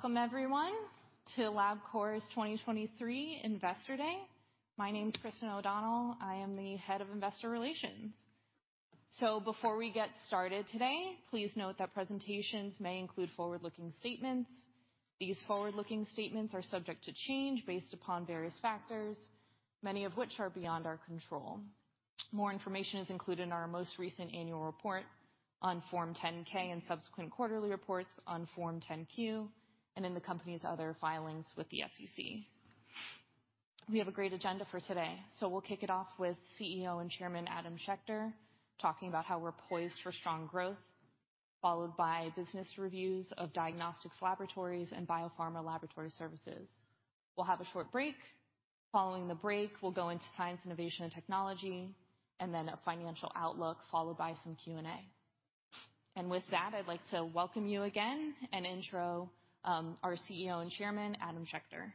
Welcome everyone to Labcorp's 2023 Investor Day. My name is Christin O'Donnell. I am the Head of Investor Relations. Before we get started today, please note that presentations may include forward-looking statements. These forward-looking statements are subject to change based upon various factors, many of which are beyond our control. More information is included in our most recent annual report on Form 10-K and subsequent quarterly reports on Form 10-Q, and in the company's other filings with the SEC. We have a great agenda for today, so we'll kick it off with CEO and Chairman, Adam Schechter, talking about how we're poised for strong growth, followed by business reviews of Diagnostics, Laboratories, and Biopharma Laboratory Services. We'll have a short break. Following the break, we'll go into Science, Innovation, and Technology, and then a financial outlook, followed by some Q&A. With that, I'd like to welcome you again and intro our CEO and Chairman, Adam Schechter.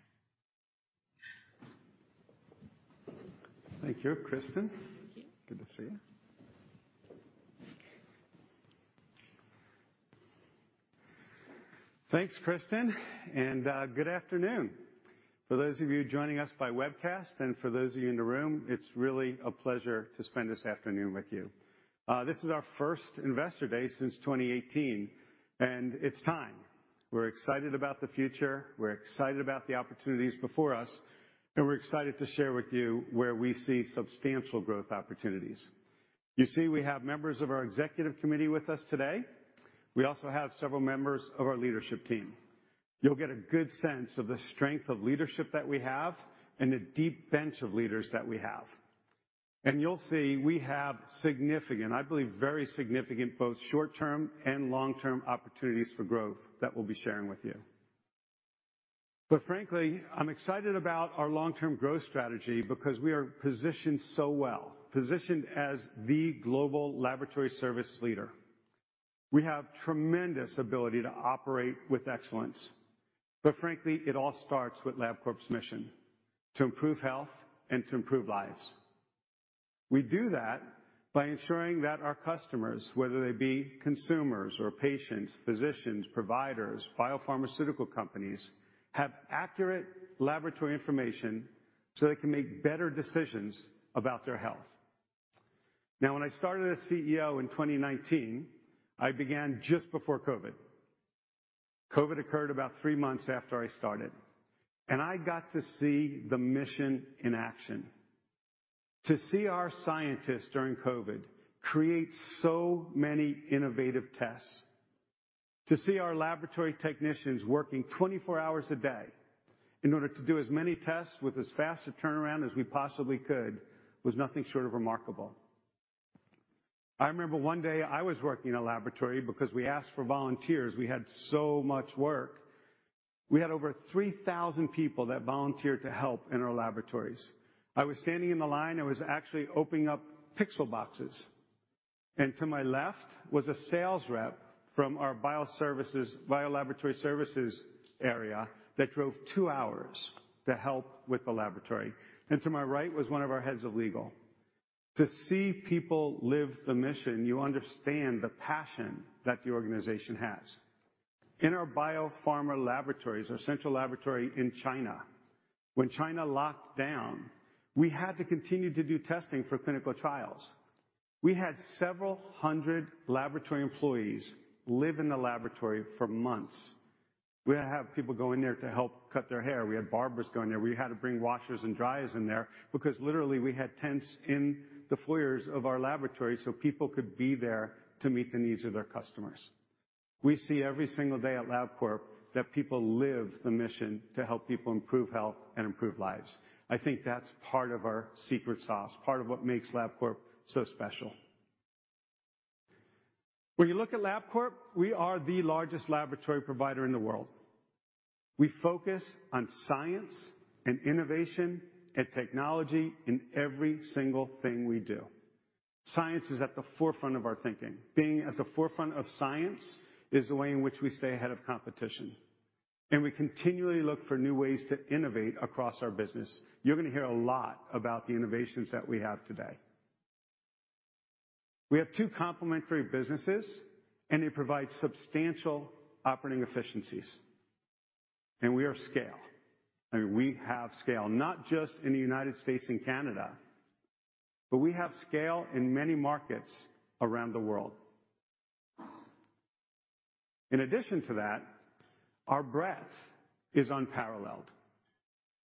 Thank you, Christin. Thank you. Good to see you. Thanks, Christin, and good afternoon. For those of you joining us by webcast and for those of you in the room, it's really a pleasure to spend this afternoon with you. This is our first Investor Day since 2018, and it's time. We're excited about the future, we're excited about the opportunities before us, and we're excited to share with you where we see substantial growth opportunities. You see, we have members of our executive committee with us today. We also have several members of our leadership team. You'll get a good sense of the strength of leadership that we have and the deep bench of leaders that we have. And you'll see, we have significant, I believe, very significant, both short-term and long-term opportunities for growth that we'll be sharing with you. But frankly, I'm excited about our long-term growth strategy because we are positioned so well, positioned as the global laboratory service leader. We have tremendous ability to operate with excellence, but frankly, it all starts with Labcorp's mission: to improve health and to improve lives. We do that by ensuring that our customers, whether they be consumers or patients, physicians, providers, biopharmaceutical companies, have accurate laboratory information so they can make better decisions about their health. Now, when I started as CEO in 2019, I began just before COVID. COVID occurred about 3 months after I started, and I got to see the mission in action. To see our scientists during COVID create so many innovative tests, to see our laboratory technicians working 24 hours a day in order to do as many tests with as fast a turnaround as we possibly could, was nothing short of remarkable. I remember one day I was working in a laboratory because we asked for volunteers. We had so much work. We had over 3,000 people that volunteered to help in our laboratories. I was standing in the line, I was actually opening up Pixel boxes, and to my left was a sales rep from our biopharma services, biolaboratory services area that drove 2 hours to help with the laboratory. And to my right, was one of our heads of legal. To see people live the mission, you understand the passion that the organization has. In our biopharma laboratories, our central laboratory in China, when China locked down, we had to continue to do testing for clinical trials. We had several hundred laboratory employees live in the laboratory for months. We had to have people go in there to help cut their hair. We had barbers go in there. We had to bring washers and dryers in there because literally, we had tents in the foyers of our laboratory so people could be there to meet the needs of their customers. We see every single day at Labcorp that people live the mission to help people improve health and improve lives. I think that's part of our secret sauce, part of what makes Labcorp so special. When you look at Labcorp, we are the largest laboratory provider in the world. We focus on science and innovation and technology in every single thing we do. Science is at the forefront of our thinking. Being at the forefront of science is the way in which we stay ahead of competition, and we continually look for new ways to innovate across our business. You're gonna hear a lot about the innovations that we have today. We have two complementary businesses, and they provide substantial operating efficiencies. And we are scale. I mean, we have scale, not just in the United States and Canada, but we have scale in many markets around the world. In addition to that, our breadth is unparalleled.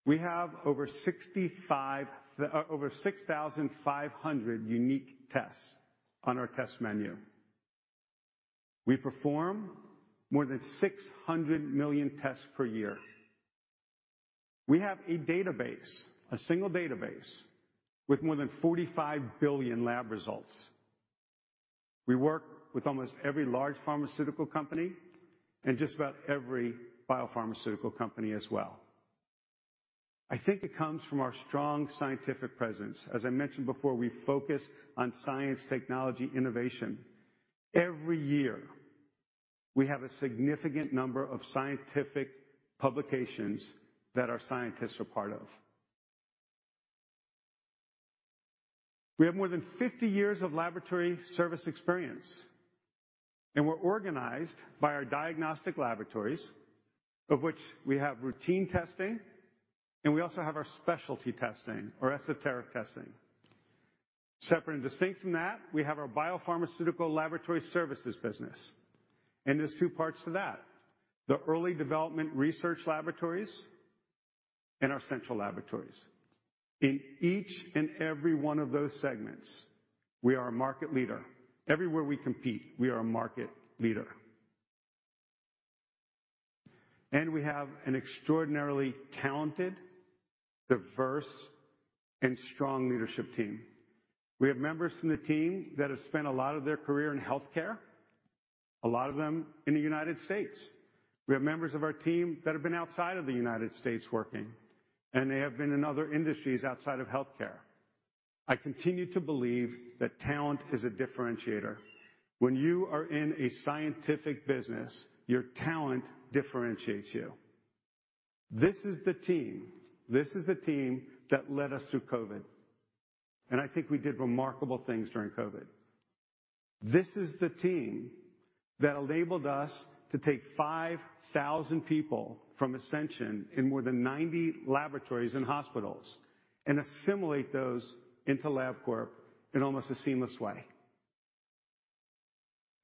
We have over 6,500 unique tests on our test menu. We perform more than 600 million tests per year. We have a database, a single database, with more than 45 billion lab results. We work with almost every large pharmaceutical company and just about every biopharmaceutical company as well. I think it comes from our strong scientific presence. As I mentioned before, we focus on science, technology, innovation. Every year, we have a significant number of scientific publications that our scientists are part of. We have more than 50 years of laboratory service experience, and we're organized by our diagnostic laboratories, of which we have routine testing, and we also have our specialty testing or esoteric testing. Separate and distinct from that, we have our biopharmaceutical laboratory services business, and there's two parts to that, the early development research laboratories and our central laboratories. In each and every one of those segments, we are a market leader. Everywhere we compete, we are a market leader. We have an extraordinarily talented, diverse, and strong leadership team. We have members from the team that have spent a lot of their career in healthcare, a lot of them in the United States. We have members of our team that have been outside of the United States working, and they have been in other industries outside of healthcare. I continue to believe that talent is a differentiator. When you are in a scientific business, your talent differentiates you. This is the team, this is the team that led us through COVID, and I think we did remarkable things during COVID. This is the team that enabled us to take 5,000 people from Ascension in more than 90 laboratories and hospitals and assimilate those into Labcorp in almost a seamless way.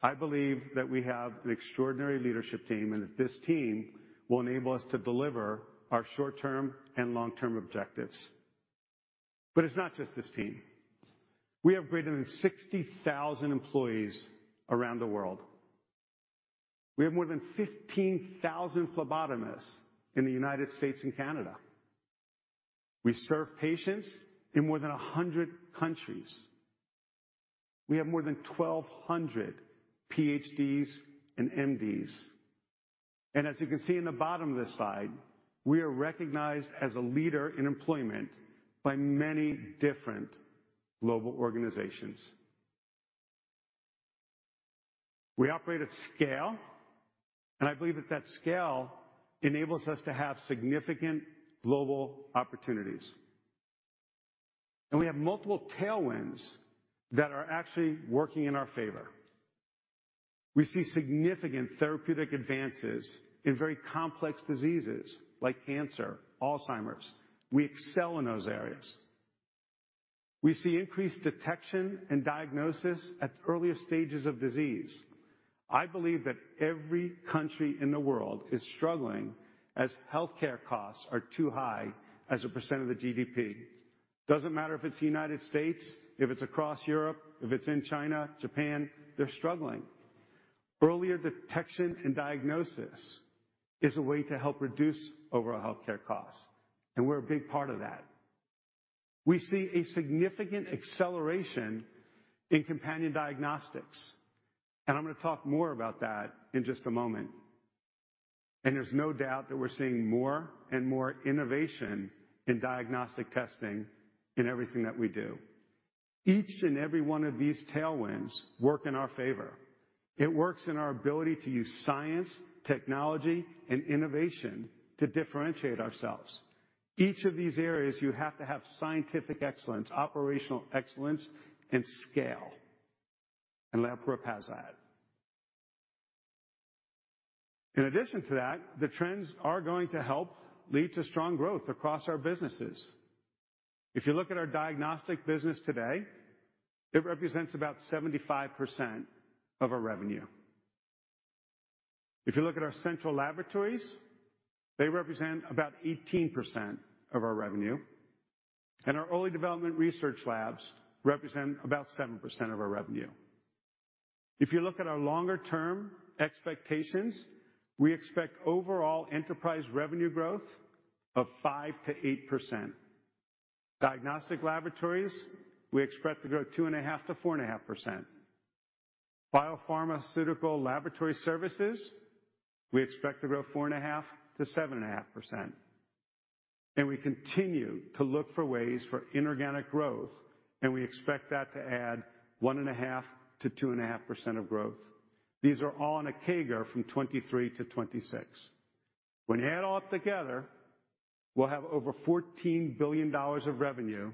I believe that we have an extraordinary leadership team, and that this team will enable us to deliver our short-term and long-term objectives. But it's not just this team. We have greater than 60,000 employees around the world. We have more than 15,000 phlebotomists in the United States and Canada. We serve patients in more than 100 countries. We have more than 1,200 PhDs and MDs, and as you can see in the bottom of this slide, we are recognized as a leader in employment by many different global organizations. We operate at scale, and I believe that that scale enables us to have significant global opportunities, and we have multiple tailwinds that are actually working in our favor. We see significant therapeutic advances in very complex diseases like cancer, Alzheimer's. We excel in those areas. We see increased detection and diagnosis at the earliest stages of disease. I believe that every country in the world is struggling, as healthcare costs are too high as a % of the GDP. Doesn't matter if it's the United States, if it's across Europe, if it's in China, Japan, they're struggling. Earlier detection and diagnosis is a way to help reduce overall healthcare costs, and we're a big part of that. We see a significant acceleration in companion diagnostics, and I'm going to talk more about that in just a moment. There's no doubt that we're seeing more and more innovation in diagnostic testing in everything that we do. Each and every one of these tailwinds work in our favor. It works in our ability to use science, technology, and innovation to differentiate ourselves. Each of these areas, you have to have scientific excellence, operational excellence, and scale, and Labcorp has that. In addition to that, the trends are going to help lead to strong growth across our businesses. If you look at our diagnostic business today, it represents about 75% of our revenue. If you look at our central laboratories, they represent about 18% of our revenue, and our early development research labs represent about 7% of our revenue. If you look at our longer-term expectations, we expect overall enterprise revenue growth of 5%-8%. Diagnostic laboratories, we expect to grow 2.5%-4.5%. Biopharmaceutical laboratory services, we expect to grow 4.5%-7.5%. And we continue to look for ways for inorganic growth, and we expect that to add 1.5%-2.5% of growth. These are all on a CAGR from 2023-2026. When you add all together, we'll have over $14 billion of revenue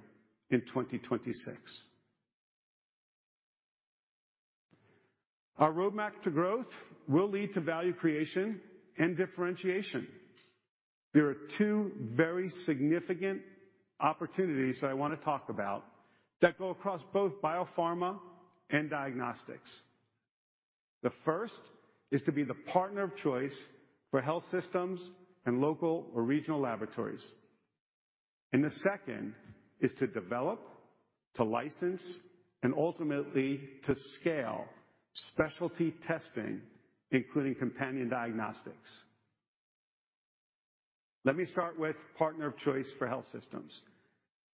in 2026. Our roadmap to growth will lead to value creation and differentiation. There are two very significant opportunities that I want to talk about that go across both Biopharma and Diagnostics. The first is to be the partner of choice for health systems and local or regional laboratories. The second is to develop, to license, and ultimately to scale specialty testing, including companion diagnostics. Let me start with partner of choice for health systems.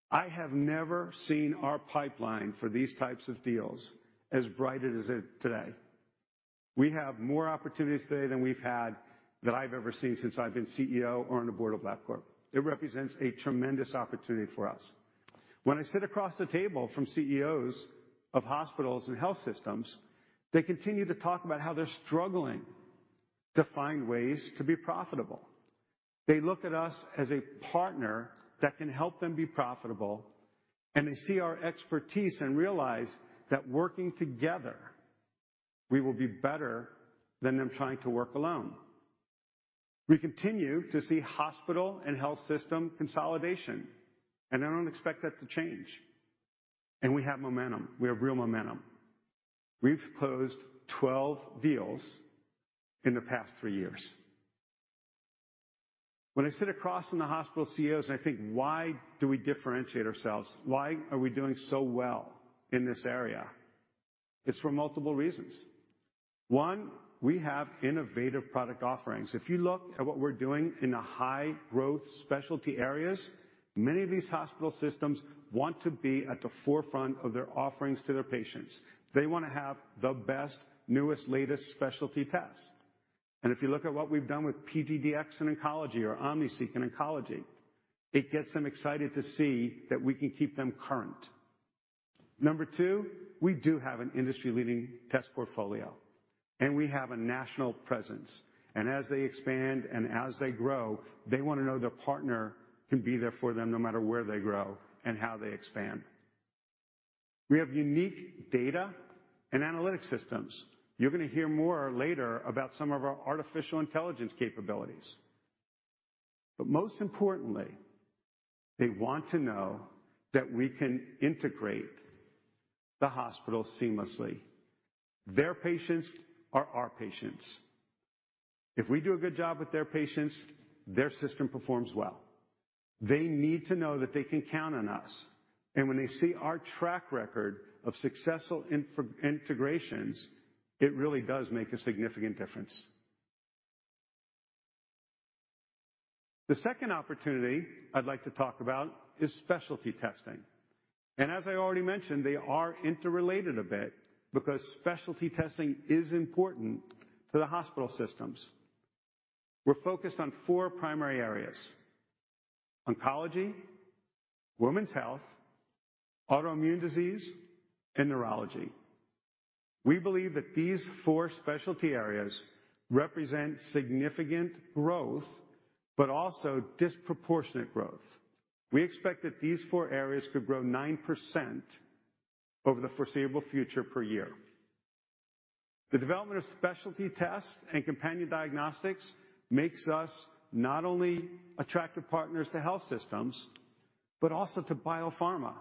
I have never seen our pipeline for these types of deals as bright as it is today. We have more opportunities today than we've had, that I've ever seen since I've been CEO or on the board of Labcorp. It represents a tremendous opportunity for us. When I sit across the table from CEOs of hospitals and health systems, they continue to talk about how they're struggling to find ways to be profitable. They look at us as a partner that can help them be profitable, and they see our expertise and realize that working together, we will be better than them trying to work alone. We continue to see hospital and health system consolidation, and I don't expect that to change. We have momentum. We have real momentum. We've closed 12 deals in the past three years. When I sit across from the hospital CEOs and I think, why do we differentiate ourselves? Why are we doing so well in this area? It's for multiple reasons. One, we have innovative product offerings. If you look at what we're doing in the high-growth specialty areas, many of these hospital systems want to be at the forefront of their offerings to their patients. They want to have the best, newest, latest specialty tests. If you look at what we've done with PGDx in oncology or OmniSeq in oncology, it gets them excited to see that we can keep them current. Number two, we do have an industry-leading test portfolio, and we have a national presence, and as they expand and as they grow, they want to know their partner can be there for them no matter where they grow and how they expand. We have unique data and analytic systems. You're going to hear more later about some of our artificial intelligence capabilities. But most importantly, they want to know that we can integrate the hospital seamlessly. Their patients are our patients. If we do a good job with their patients, their system performs well. They need to know that they can count on us, and when they see our track record of successful integrations, it really does make a significant difference. The second opportunity I'd like to talk about is specialty testing. As I already mentioned, they are interrelated a bit because specialty testing is important to the hospital systems. We're focused on four primary areas: oncology, women's health, autoimmune disease, and neurology. We believe that these four specialty areas represent significant growth, but also disproportionate growth. We expect that these four areas could grow 9% over the foreseeable future per year. The development of specialty tests and companion diagnostics makes us not only attractive partners to health systems, but also to biopharma.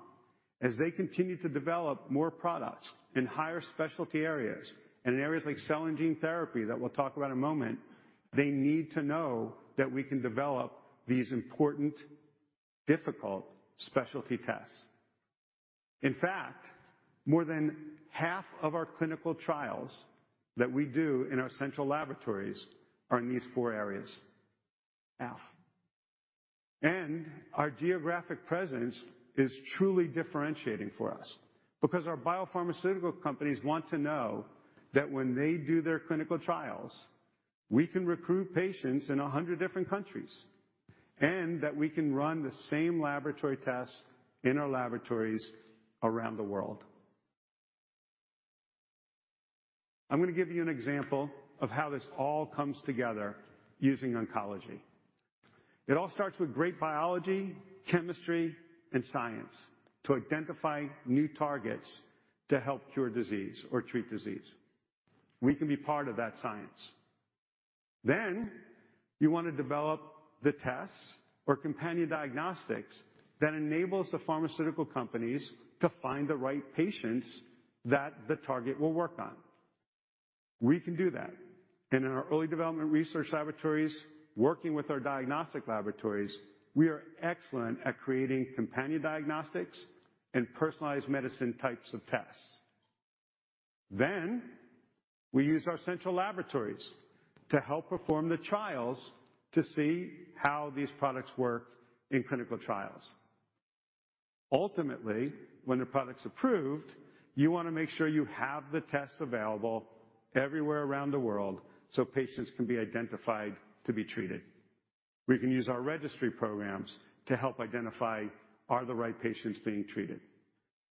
As they continue to develop more products in higher specialty areas and in areas like cell and gene therapy that we'll talk about in a moment, they need to know that we can develop these important, difficult specialty tests. In fact, more than half of our clinical trials that we do in our central laboratories are in these four areas. Now, our geographic presence is truly differentiating for us because our biopharmaceutical companies want to know that when they do their clinical trials, we can recruit patients in 100 different countries, and that we can run the same laboratory tests in our laboratories around the world. I'm going to give you an example of how this all comes together using oncology. It all starts with great biology, chemistry, and science to identify new targets to help cure disease or treat disease. We can be part of that science. Then you want to develop the tests or companion diagnostics that enables the pharmaceutical companies to find the right patients that the target will work on. We can do that. And in our early development research laboratories, working with our diagnostic laboratories, we are excellent at creating companion diagnostics and personalized medicine types of tests. Then we use our central laboratories to help perform the trials to see how these products work in clinical trials. Ultimately, when the product's approved, you want to make sure you have the tests available everywhere around the world, so patients can be identified to be treated. We can use our registry programs to help identify, are the right patients being treated?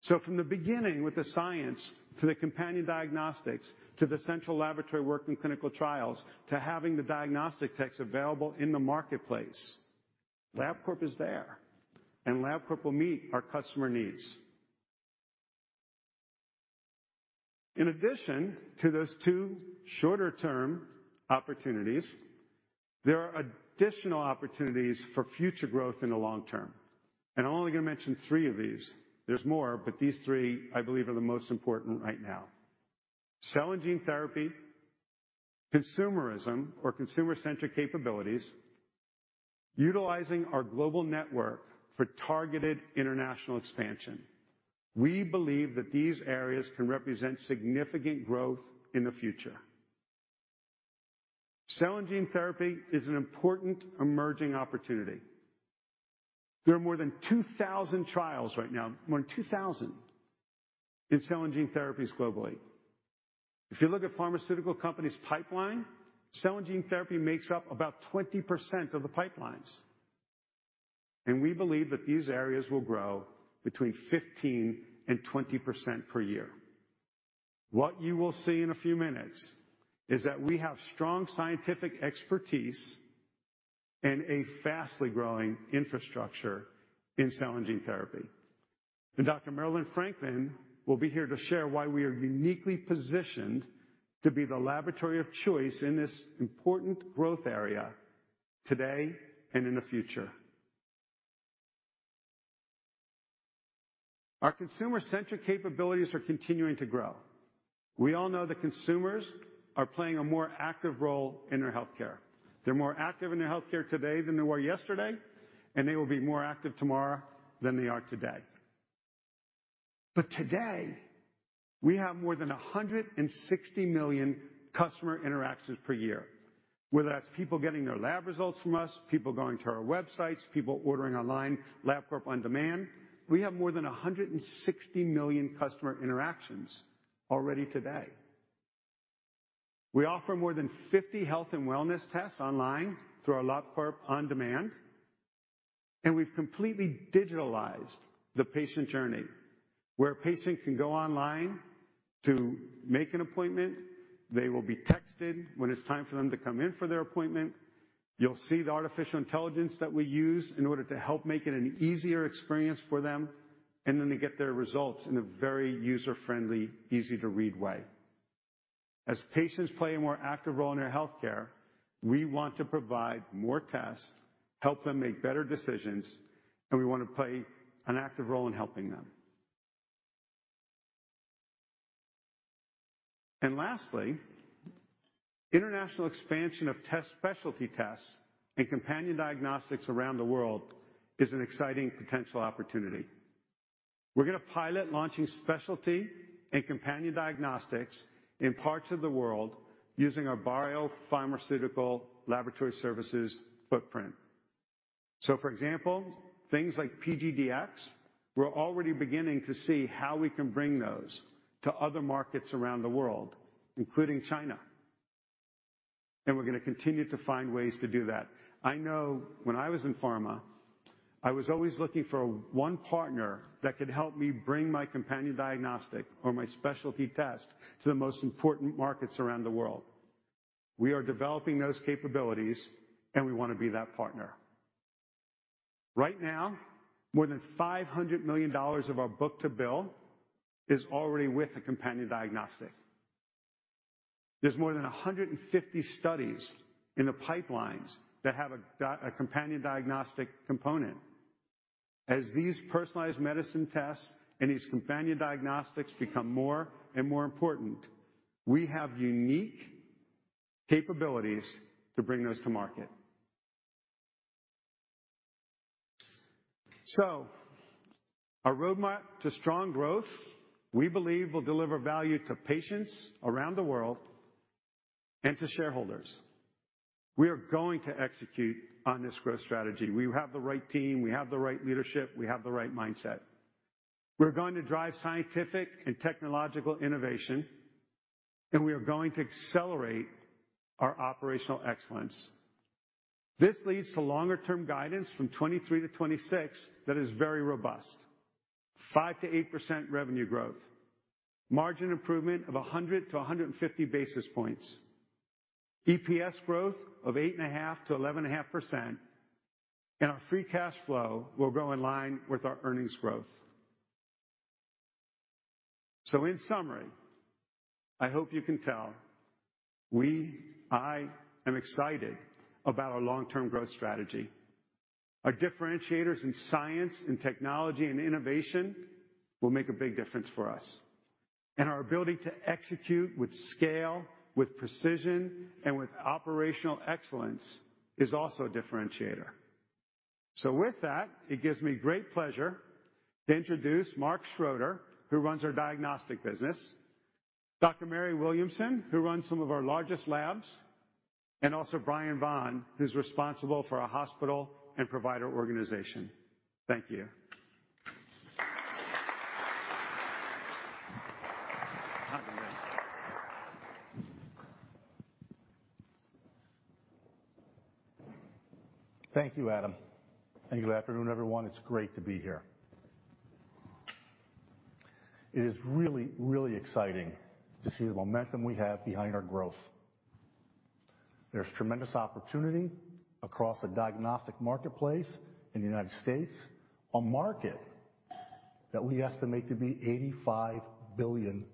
So from the beginning, with the science to the companion diagnostics, to the central laboratory work in clinical trials, to having the diagnostic tests available in the marketplace, Labcorp is there, and Labcorp will meet our customer needs. In addition to those two shorter-term opportunities, there are additional opportunities for future growth in the long term. I'm only going to mention three of these. There's more, but these three, I believe, are the most important right now. Cell and gene therapy, consumerism or consumer-centric capabilities, utilizing our global network for targeted international expansion. We believe that these areas can represent significant growth in the future. Cell and gene therapy is an important emerging opportunity. There are more than 2,000 trials right now, more than 2,000 in cell and gene therapies globally. If you look at pharmaceutical companies' pipeline, cell and gene therapy makes up about 20% of the pipelines and we believe that these areas will grow between 15% and 20% per year. What you will see in a few minutes is that we have strong scientific expertise and a fast-growing infrastructure in cell and gene therapy. Dr. Maryland Franklin will be here to share why we are uniquely positioned to be the laboratory of choice in this important growth area today and in the future. Our consumer-centric capabilities are continuing to grow. We all know that consumers are playing a more active role in their healthcare. They're more active in their healthcare today than they were yesterday, and they will be more active tomorrow than they are today. Today, we have more than 160 million customer interactions per year, whether that's people getting their lab results from us, people going to our websites, people ordering online, Labcorp OnDemand. We have more than 160 million customer interactions already today. We offer more than 50 health and wellness tests online through our Labcorp OnDemand, and we've completely digitalized the patient journey, where a patient can go online to make an appointment. They will be texted when it's time for them to come in for their appointment. You'll see the artificial intelligence that we use in order to help make it an easier experience for them, and then they get their results in a very user-friendly, easy-to-read way. As patients play a more active role in their healthcare, we want to provide more tests, help them make better decisions, and we want to play an active role in helping them. Lastly, international expansion of tests, specialty tests and companion diagnostics around the world is an exciting potential opportunity. We're gonna pilot launching specialty and companion diagnostics in parts of the world using our biopharmaceutical laboratory services footprint. For example, things like PGDx, we're already beginning to see how we can bring those to other markets around the world, including China, and we're gonna continue to find ways to do that. I know when I was in pharma, I was always looking for one partner that could help me bring my companion diagnostic or my specialty test to the most important markets around the world. We are developing those capabilities, and we want to be that partner. Right now, more than $500 million of our book-to-bill is already with a companion diagnostic. There's more than 150 studies in the pipelines that have a companion diagnostic component. As these personalized medicine tests and these companion diagnostics become more and more important, we have unique capabilities to bring those to market. So our roadmap to strong growth, we believe, will deliver value to patients around the world and to shareholders. We are going to execute on this growth strategy. We have the right team, we have the right leadership, we have the right mindset. We're going to drive scientific and technological innovation, and we are going to accelerate our operational excellence. This leads to longer term guidance from 2023-2026, that is very robust. 5%-8% revenue growth, margin improvement of 100-150 basis points, EPS growth of 8.5%-11.5%, and our free cash flow will grow in line with our earnings growth. So in summary, I hope you can tell, I am excited about our long-term growth strategy. Our differentiators in science and technology and innovation will make a big difference for us, and our ability to execute with scale, with precision, and with operational excellence is also a differentiator. So with that, it gives me great pleasure to introduce Mark Schroeder, who runs our diagnostic business, Dr. Mary Williamson, who runs some of our largest labs, and also Bryan Vaughn, who's responsible for our hospital and provider organization. Thank you. Thank you, Adam, and good afternoon, everyone. It's great to be here. It is really, really exciting to see the momentum we have behind our growth. There's tremendous opportunity across the diagnostic marketplace in the United States, a market that we estimate to be $85 billion.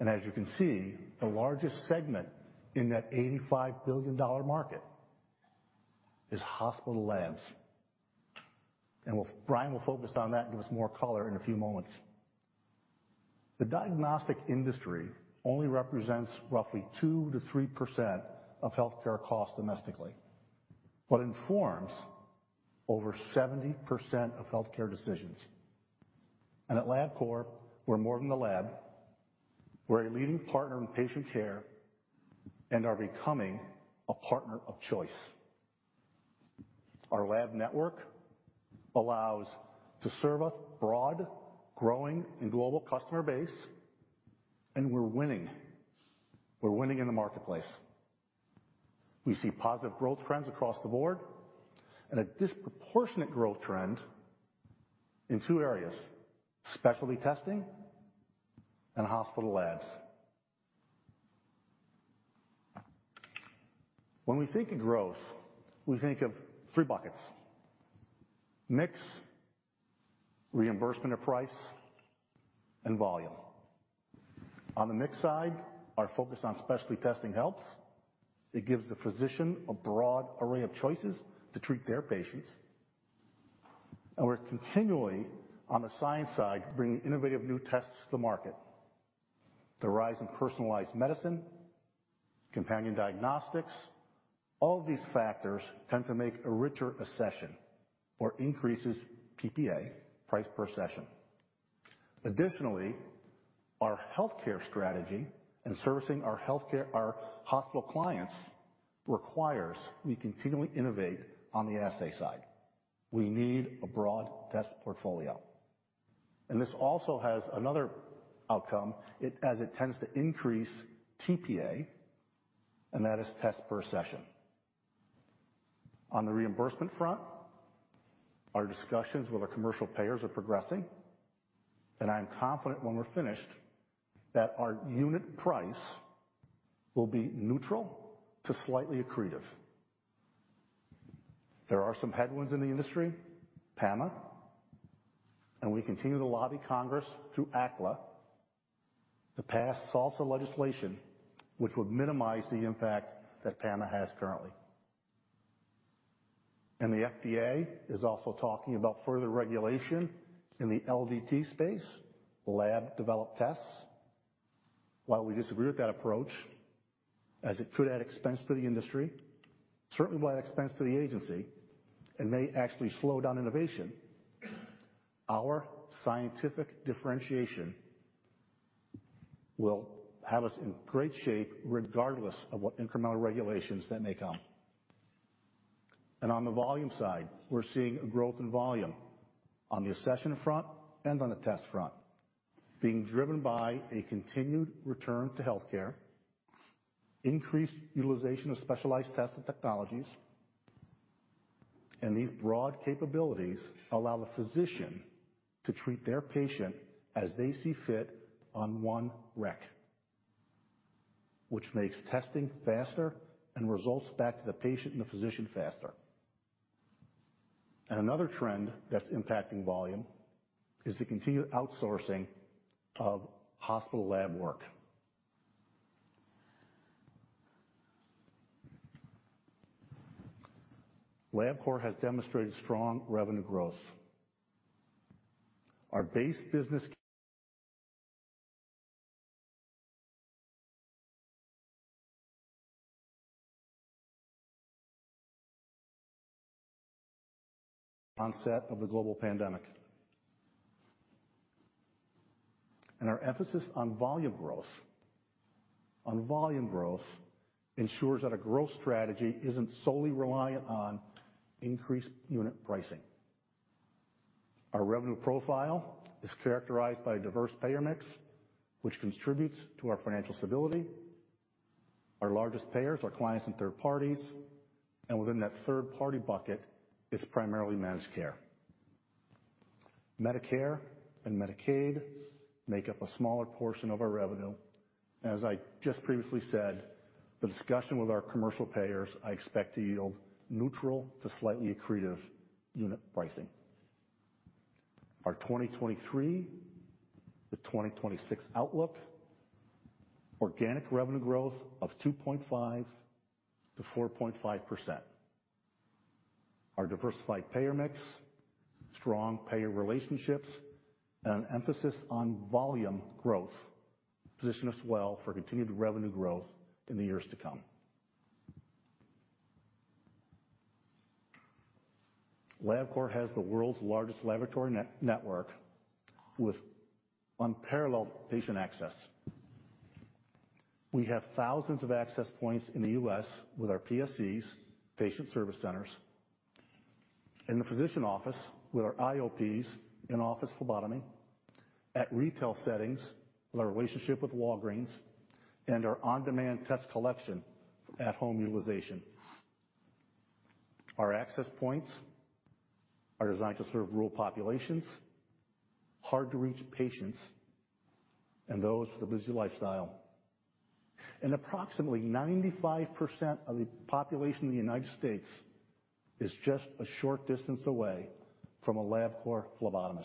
As you can see, the largest segment in that $85 billion market is hospital labs, and Brian will focus on that and give us more color in a few moments. The diagnostic industry only represents roughly 2%-3% of healthcare costs domestically, but informs over 70% of healthcare decisions. At Labcorp, we're more than a lab. We're a leading partner in patient care and are becoming a partner of choice. Our lab network allows to serve a broad, growing, and global customer base and we're winning. We're winning in the marketplace. We see positive growth trends across the board and a disproportionate growth trend in two areas: specialty testing and hospital labs. When we think of growth, we think of three buckets: mix, reimbursement, or price, and volume. On the mix side, our focus on specialty testing helps. It gives the physician a broad array of choices to treat their patients, and we're continually, on the science side, bringing innovative new tests to the market. The rise in personalized medicine, companion diagnostics, all of these factors tend to make a richer accession or increases PPA, price per accession. Additionally, our healthcare strategy and servicing our healthcare, our hospital clients, requires we continually innovate on the assay side. We need a broad test portfolio, and this also has another outcome. It, as it tends to increase TPA, and that is tests per accession. On the reimbursement front, our discussions with our commercial payers are progressing, and I am confident when we're finished, that our unit price will be neutral to slightly accretive. There are some headwinds in the industry, PAMA, and we continue to lobby Congress through ACLA to pass SALSA legislation, which would minimize the impact that PAMA has currently. The FDA is also talking about further regulation in the LDT space, lab-developed tests. While we disagree with that approach, as it could add expense to the industry, certainly will add expense to the agency and may actually slow down innovation. Our scientific differentiation will have us in great shape, regardless of what incremental regulations that may come. On the volume side, we're seeing a growth in volume on the accession front and on the test front, being driven by a continued return to healthcare, increased utilization of specialized tests and technologies. These broad capabilities allow the physician to treat their patient as they see fit on one req, which makes testing faster and results back to the patient and the physician faster. Another trend that's impacting volume is the continued outsourcing of hospital lab work. Labcorp has demonstrated strong revenue growth. Our base business - onset of the global pandemic. Our emphasis on volume growth, on volume growth, ensures that our growth strategy isn't solely reliant on increased unit pricing. Our revenue profile is characterized by a diverse payer mix, which contributes to our financial stability. Our largest payers are clients and third parties, and within that third-party bucket, it's primarily managed care. Medicare and Medicaid make up a smaller portion of our revenue. As I just previously said, the discussion with our commercial payers, I expect to yield neutral to slightly accretive unit pricing. Our 2023-2026 outlook, organic revenue growth of 2.5%-4.5%. Our diversified payer mix, strong payer relationships, and an emphasis on volume growth, position us well for continued revenue growth in the years to come. Labcorp has the world's largest laboratory network with unparalleled patient access. We have thousands of access points in the U.S. with our PSCs, patient service centers, in the physician office with our IOPs, in-office phlebotomy, at retail settings with our relationship with Walgreens, and our on-demand test collection at home utilization. Our access points are designed to serve rural populations, hard-to-reach patients, and those with a busy lifestyle. Approximately 95% of the population in the United States is just a short distance away from a Labcorp phlebotomist.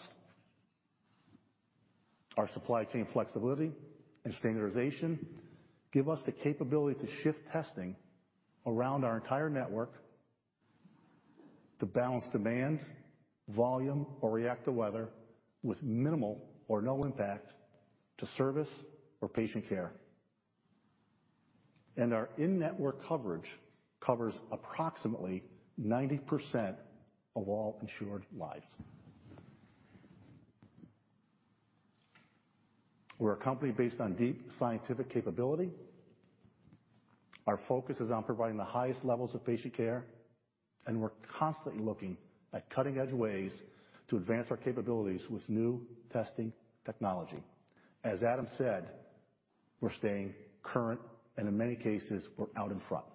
Our supply chain flexibility and standardization give us the capability to shift testing around our entire network, to balance demand, volume, or react to weather with minimal or no impact to service or patient care. Our in-network coverage covers approximately 90% of all insured lives. We're a company based on deep scientific capability. Our focus is on providing the highest levels of patient care, and we're constantly looking at cutting-edge ways to advance our capabilities with new testing technology. As Adam said, we're staying current, and in many cases, we're out in front.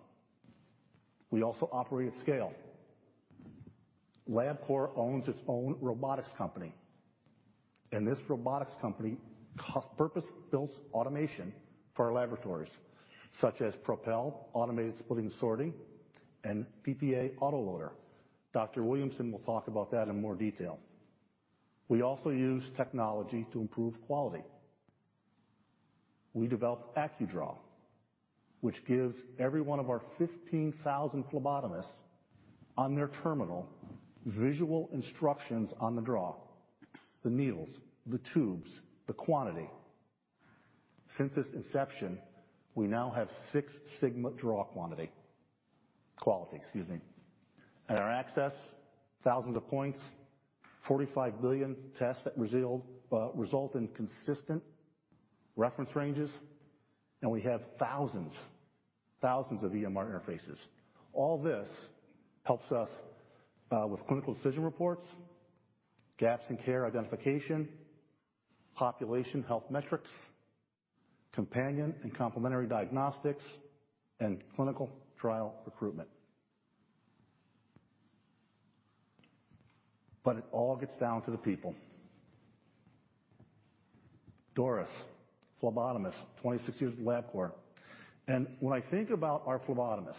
We also operate at scale. Labcorp owns its own robotics company, and this robotics company purpose-builds automation for our laboratories, such as Propel, automated splitting and sorting, and PPA autoloader. Dr. Williamson will talk about that in more detail. We also use technology to improve quality. We developed AccuDraw, which gives every one of our 15,000 phlebotomists on their terminal visual instructions on the draw, the needles, the tubes, the quantity. Since its inception, we now have Six Sigma draw quantity. Quality, excuse me. And our access, thousands of points, 45 billion tests that result in consistent reference ranges, and we have thousands, thousands of EMR interfaces. All this helps us with clinical decision reports, gaps in care identification, population health metrics, companion and complementary diagnostics, and clinical trial recruitment. But it all gets down to the people. Doris, phlebotomist, 26 years with Labcorp. And when I think about our phlebotomists,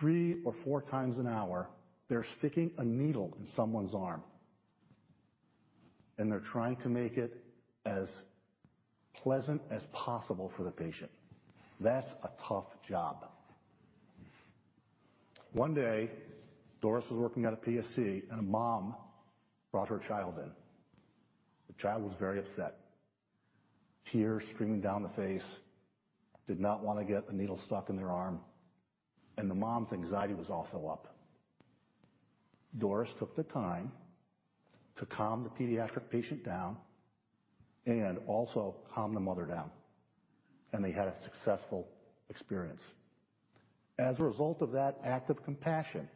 3x or 4x an hour, they're sticking a needle in someone's arm, and they're trying to make it as pleasant as possible for the patient. That's a tough job. One day, Doris was working at a PSC, and a mom brought her child in. The child was very upset, tears streaming down the face, did not want to get a needle stuck in their arm, and the mom's anxiety was also up. Doris took the time to calm the pediatric patient down and also calm the mother down, and they had a successful experience. As a result of that act of compassion,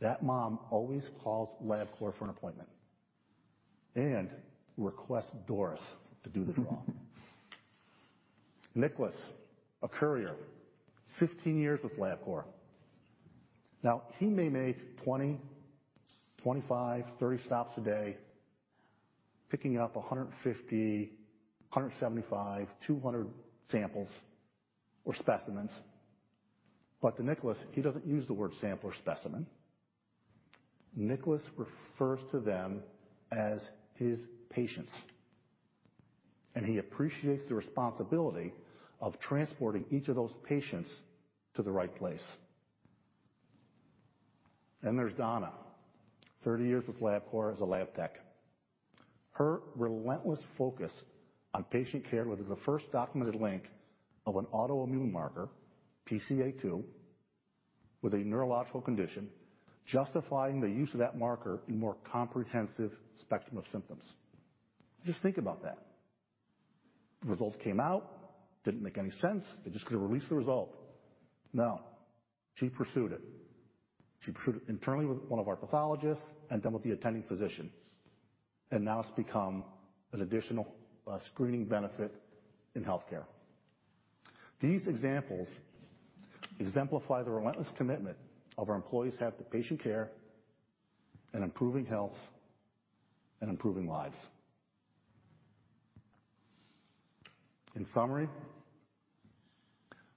that mom always calls Labcorp for an appointment and requests Doris to do the draw. Nicholas, a courier, 15 years with Labcorp. Now, he may make 20, 25, 30 stops a day, picking up 150, 175, 200 samples or specimens. But to Nicholas, he doesn't use the word sample or specimen. Nicholas refers to them as his patients, and he appreciates the responsibility of transporting each of those patients to the right place. Then there's Donna, 30 years with Labcorp as a lab tech. Her relentless focus on patient care was the first documented link of an autoimmune marker, PCA-2, with a neurological condition, justifying the use of that marker in more comprehensive spectrum of symptoms. Just think about that. The results came out, didn't make any sense. They just could have released the result. No, she pursued it. She pursued it internally with one of our pathologists and then with the attending physician, and now it's become an additional, screening benefit in healthcare. These examples exemplify the relentless commitment of our employees have to patient care and improving health and improving lives. In summary,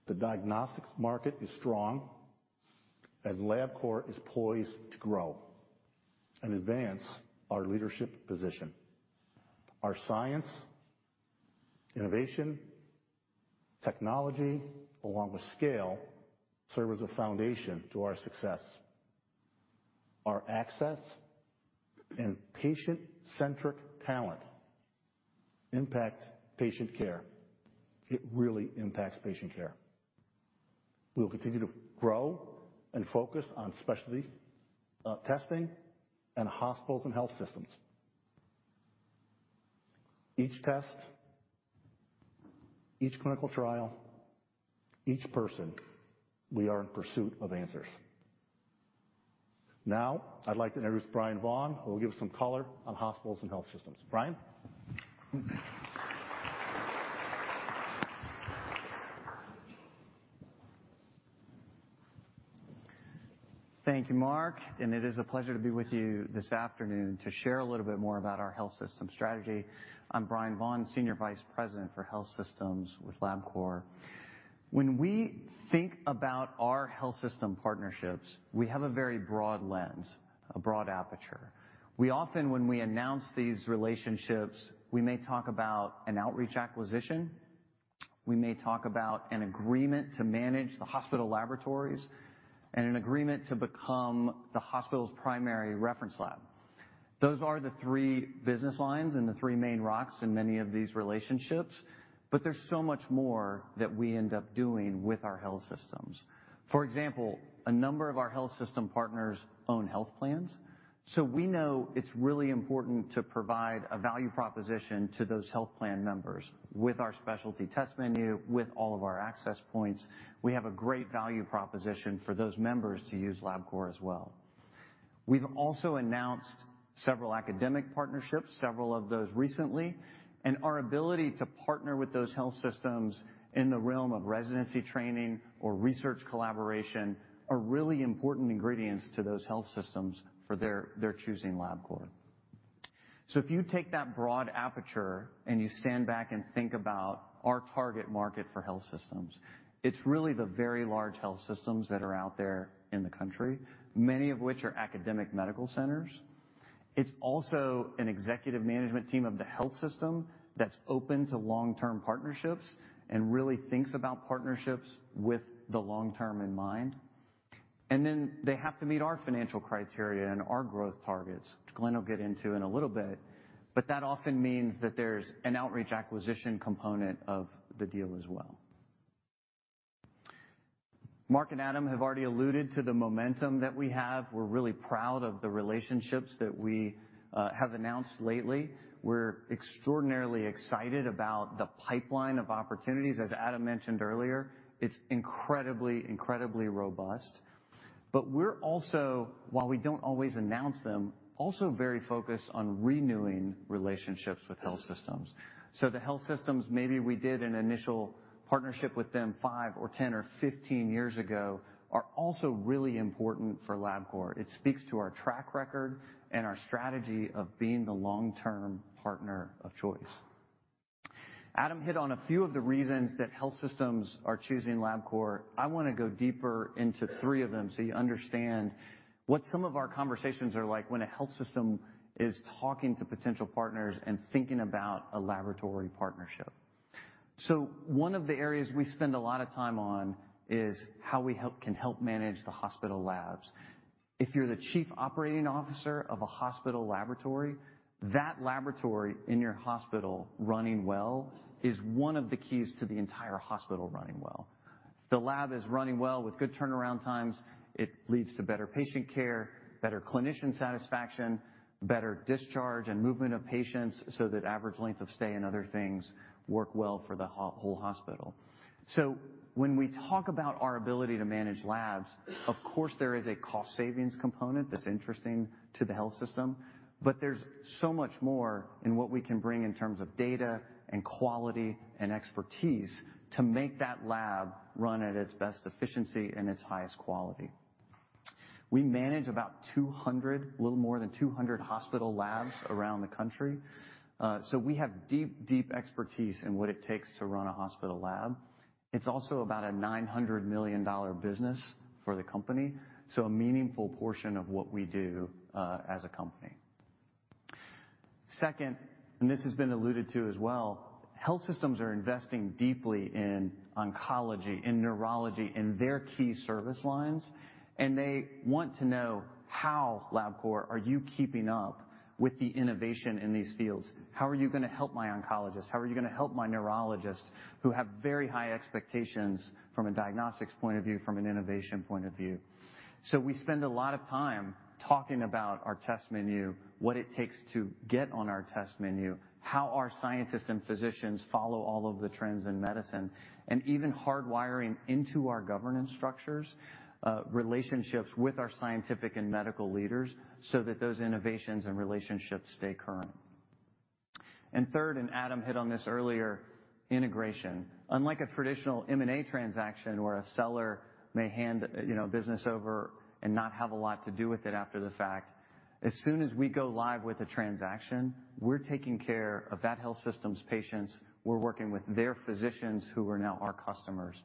the diagnostics market is strong, and Labcorp is poised to grow and advance our leadership position. Our science, innovation, technology, along with scale, serve as a foundation to our success. Our access and patient-centric talent impact patient care. It really impacts patient care. We will continue to grow and focus on specialty testing and hospitals and health systems. Each test, each clinical trial, each person, we are in pursuit of answers. Now, I'd like to introduce Bryan Vaughn, who will give some color on hospitals and health systems. Bryan? Thank you, Mark, and it is a pleasure to be with you this afternoon to share a little bit more about our health system strategy. I'm Bryan Vaughn, Senior Vice President for Health Systems with Labcorp. When we think about our health system partnerships, we have a very broad lens, a broad aperture. We often, when we announce these relationships, we may talk about an outreach acquisition, we may talk about an agreement to manage the hospital laboratories, and an agreement to become the hospital's primary reference lab. Those are the three business lines and the three main rocks in many of these relationships, but there's so much more that we end up doing with our health systems. For example, a number of our health system partners own health plans, so we know it's really important to provide a value proposition to those health plan members with our specialty test menu, with all of our access points. We have a great value proposition for those members to use Labcorp as well. We've also announced several academic partnerships, several of those recently, and our ability to partner with those health systems in the realm of residency training or research collaboration are really important ingredients to those health systems for their choosing Labcorp. So if you take that broad aperture and you stand back and think about our target market for health systems, it's really the very large health systems that are out there in the country, many of which are academic medical centers. It's also an executive management team of the health system that's open to long-term partnerships and really thinks about partnerships with the long term in mind. And then they have to meet our financial criteria and our growth targets, which Glenn will get into in a little bit, but that often means that there's an outreach acquisition component of the deal as well. Mark and Adam have already alluded to the momentum that we have. We're really proud of the relationships that we have announced lately. We're extraordinarily excited about the pipeline of opportunities. As Adam mentioned earlier, it's incredibly, incredibly robust. We're also, while we don't always announce them, also very focused on renewing relationships with health systems. The health systems, maybe we did an initial partnership with them 5 or 10 or 15 years ago, are also really important for Labcorp. It speaks to our track record and our strategy of being the long-term partner of choice. Adam hit on a few of the reasons that health systems are choosing Labcorp. I want to go deeper into three of them so you understand what some of our conversations are like when a health system is talking to potential partners and thinking about a laboratory partnership. One of the areas we spend a lot of time on is how we can help manage the hospital labs. If you're the chief operating officer of a hospital laboratory, that laboratory in your hospital running well is one of the keys to the entire hospital running well. If the lab is running well with good turnaround times, it leads to better patient care, better clinician satisfaction, better discharge and movement of patients, so that average length of stay and other things work well for the whole hospital. So when we talk about our ability to manage labs, of course, there is a cost savings component that's interesting to the health system, but there's so much more in what we can bring in terms of data and quality and expertise to make that lab run at its best efficiency and its highest quality. We manage about 200, a little more than 200 hospital labs around the country, so we have deep, deep expertise in what it takes to run a hospital lab. It's also about a $900 million business for the company, so a meaningful portion of what we do, as a company. Second, and this has been alluded to as well, health systems are investing deeply in oncology, in neurology, in their key service lines, and they want to know how, Labcorp, are you keeping up with the innovation in these fields? How are you going to help my oncologist? How are you going to help my neurologist, who have very high expectations from a diagnostics point of view, from an innovation point of view? So we spend a lot of time talking about our test menu, what it takes to get on our test menu, how our scientists and physicians follow all of the trends in medicine, and even hardwiring into our governance structures, relationships with our scientific and medical leaders so that those innovations and relationships stay current. And third, and Adam hit on this earlier, integration. Unlike a traditional M&A transaction where a seller may hand, you know, business over and not have a lot to do with it after the fact, as soon as we go live with a transaction, we're taking care of that health system's patients. We're working with their physicians, who are now our customers.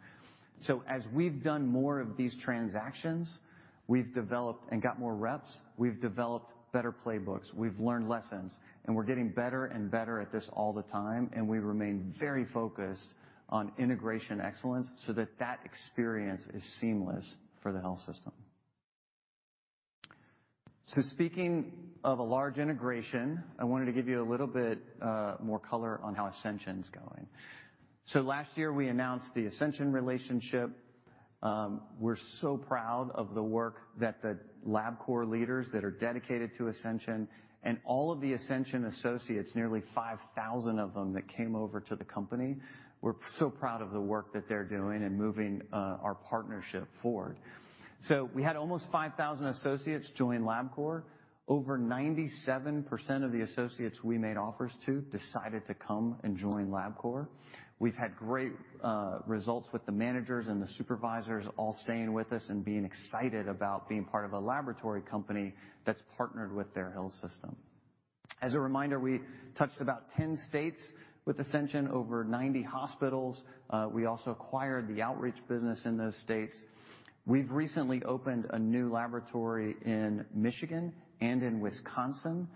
So as we've done more of these transactions, we've developed and got more reps, we've developed better playbooks, we've learned lessons, and we're getting better and better at this all the time, and we remain very focused on integration excellence so that that experience is seamless for the health system. So speaking of a large integration, I wanted to give you a little bit, more color on how Ascension's going. So last year, we announced the Ascension relationship. We're so proud of the work that the Labcorp leaders that are dedicated to Ascension and all of the Ascension associates, nearly 5,000 of them, that came over to the company. We're so proud of the work that they're doing in moving our partnership forward. So we had almost 5,000 associates join Labcorp. Over 97% of the associates we made offers to decided to come and join Labcorp. We've had great results with the managers and the supervisors all staying with us and being excited about being part of a laboratory company that's partnered with their health system. As a reminder, we touched about 10 states with Ascension, over 90 hospitals. We also acquired the outreach business in those states. We've recently opened a new laboratory in Michigan and in Wisconsin.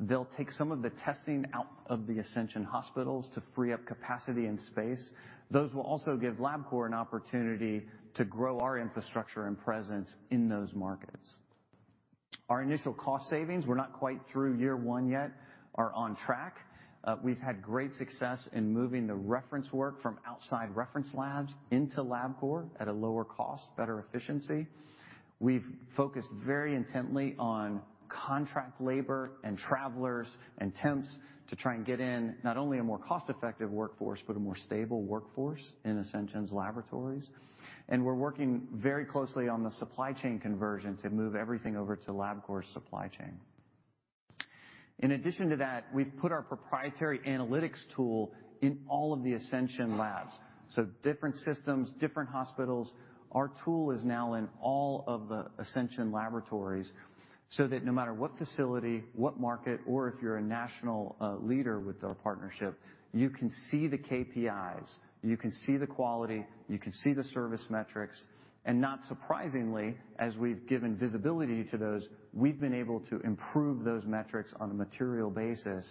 They'll take some of the testing out of the Ascension hospitals to free up capacity and space. Those will also give Labcorp an opportunity to grow our infrastructure and presence in those markets. Our initial cost savings, we're not quite through year one yet, are on track. We've had great success in moving the reference work from outside reference labs into Labcorp at a lower cost, better efficiency. We've focused very intently on contract labor and travelers and temps to try and get in not only a more cost-effective workforce, but a more stable workforce in Ascension's laboratories. We're working very closely on the supply chain conversion to move everything over to Labcorp's supply chain. In addition to that, we've put our proprietary analytics tool in all of the Ascension labs, so different systems, different hospitals. Our tool is now in all of the Ascension laboratories, so that no matter what facility, what market, or if you're a national, leader with our partnership, you can see the KPIs, you can see the quality, you can see the service metrics. Not surprisingly, as we've given visibility to those, we've been able to improve those metrics on a material basis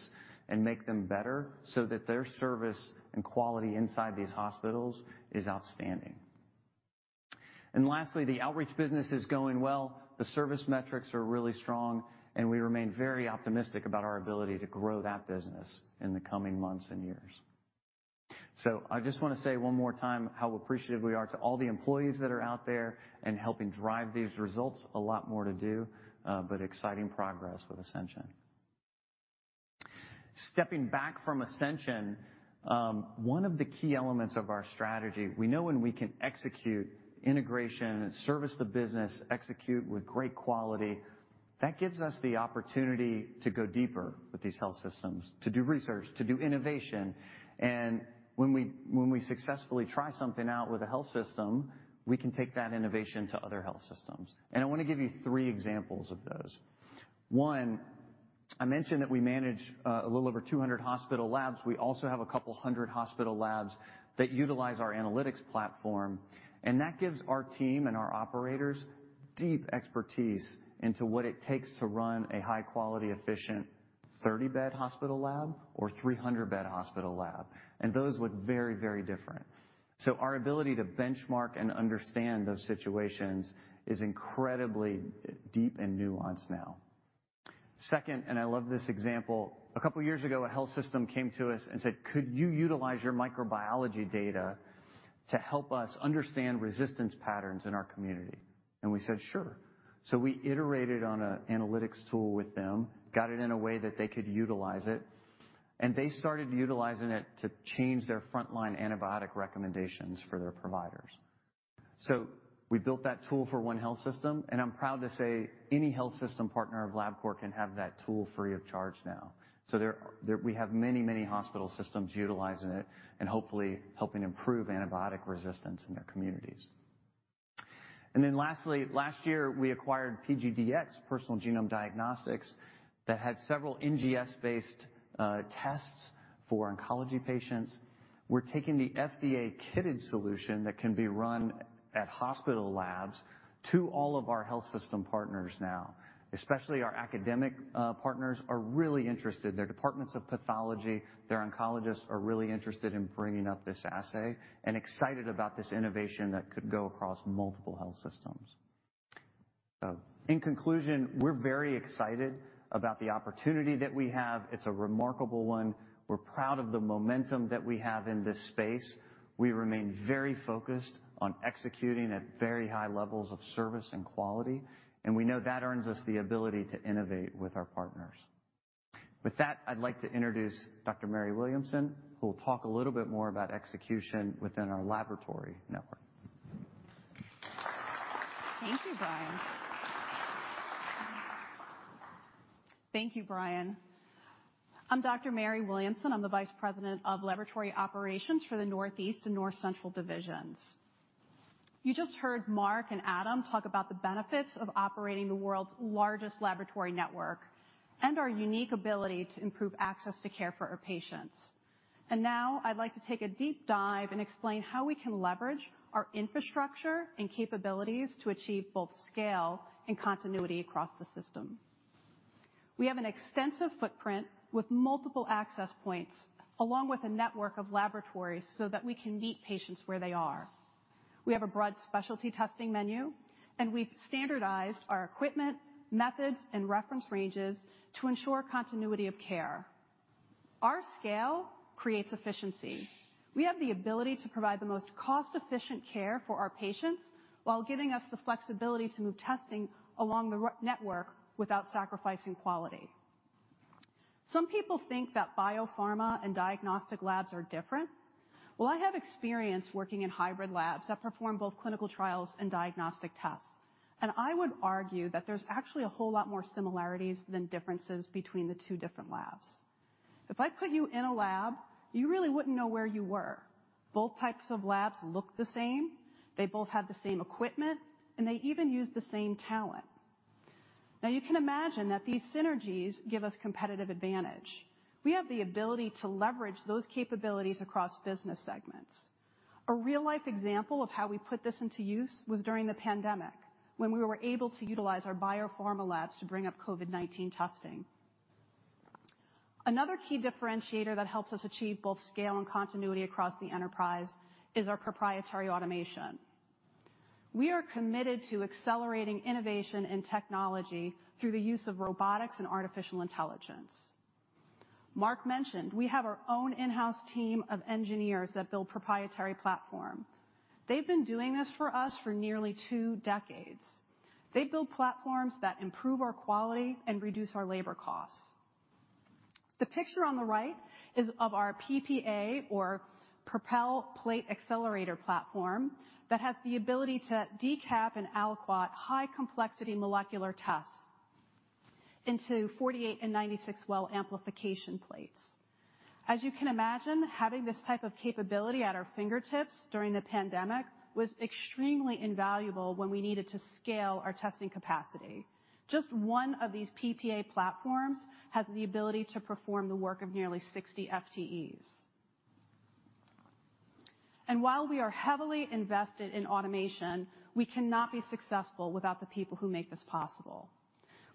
and make them better so that their service and quality inside these hospitals is outstanding. And lastly, the outreach business is going well. The service metrics are really strong, and we remain very optimistic about our ability to grow that business in the coming months and years. So I just want to say one more time how appreciative we are to all the employees that are out there and helping drive these results. A lot more to do, but exciting progress with Ascension. Stepping back from Ascension, one of the key elements of our strategy, we know when we can execute integration and service the business, execute with great quality. That gives us the opportunity to go deeper with these health systems, to do research, to do innovation. And when we successfully try something out with a health system, we can take that innovation to other health systems. And I want to give you three examples of those. One, I mentioned that we manage a little over 200 hospital labs. We also have a couple 100 hospital labs that utilize our analytics platform, and that gives our team and our operators deep expertise into what it takes to run a high-quality, efficient 30-bed hospital lab or 300-bed hospital lab. Those look very, very different. Our ability to benchmark and understand those situations is incredibly deep and nuanced now. Second, I love this example. A couple of years ago, a health system came to us and said, "Could you utilize your microbiology data to help us understand resistance patterns in our community?" And we said, "Sure." So we iterated on an analytics tool with them, got it in a way that they could utilize it, and they started utilizing it to change their frontline antibiotic recommendations for their providers. So we built that tool for one health system, and I'm proud to say any health system partner of Labcorp can have that tool free of charge now. So there, we have many, many hospital systems utilizing it and hopefully helping improve antibiotic resistance in their communities. And then lastly, last year, we acquired PGDx, Personal Genome Diagnostics, that had several NGS-based tests for oncology patients. We're taking the FDA kitted solution that can be run at hospital labs to all of our health system partners now, especially our academic partners are really interested. Their departments of pathology, their oncologists are really interested in bringing up this assay and excited about this innovation that could go across multiple health systems. So in conclusion, we're very excited about the opportunity that we have. It's a remarkable one. We're proud of the momentum that we have in this space. We remain very focused on executing at very high levels of service and quality, and we know that earns us the ability to innovate with our partners. With that, I'd like to introduce Dr. Mary Williamson, who will talk a little bit more about execution within our laboratory network. Thank you, Bryan. Thank you, Bryan. I'm Dr. Mary Williamson. I'm the Vice President of Laboratory Operations for the Northeast and North Central Divisions. You just heard Mark and Adam talk about the benefits of operating the world's largest laboratory network and our unique ability to improve access to care for our patients. Now I'd like to take a deep dive and explain how we can leverage our infrastructure and capabilities to achieve both scale and continuity across the system. We have an extensive footprint with multiple access points, along with a network of laboratories so that we can meet patients where they are. We have a broad specialty testing menu, and we've standardized our equipment, methods, and reference ranges to ensure continuity of care. Our scale creates efficiency. We have the ability to provide the most cost-efficient care for our patients while giving us the flexibility to move testing along the our network without sacrificing quality. Some people think that biopharma and diagnostic labs are different. Well, I have experience working in hybrid labs that perform both clinical trials and diagnostic tests, and I would argue that there's actually a whole lot more similarities than differences between the two different labs. If I put you in a lab, you really wouldn't know where you were. Both types of labs look the same, they both have the same equipment, and they even use the same talent. Now, you can imagine that these synergies give us competitive advantage. We have the ability to leverage those capabilities across business segments. A real-life example of how we put this into use was during the pandemic, when we were able to utilize our biopharma labs to bring up COVID-19 testing. Another key differentiator that helps us achieve both scale and continuity across the enterprise is our proprietary automation. We are committed to accelerating innovation and technology through the use of robotics and artificial intelligence. Mark mentioned, we have our own in-house team of engineers that build proprietary platform. They've been doing this for us for nearly 2 decades. They build platforms that improve our quality and reduce our labor costs. The picture on the right is of our PPA or Propel Plate Accelerator platform, that has the ability to decap and aliquot high complexity molecular tests into 48- and 96-well amplification plates. As you can imagine, having this type of capability at our fingertips during the pandemic was extremely invaluable when we needed to scale our testing capacity. Just one of these PPA platforms has the ability to perform the work of nearly 60 FTEs. While we are heavily invested in automation, we cannot be successful without the people who make this possible.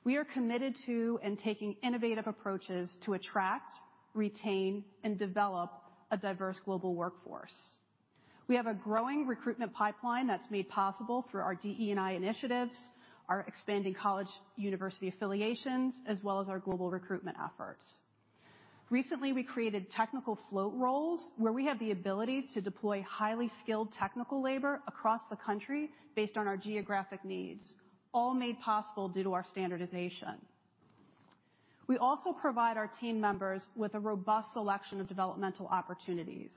We are committed to and taking innovative approaches to attract, retain, and develop a diverse global workforce. We have a growing recruitment pipeline that's made possible through our DE&I initiatives, our expanding college university affiliations, as well as our global recruitment efforts. Recently, we created technical float roles, where we have the ability to deploy highly skilled technical labor across the country based on our geographic needs, all made possible due to our standardization. We also provide our team members with a robust selection of developmental opportunities.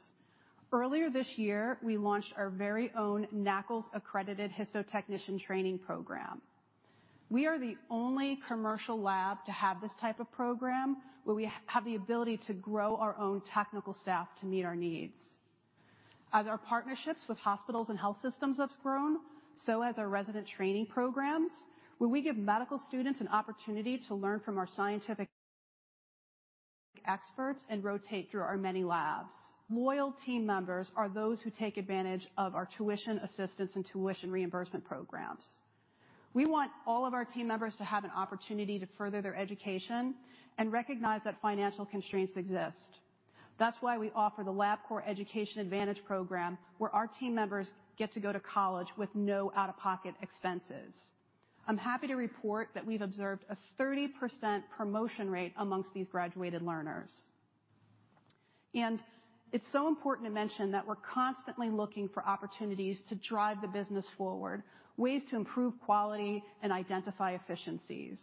Earlier this year, we launched our very own NAACLS-accredited histotechnician training program. We are the only commercial lab to have this type of program, where we have the ability to grow our own technical staff to meet our needs. As our partnerships with hospitals and health systems have grown, so has our resident training programs, where we give medical students an opportunity to learn from our scientific experts and rotate through our many labs. Loyal team members are those who take advantage of our tuition, assistance, and tuition reimbursement programs. We want all of our team members to have an opportunity to further their education and recognize that financial constraints exist. That's why we offer the Labcorp Education Advantage Program, where our team members get to go to college with no out-of-pocket expenses. I'm happy to report that we've observed a 30% promotion rate amongst these graduated learners. It's so important to mention that we're constantly looking for opportunities to drive the business forward, ways to improve quality and identify efficiencies.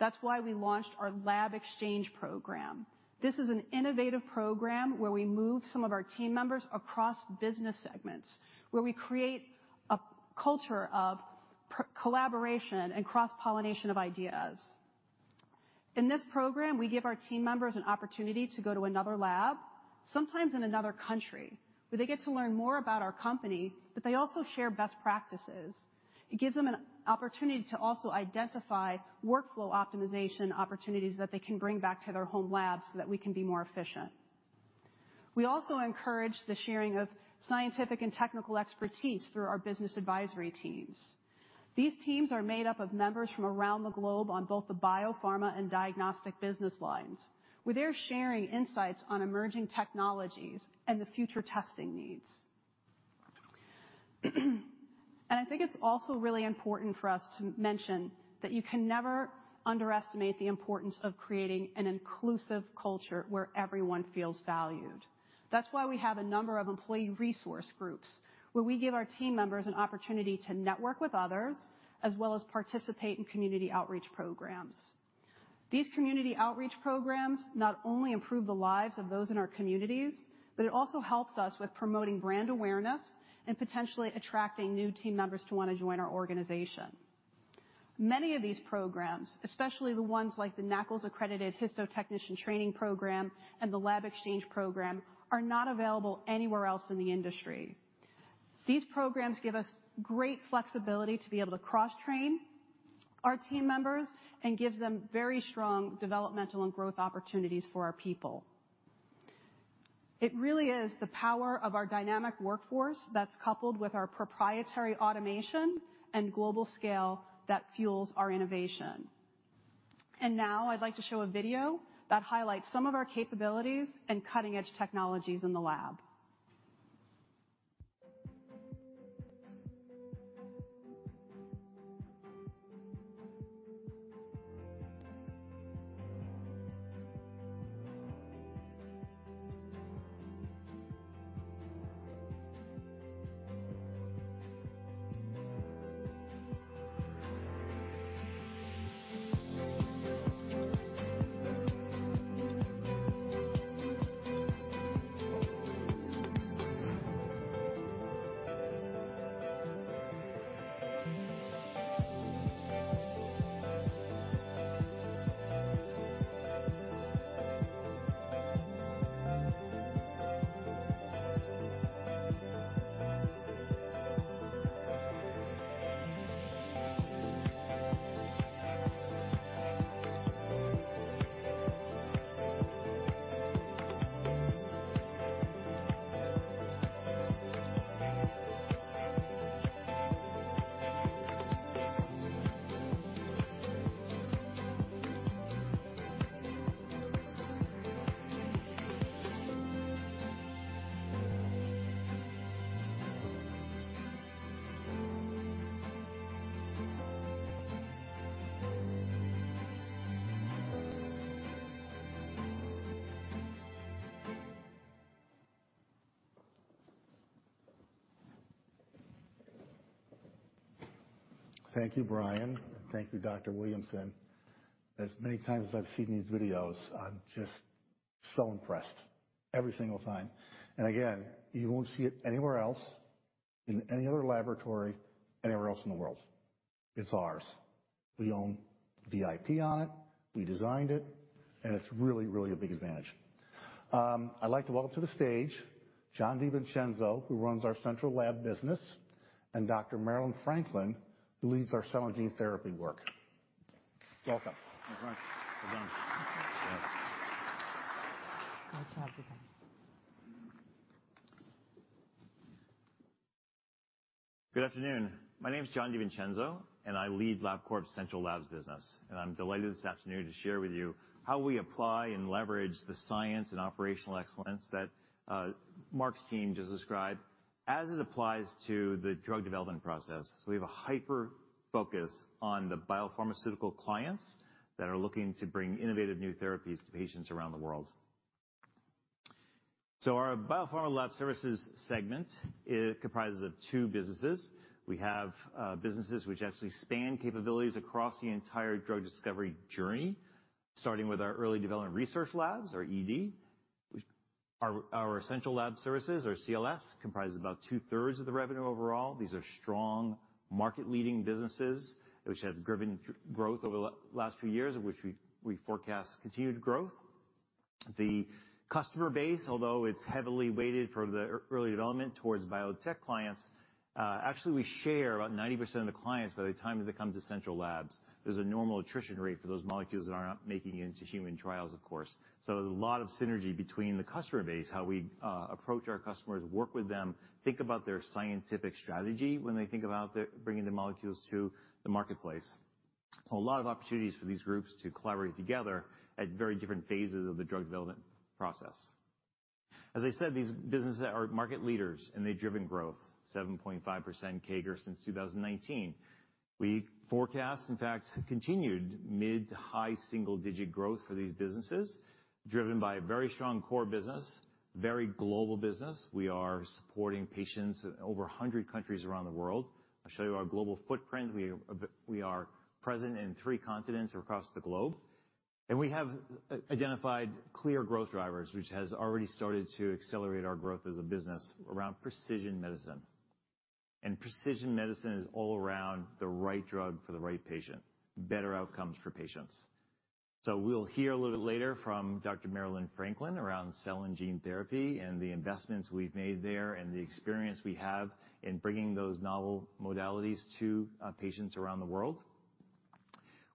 That's why we launched our Lab Exchange program. This is an innovative program where we move some of our team members across business segments, where we create a culture of collaboration and cross-pollination of ideas. In this program, we give our team members an opportunity to go to another lab, sometimes in another country, where they get to learn more about our company, but they also share best practices. It gives them an opportunity to also identify workflow optimization opportunities that they can bring back to their home labs so that we can be more efficient. We also encourage the sharing of scientific and technical expertise through our business advisory teams. These teams are made up of members from around the globe on both the biopharma and diagnostic business lines, where they're sharing insights on emerging technologies and the future testing needs. I think it's also really important for us to mention that you can never underestimate the importance of creating an inclusive culture where everyone feels valued. That's why we have a number of employee resource groups, where we give our team members an opportunity to network with others, as well as participate in community outreach programs. These community outreach programs not only improve the lives of those in our communities, but it also helps us with promoting brand awareness and potentially attracting new team members to want to join our organization. Many of these programs, especially the ones like the NAACLS-accredited Histotechnician Training Program and the Lab Exchange Program, are not available anywhere else in the industry. These programs give us great flexibility to be able to cross-train our team members and give them very strong developmental and growth opportunities for our people. It really is the power of our dynamic workforce that's coupled with our proprietary automation and global scale that fuels our innovation. Now I'd like to show a video that highlights some of our capabilities and cutting-edge technologies in the lab. Thank you, Bryan. Thank you, Dr. Williamson. As many times as I've seen these videos, I'm just so impressed every single time. And again, you won't see it anywhere else, in any other laboratory, anywhere else in the world. It's ours. We own the IP on it, we designed it, and it's really, really a big advantage. I'd like to welcome to the stage Jon DiVincenzo, who runs our central lab business, and Dr. Maryland Franklin, who leads our cell and gene therapy work. Welcome. Thanks, Mark. Well done. Thank you. Good job, you guys. Good afternoon. My name is Jon DiVincenzo, and I lead Labcorp's Central Labs business, and I'm delighted this afternoon to share with you how we apply and leverage the science and operational excellence that Mark's team just described as it applies to the drug development process. We have a hyper-focus on the biopharmaceutical clients that are looking to bring innovative new therapies to patients around the world. Our Biopharma Laboratory Services segment, it comprises of two businesses. We have businesses which actually span capabilities across the entire drug discovery journey, starting with our early development research labs, or ED. Our central lab services, or CLS, comprises about two-thirds of the revenue overall. These are strong, market-leading businesses, which have driven growth over the last few years, of which we forecast continued growth. The customer base, although it's heavily weighted for the early development towards biotech clients, actually, we share about 90% of the clients by the time they come to central labs. There's a normal attrition rate for those molecules that are not making it into human trials, of course. So there's a lot of synergy between the customer base, how we approach our customers, work with them, think about their scientific strategy when they think about bringing the molecules to the marketplace. A lot of opportunities for these groups to collaborate together at very different phases of the drug development process. As I said, these businesses are market leaders, and they've driven growth 7.5% CAGR since 2019. We forecast, in fact, continued mid- to high single-digit growth for these businesses, driven by a very strong core business, very global business. We are supporting patients in over 100 countries around the world. I'll show you our global footprint. We are, we are present in three continents across the globe, and we have identified clear growth drivers, which has already started to accelerate our growth as a business around precision medicine. And precision medicine is all around the right drug for the right patient, better outcomes for patients. So we'll hear a little bit later from Dr. Maryland Franklin around cell and gene therapy, and the investments we've made there, and the experience we have in bringing those novel modalities to, patients around the world.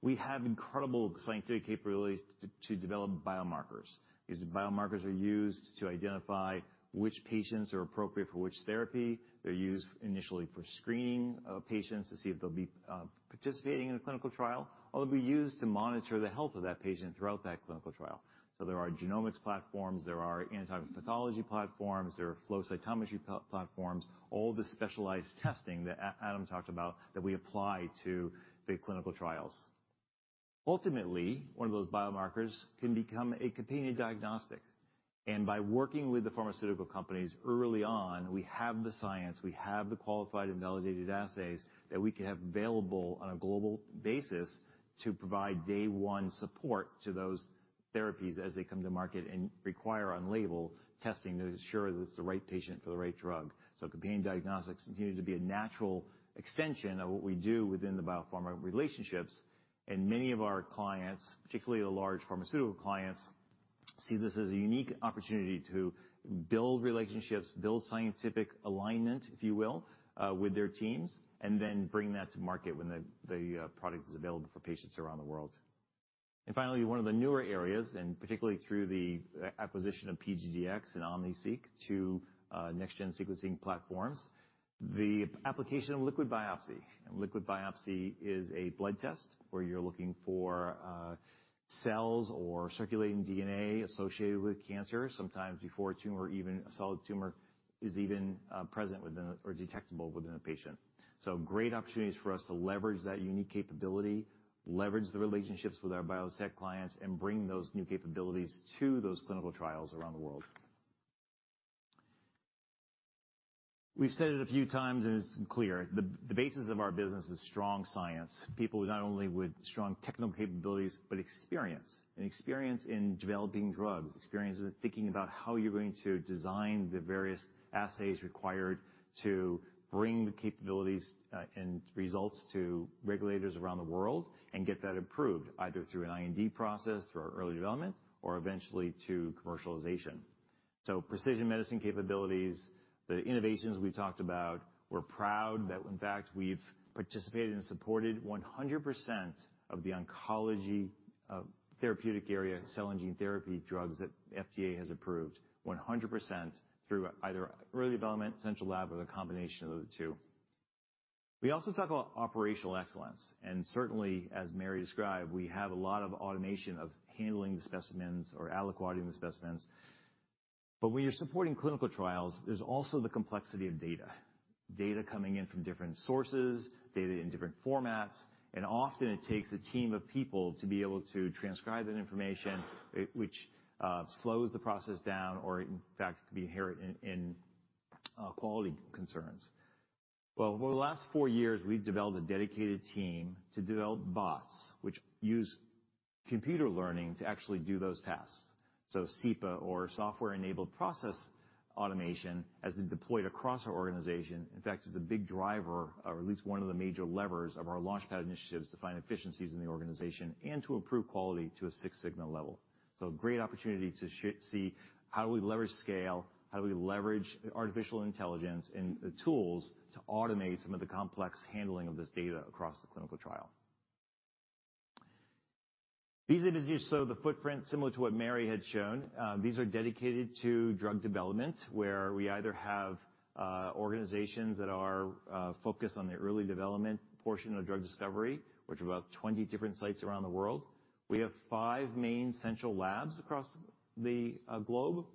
We have incredible scientific capabilities to, to develop biomarkers. These biomarkers are used to identify which patients are appropriate for which therapy. They're used initially for screening, patients to see if they'll be, participating in a clinical trial, or they'll be used to monitor the health of that patient throughout that clinical trial. So there are genomics platforms, there are antibody pathology platforms, there are flow cytometry platforms, all the specialized testing that Adam talked about that we apply to the clinical trials. Ultimately, one of those biomarkers can become a companion diagnostic, and by working with the pharmaceutical companies early on, we have the science, we have the qualified and validated assays that we can have available on a global basis to provide day-one support to those therapies as they come to market and require on-label testing to ensure that it's the right patient for the right drug. Companion diagnostics continues to be a natural extension of what we do within the biopharma relationships, and many of our clients, particularly the large pharmaceutical clients, see this as a unique opportunity to build relationships, build scientific alignment, if you will, with their teams, and then bring that to market when the product is available for patients around the world. Finally, one of the newer areas, particularly through the acquisition of PGDx and OmniSeq, 2 next-gen sequencing platforms, the application of liquid biopsy. Liquid biopsy is a blood test where you're looking for cells or circulating DNA associated with cancer, sometimes before a tumor, even a solid tumor, is even present within or detectable within a patient. So great opportunities for us to leverage that unique capability, leverage the relationships with our biotech clients, and bring those new capabilities to those clinical trials around the world. We've said it a few times, and it's clear, the basis of our business is strong science. People not only with strong technical capabilities, but experience, and experience in developing drugs, experience in thinking about how you're going to design the various assays required to bring the capabilities, and results to regulators around the world, and get that approved, either through an IND process, through our early development, or eventually to commercialization. So precision medicine capabilities, the innovations we've talked about, we're proud that, in fact, we've participated and supported 100% of the oncology therapeutic area, cell and gene therapy drugs that FDA has approved. 100% through either early development, central lab, or the combination of the two. We also talk about operational excellence, and certainly, as Mary described, we have a lot of automation of handling the specimens or aliquoting the specimens. But when you're supporting clinical trials, there's also the complexity of data. Data coming in from different sources, data in different formats, and often it takes a team of people to be able to transcribe that information, which slows the process down, or in fact, could be inherent in quality concerns. Well, over the last four years, we've developed a dedicated team to develop bots, which use computer learning to actually do those tasks. So SEPA or Software Enabled Process Automation has been deployed across our organization. In fact, it's a big driver, or at least one of the major levers of our LaunchPad initiatives, to find efficiencies in the organization and to improve quality to a Six Sigma level. So a great opportunity to see how do we leverage scale, how do we leverage artificial intelligence and the tools to automate some of the complex handling of this data across the clinical trial. These are just so the footprint, similar to what Mary had shown. These are dedicated to drug development, where we either have organizations that are focused on the early development portion of drug discovery, which are about 20 different sites around the world. We have five main central labs across the globe,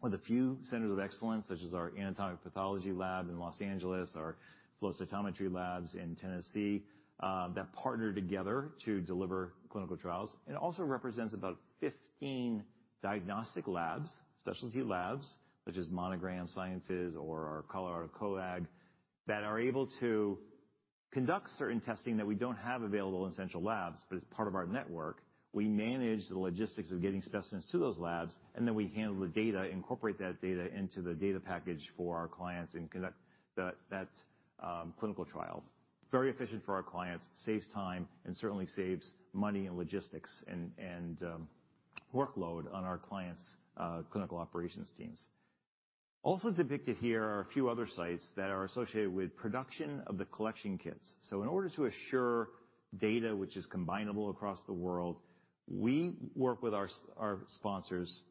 with a few centers of excellence, such as our anatomic pathology lab in Los Angeles, our flow cytometry labs in Tennessee, that partner together to deliver clinical trials, and it also represents about 15 diagnostic labs, specialty labs, such as Monogram Biosciences or our Colorado Coag, that are able to conduct certain testing that we don't have available in central labs, but as part of our network, we manage the logistics of getting specimens to those labs, and then we handle the data, incorporate that data into the data package for our clients and conduct the clinical trial. Very efficient for our clients, saves time, and certainly saves money and logistics and workload on our clients' clinical operations teams. Also depicted here are a few other sites that are associated with production of the collection kits. So in order to assure data which is combinable across the world, we work with our sponsors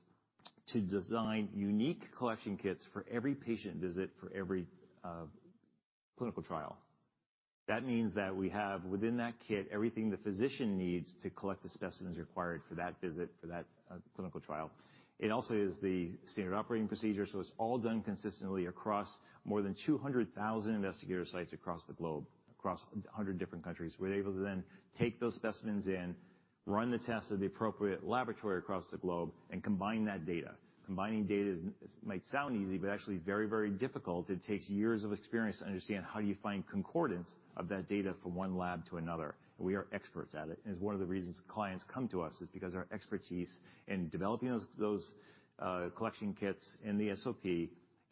to design unique collection kits for every patient visit, for every clinical trial. That means that we have, within that kit, everything the physician needs to collect the specimens required for that visit, for that clinical trial. It also is the standard operating procedure, so it's all done consistently across more than 200,000 investigator sites across the globe, across 100 different countries. We're able to then take those specimens in, run the test at the appropriate laboratory across the globe, and combine that data. Combining data might sound easy, but actually very, very difficult. It takes years of experience to understand how you find concordance of that data from one lab to another. We are experts at it, and it's one of the reasons clients come to us, is because our expertise in developing those collection kits and the SOP,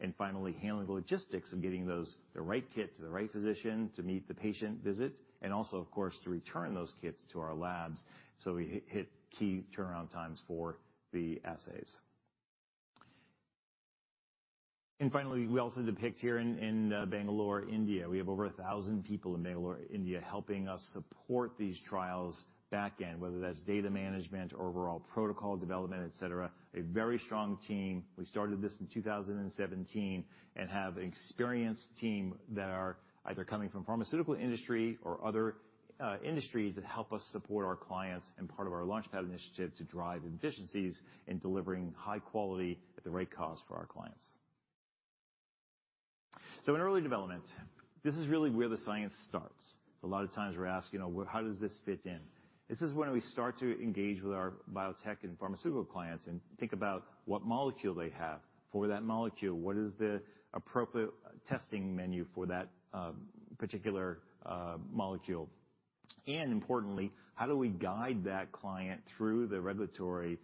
and finally, handling the logistics of getting those the right kit to the right physician to meet the patient visit, and also, of course, to return those kits to our labs. So we hit key turnaround times for the assays. And finally, we also depict here in Bangalore, India. We have over 1,000 people in Bangalore, India, helping us support these trials back-end, whether that's data management or overall protocol development, et cetera. A very strong team. We started this in 2017 and have an experienced team that are either coming from pharmaceutical industry or other industries that help us support our clients and part of our LaunchPad initiative to drive efficiencies in delivering high quality at the right cost for our clients. So in early development, this is really where the science starts. A lot of times we're asked, you know, "Well, how does this fit in?" This is when we start to engage with our biotech and pharmaceutical clients and think about what molecule they have. For that molecule, what is the appropriate testing menu for that particular molecule? And importantly, how do we guide that client through the regulatory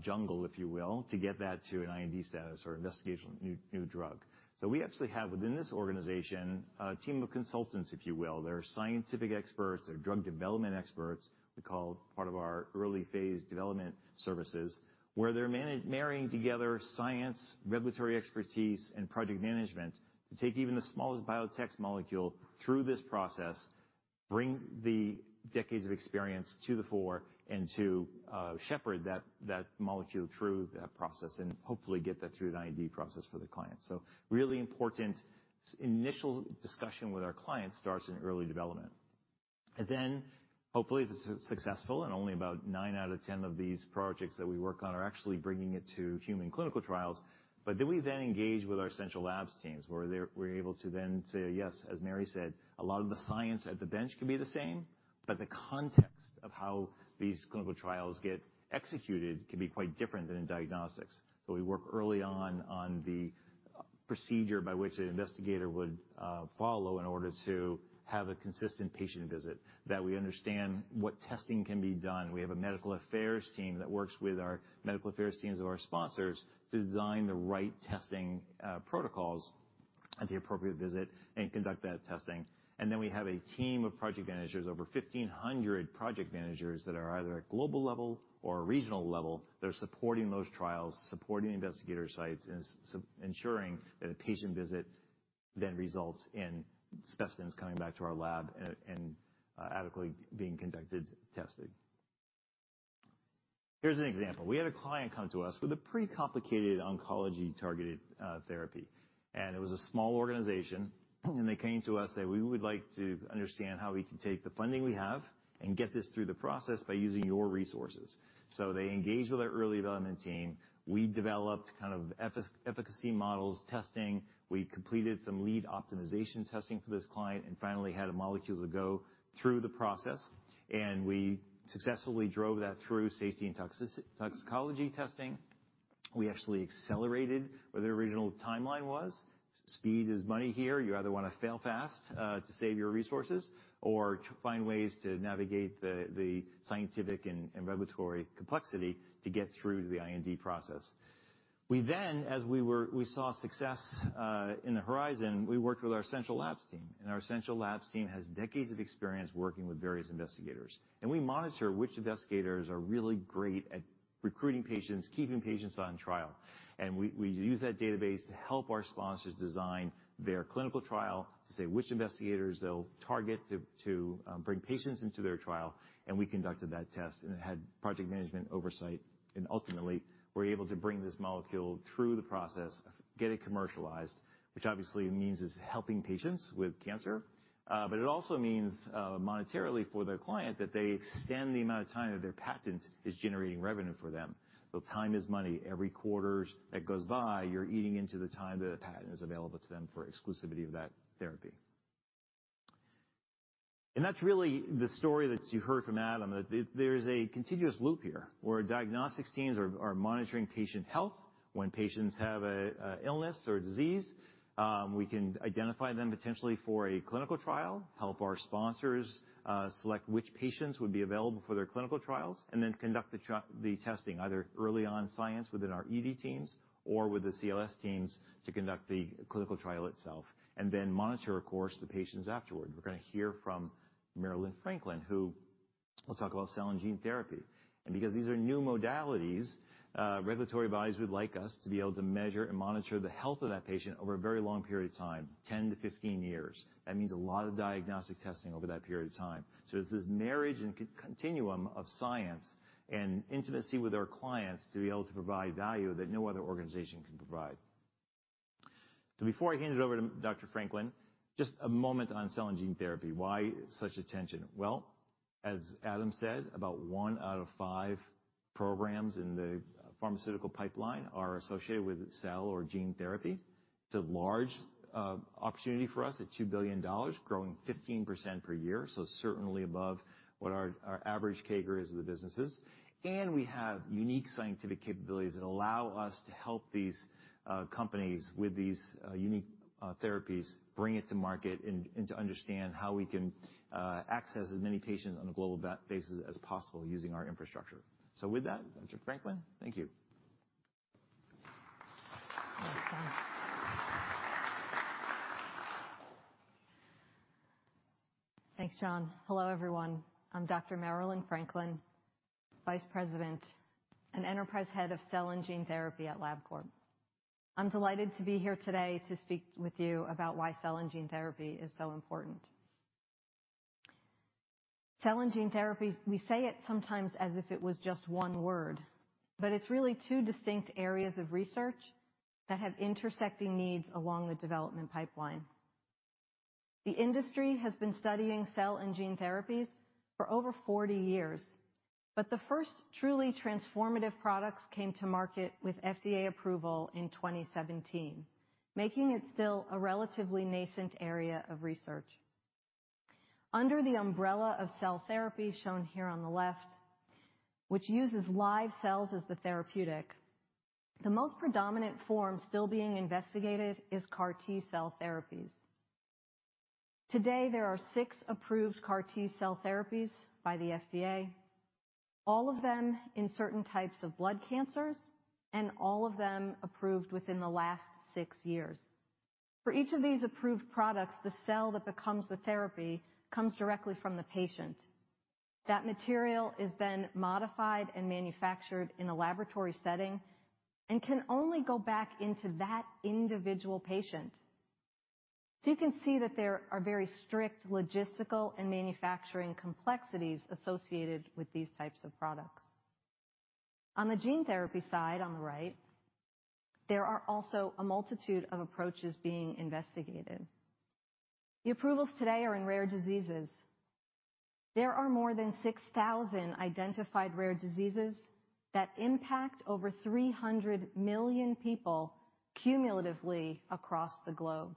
jungle, if you will, to get that to an IND status or Investigational New Drug? So we actually have, within this organization, a team of consultants, if you will. They're scientific experts, they're drug development experts. We call part of our early phase development services, where they're marrying together science, regulatory expertise, and project management, to take even the smallest biotech molecule through this process, bring the decades of experience to the fore and to shepherd that molecule through that process and hopefully get that through an IND process for the client. So really important initial discussion with our clients starts in early development. And then, hopefully, this is successful, and only about nine out of ten of these projects that we work on are actually bringing it to human clinical trials. But then we then engage with our essential labs teams, where we're able to then say yes, as Mary said, a lot of the science at the bench can be the same, but the context of how these clinical trials get executed can be quite different than in diagnostics. So we work early on, on the procedure by which an investigator would follow in order to have a consistent patient visit, that we understand what testing can be done. We have a medical affairs team that works with our medical affairs teams and our sponsors, to design the right testing protocols at the appropriate visit and conduct that testing. And then we have a team of project managers, over 1,500 project managers, that are either at global level or regional level. They're supporting those trials, supporting investigator sites, and ensuring that a patient visit then results in specimens coming back to our lab and adequately being conducted testing. Here's an example: We had a client come to us with a pretty complicated oncology-targeted therapy, and it was a small organization, and they came to us, saying, "We would like to understand how we can take the funding we have and get this through the process by using your resources." So they engaged with our early development team. We developed kind of efficacy models, testing. We completed some lead optimization testing for this client, and finally had a molecule to go through the process, and we successfully drove that through safety and toxicology testing. We actually accelerated what their original timeline was. Speed is money here. You either want to fail fast to save your resources, or to find ways to navigate the scientific and regulatory complexity to get through the IND process. We then, as we were, we saw success in the horizon, we worked with our central labs team, and our central labs team has decades of experience working with various investigators. And we monitor which investigators are really great at recruiting patients, keeping patients on trial, and we use that database to help our sponsors design their clinical trial, to say which investigators they'll target to bring patients into their trial, and we conducted that test, and it had project management oversight. And ultimately, we're able to bring this molecule through the process, get it commercialized, which obviously means it's helping patients with cancer. But it also means, monetarily for their client, that they extend the amount of time that their patent is generating revenue for them. So time is money. Every quarter that goes by, you're eating into the time that a patent is available to them for exclusivity of that therapy. And that's really the story that you heard from Adam, that there's a continuous loop here, where our diagnostics teams are monitoring patient health. When patients have an illness or disease, we can identify them potentially for a clinical trial, help our sponsors select which patients would be available for their clinical trials, and then conduct the testing, either early on science within our ED teams or with the CLS teams to conduct the clinical trial itself and then monitor, of course, the patients afterward. We're going to hear from Maryland Franklin, who will talk about cell and gene therapy. Because these are new modalities, regulatory bodies would like us to be able to measure and monitor the health of that patient over a very long period of time, 10-15 years. That means a lot of diagnostic testing over that period of time. So it's this marriage and continuum of science and intimacy with our clients to be able to provide value that no other organization can provide. So before I hand it over to Dr. Franklin, just a moment on cell and gene therapy. Why such attention? Well, as Adam said, about one out of five programs in the pharmaceutical pipeline are associated with cell or gene therapy. It's a large opportunity for us, at $2 billion, growing 15% per year, so certainly above what our average CAGR is of the businesses. We have unique scientific capabilities that allow us to help these companies with these unique therapies, bring it to market and to understand how we can access as many patients on a global basis as possible using our infrastructure. So with that, Dr. Franklin, thank you. Thanks, Jon. Hello, everyone. I'm Dr. Maryland Franklin, Vice President and Enterprise Head of Cell and Gene Therapy at Labcorp. I'm delighted to be here today to speak with you about why cell and gene therapy is so important. Cell and gene therapy, we say it sometimes as if it was just one word, but it's really two distinct areas of research that have intersecting needs along the development pipeline. The industry has been studying cell and gene therapies for over 40 years, but the first truly transformative products came to market with FDA approval in 2017, making it still a relatively nascent area of research. Under the umbrella of cell therapy, shown here on the left, which uses live cells as the therapeutic, the most predominant form still being investigated is CAR T-cell therapies. Today, there are 6 approved CAR T-cell therapies by the FDA, all of them in certain types of blood cancers, and all of them approved within the last 6 years. For each of these approved products, the cell that becomes the therapy comes directly from the patient. That material is then modified and manufactured in a laboratory setting and can only go back into that individual patient. So you can see that there are very strict logistical and manufacturing complexities associated with these types of products. On the gene therapy side, on the right, there are also a multitude of approaches being investigated. The approvals today are in rare diseases. There are more than 6,000 identified rare diseases that impact over 300 million people cumulatively across the globe.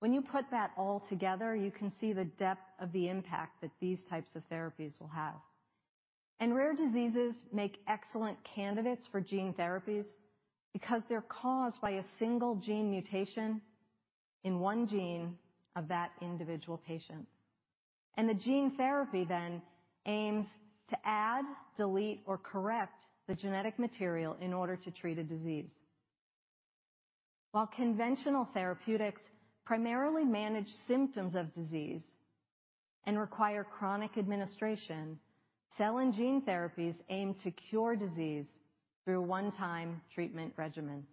When you put that all together, you can see the depth of the impact that these types of therapies will have. Rare diseases make excellent candidates for gene therapies because they're caused by a single gene mutation in one gene of that individual patient. The gene therapy then aims to add, delete, or correct the genetic material in order to treat a disease. While conventional therapeutics primarily manage symptoms of disease and require chronic administration, cell and gene therapies aim to cure disease through a one-time treatment regimen.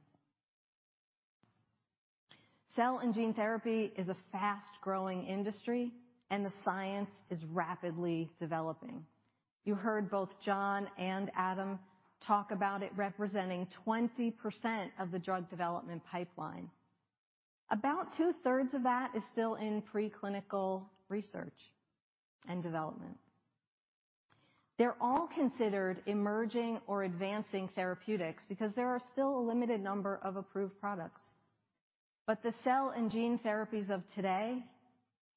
Cell and gene therapy is a fast-growing industry, and the science is rapidly developing. You heard both Jon and Adam talk about it representing 20% of the drug development pipeline. About two-thirds of that is still in preclinical research and development. They're all considered emerging or advancing therapeutics because there are still a limited number of approved products. But the cell and gene therapies of today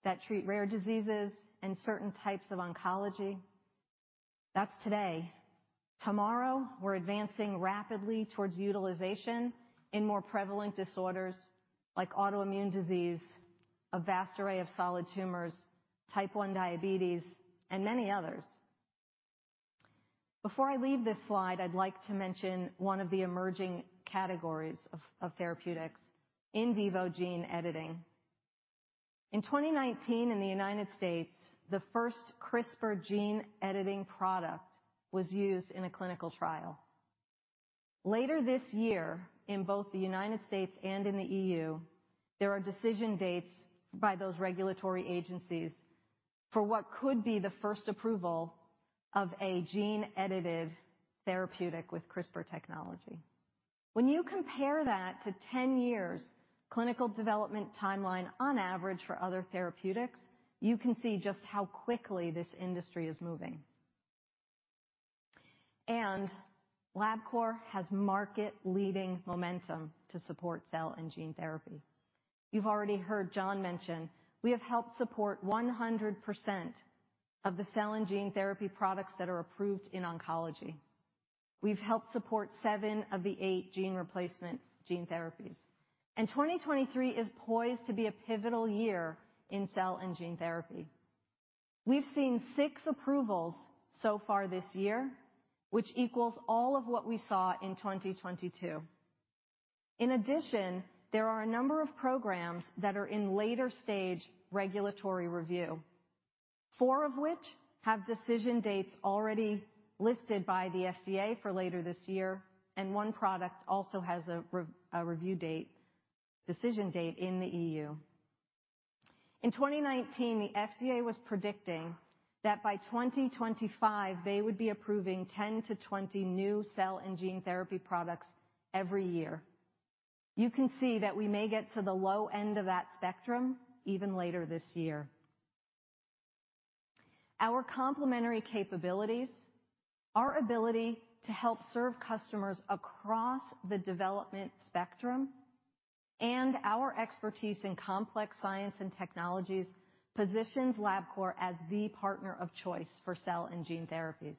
that treat rare diseases and certain types of oncology, that's today. Tomorrow, we're advancing rapidly towards utilization in more prevalent disorders like autoimmune disease, a vast array of solid tumors, type 1 diabetes, and many others. Before I leave this slide, I'd like to mention one of the emerging categories of therapeutics, in vivo gene editing. In 2019, in the United States, the first CRISPR gene editing product was used in a clinical trial. Later this year, in both the United States and in the EU, there are decision dates by those regulatory agencies for what could be the first approval of a gene-edited therapeutic with CRISPR technology. When you compare that to 10 years clinical development timeline, on average, for other therapeutics, you can see just how quickly this industry is moving. Labcorp has market-leading momentum to support cell and gene therapy. You've already heard Jon mention we have helped support 100% of the cell and gene therapy products that are approved in oncology. We've helped support seven of the eight gene replacement gene therapies, and 2023 is poised to be a pivotal year in cell and gene therapy. We've seen six approvals so far this year, which equals all of what we saw in 2022. In addition, there are a number of programs that are in later stage regulatory review, four of which have decision dates already listed by the FDA for later this year, and one product also has a review date, decision date in the E.U. In 2019, the FDA was predicting that by 2025, they would be approving 10-20 new cell and gene therapy products every year. You can see that we may get to the low end of that spectrum, even later this year. Our complementary capabilities, our ability to help serve customers across the development spectrum, and our expertise in complex science and technologies, positions Labcorp as the partner of choice for cell and gene therapies.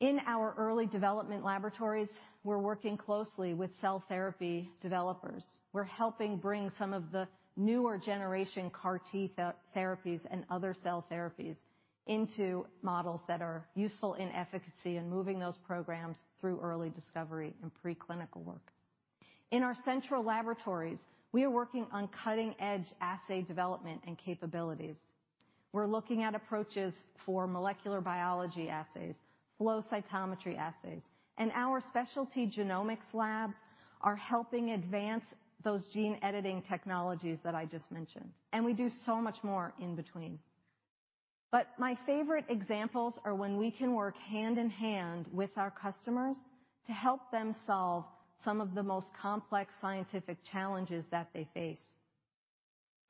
In our early development laboratories, we're working closely with cell therapy developers. We're helping bring some of the newer generation CAR T therapies and other cell therapies into models that are useful in efficacy and moving those programs through early discovery and preclinical work. In our central laboratories, we are working on cutting-edge assay development and capabilities. We're looking at approaches for molecular biology assays, flow cytometry assays, and our specialty genomics labs are helping advance those gene editing technologies that I just mentioned, and we do so much more in between. But my favorite examples are when we can work hand in hand with our customers to help them solve some of the most complex scientific challenges that they face.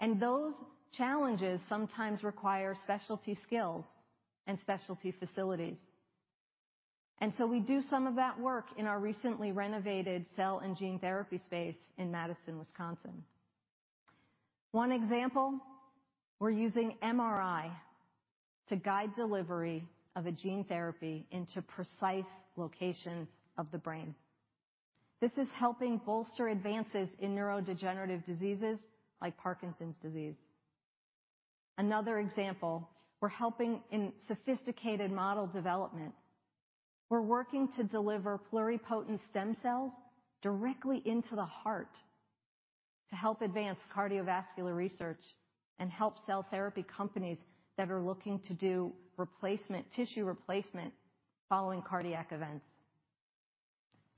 And those challenges sometimes require specialty skills and specialty facilities. And so we do some of that work in our recently renovated cell and gene therapy space in Madison, Wisconsin. One example, we're using MRI to guide delivery of a gene therapy into precise locations of the brain. This is helping bolster advances in neurodegenerative diseases like Parkinson's disease. Another example, we're helping in sophisticated model development. We're working to deliver pluripotent stem cells directly into the heart to help advance cardiovascular research and help cell therapy companies that are looking to do replacement, tissue replacement, following cardiac events.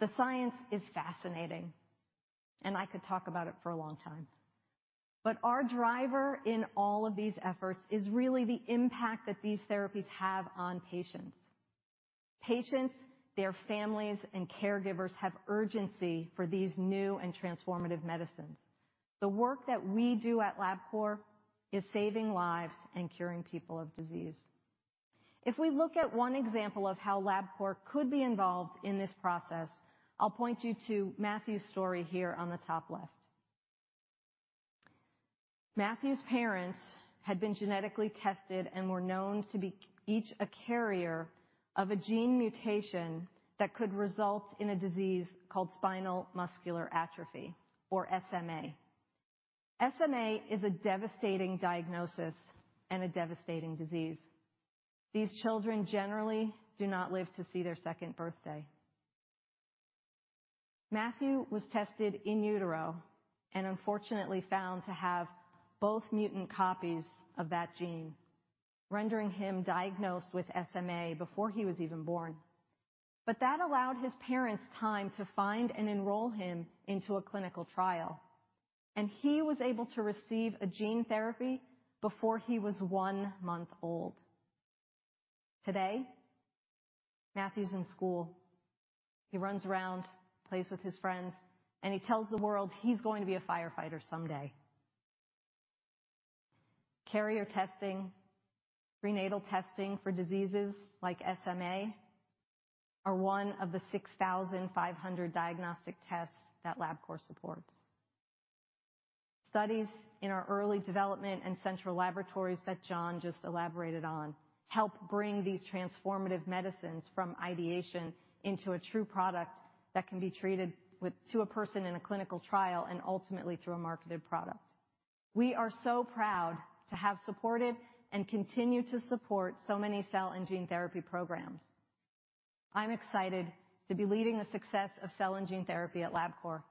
The science is fascinating, and I could talk about it for a long time, but our driver in all of these efforts is really the impact that these therapies have on patients. Patients, their families, and caregivers have urgency for these new and transformative medicines. The work that we do at Labcorp is saving lives and curing people of disease. If we look at one example of how Labcorp could be involved in this process, I'll point you to Matthew's story here on the top left. Matthew's parents had been genetically tested and were known to be each a carrier of a gene mutation that could result in a disease called spinal muscular atrophy, or SMA. SMA is a devastating diagnosis and a devastating disease. These children generally do not live to see their second birthday. Matthew was tested in utero and unfortunately found to have both mutant copies of that gene rendering him diagnosed with SMA before he was even born. But that allowed his parents time to find and enroll him into a clinical trial, and he was able to receive a gene therapy before he was one month old. Today, Matthew's in school. He runs around, plays with his friends, and he tells the world he's going to be a firefighter someday. Carrier testing, prenatal testing for diseases like SMA are one of the 6,500 diagnostic tests that Labcorp supports. Studies in our early development and central laboratories that Jon just elaborated on, help bring these transformative medicines from ideation into a true product that can be treated with to a person in a clinical trial and ultimately through a marketed product. We are so proud to have supported and continue to support so many cell and gene therapy programs. I'm excited to be leading the success of cell and gene therapy at Labcorp,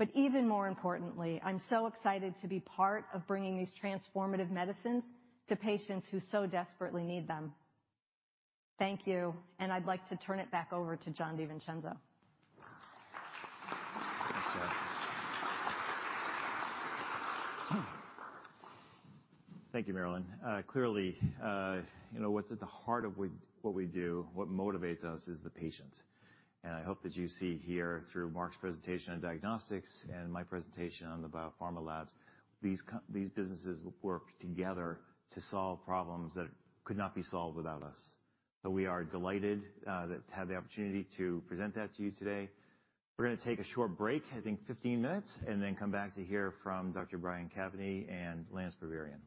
but even more importantly, I'm so excited to be part of bringing these transformative medicines to patients who so desperately need them. Thank you, and I'd like to turn it back over to Jon DiVincenzo. Thank you, Maryland. Clearly, you know, what's at the heart of what we do, what motivates us is the patient. And I hope that you see here through Mark's presentation on diagnostics and my presentation on the biopharma labs, these businesses work together to solve problems that could not be solved without us. So we are delighted to have the opportunity to present that to you today. We're gonna take a short break, I think 15 minutes, and then come back to hear from Dr. Brian Caveney and Lance Berberian.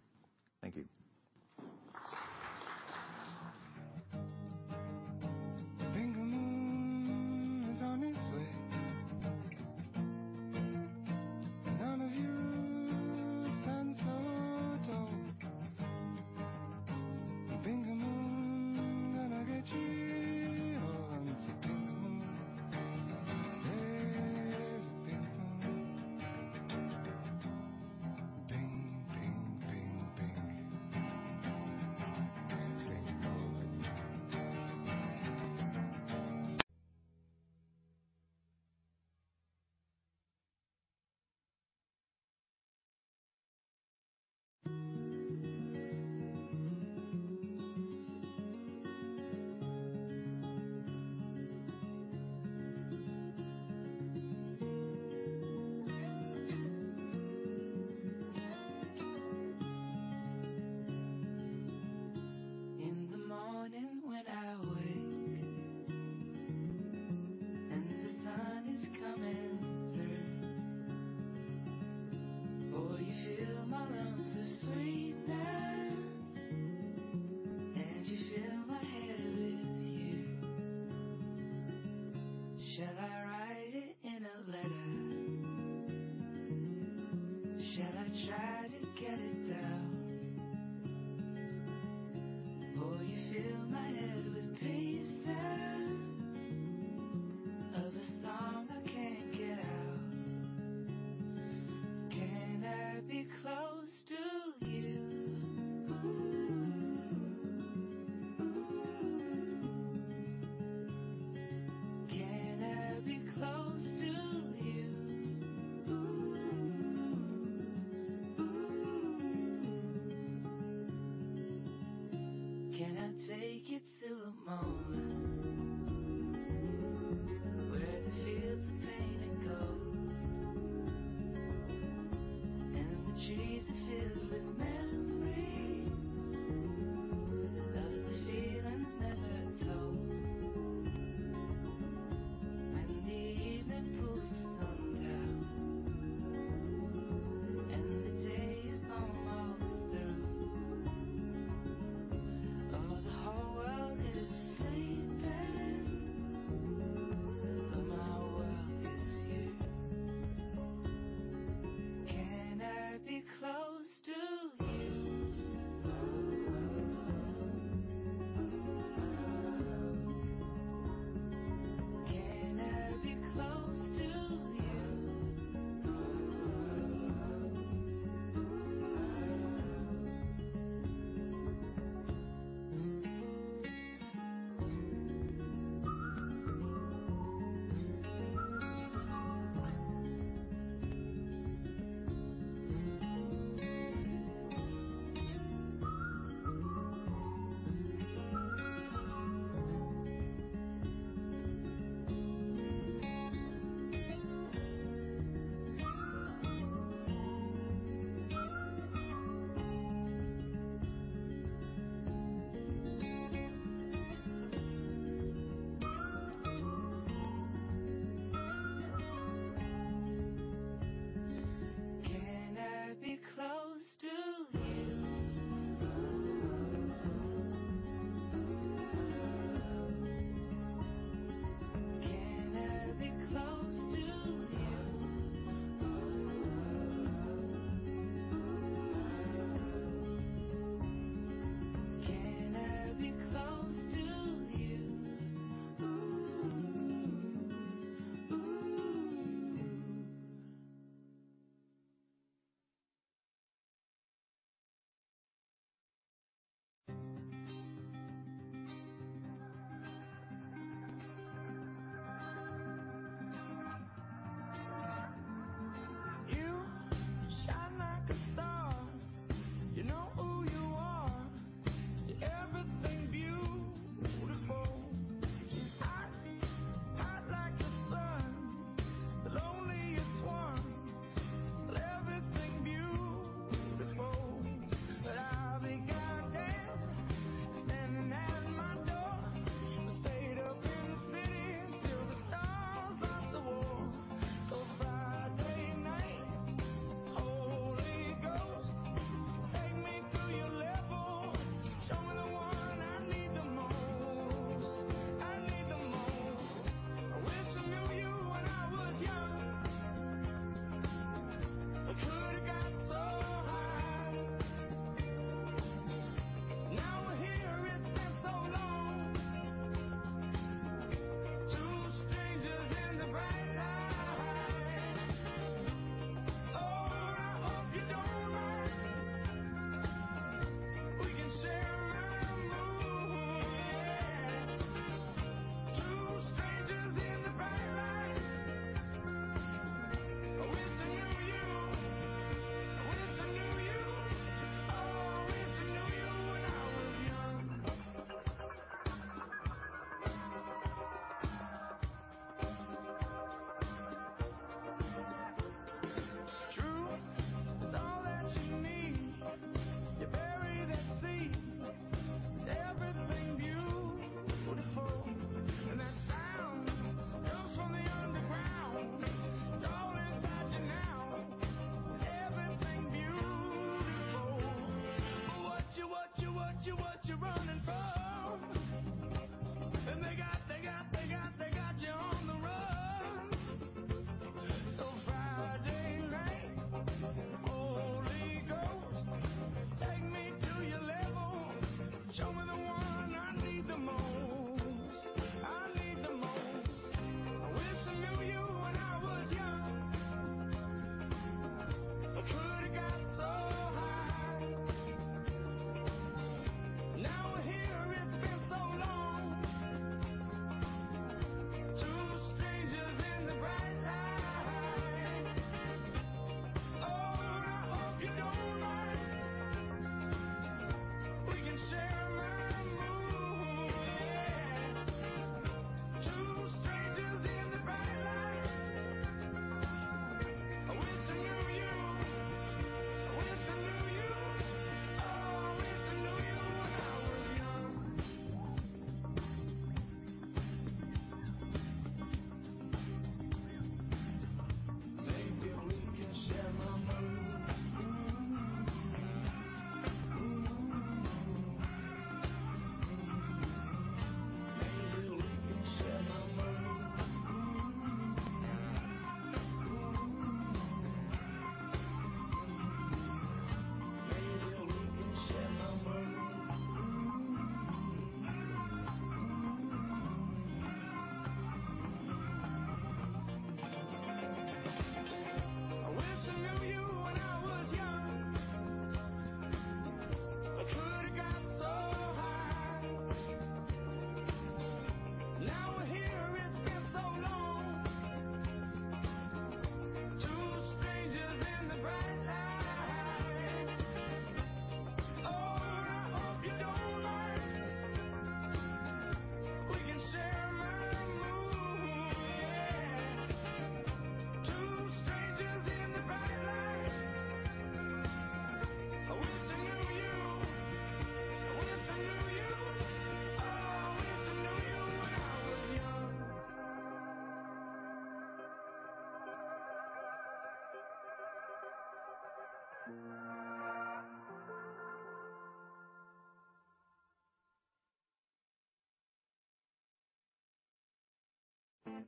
Thank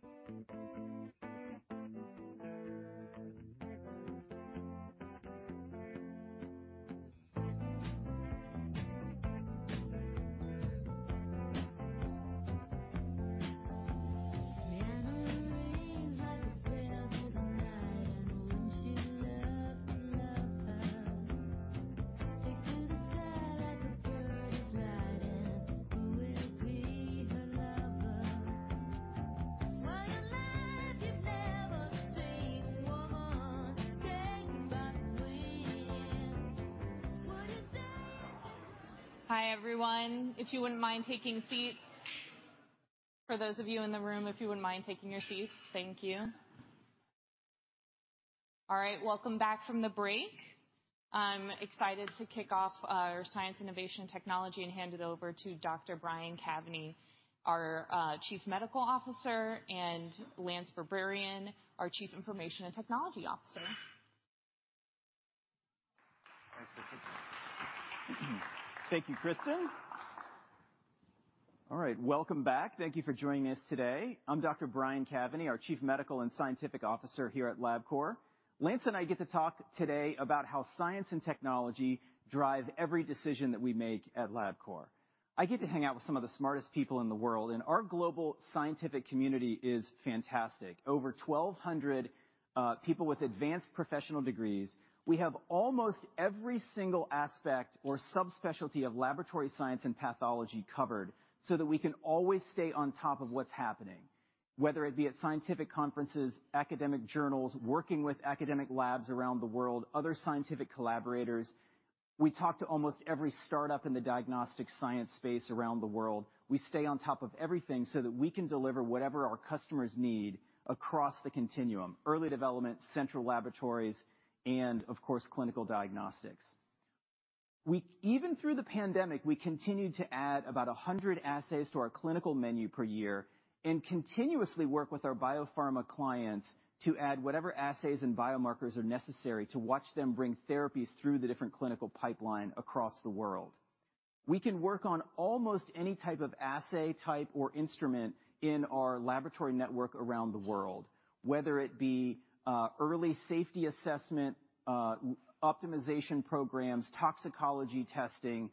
you. Hi, everyone. If you wouldn't mind taking seats. For those of you in the room, if you wouldn't mind taking your seats. Thank you. All right, welcome back from the break. I'm excited to kick off our science, innovation, technology, and hand it over to Dr. Brian Caveney, our Chief Medical Officer, and Lance Berberian, our Chief Information and Technology Officer. Thank you, Christin. All right, welcome back. Thank you for joining us today. I'm Dr. Brian Caveney, our Chief Medical and Scientific Officer here at Labcorp. Lance and I get to talk today about how science and technology drive every decision that we make at Labcorp. I get to hang out with some of the smartest people in the world, and our global scientific community is fantastic. Over 1,200 people with advanced professional degrees. We have almost every single aspect or subspecialty of laboratory science and pathology covered, so that we can always stay on top of what's happening, whether it be at scientific conferences, academic journals, working with academic labs around the world, other scientific collaborators. We talk to almost every startup in the diagnostic science space around the world. We stay on top of everything so that we can deliver whatever our customers need across the continuum: early development, central laboratories, and of course, clinical diagnostics. Even through the pandemic, we continued to add about 100 assays to our clinical menu per year and continuously work with our biopharma clients to add whatever assays and biomarkers are necessary to watch them bring therapies through the different clinical pipeline across the world. We can work on almost any type of assay type or instrument in our laboratory network around the world, whether it be early safety assessment, optimization programs, toxicology testing,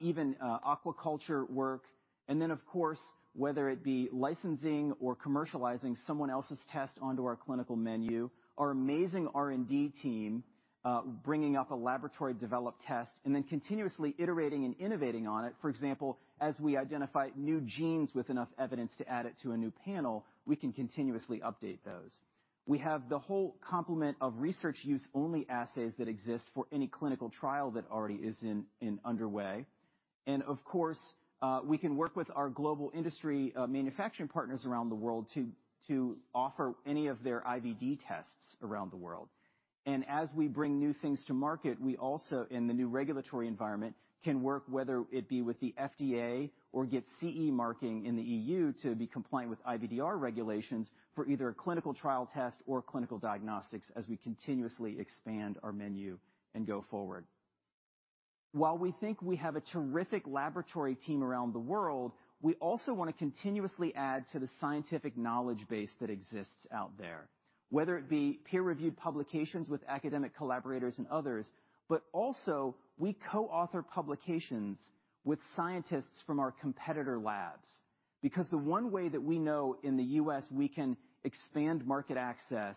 even aquaculture work, and then, of course, whether it be licensing or commercializing someone else's test onto our clinical menu. Our amazing R&D team bringing up a laboratory-developed test and then continuously iterating and innovating on it. For example, as we identify new genes with enough evidence to add it to a new panel, we can continuously update those. We have the whole complement of research-use-only assays that exist for any clinical trial that already is underway. And of course, we can work with our global industry manufacturing partners around the world to offer any of their IVD tests around the world. And as we bring new things to market, we also, in the new regulatory environment, can work, whether it be with the FDA or get CE Marking in the EU to be compliant with IVDR regulations for either a clinical trial test or clinical diagnostics, as we continuously expand our menu and go forward. While we think we have a terrific laboratory team around the world, we also want to continuously add to the scientific knowledge base that exists out there, whether it be peer-reviewed publications with academic collaborators and others, but also, we co-author publications with scientists from our competitor labs. Because the one way that we know in the U.S. we can expand market access,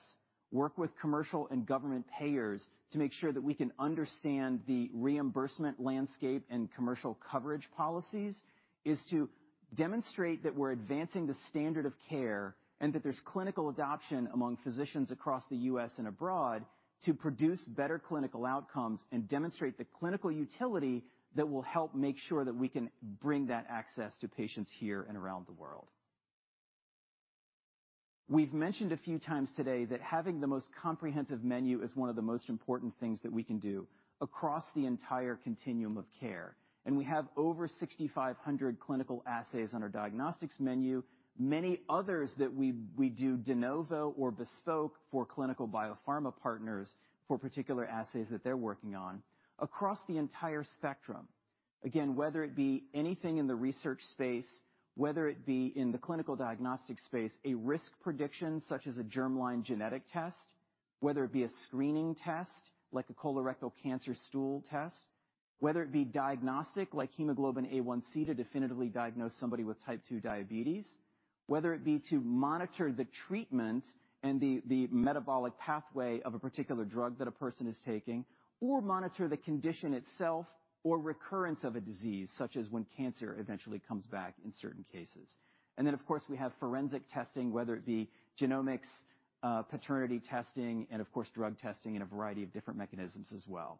work with commercial and government payers to make sure that we can understand the reimbursement landscape and commercial coverage policies, is to demonstrate that we're advancing the standard of care, and that there's clinical adoption among physicians across the U.S. and abroad to produce better clinical outcomes and demonstrate the clinical utility that will help make sure that we can bring that access to patients here and around the world. We've mentioned a few times today that having the most comprehensive menu is one of the most important things that we can do across the entire continuum of care, and we have over 6,500 clinical assays on our diagnostics menu. Many others that we do de novo or bespoke for clinical biopharma partners for particular assays that they're working on across the entire spectrum. Again, whether it be anything in the research space, whether it be in the clinical diagnostic space, a risk prediction, such as a germline genetic test, whether it be a screening test, like a colorectal cancer stool test, whether it be diagnostic, like hemoglobin A1C, to definitively diagnose somebody with type 2 diabetes, whether it be to monitor the treatment and the, the metabolic pathway of a particular drug that a person is taking, or monitor the condition itself, or recurrence of a disease, such as when cancer eventually comes back in certain cases. And then, of course, we have forensic testing, whether it be genomics, paternity testing, and of course, drug testing in a variety of different mechanisms as well.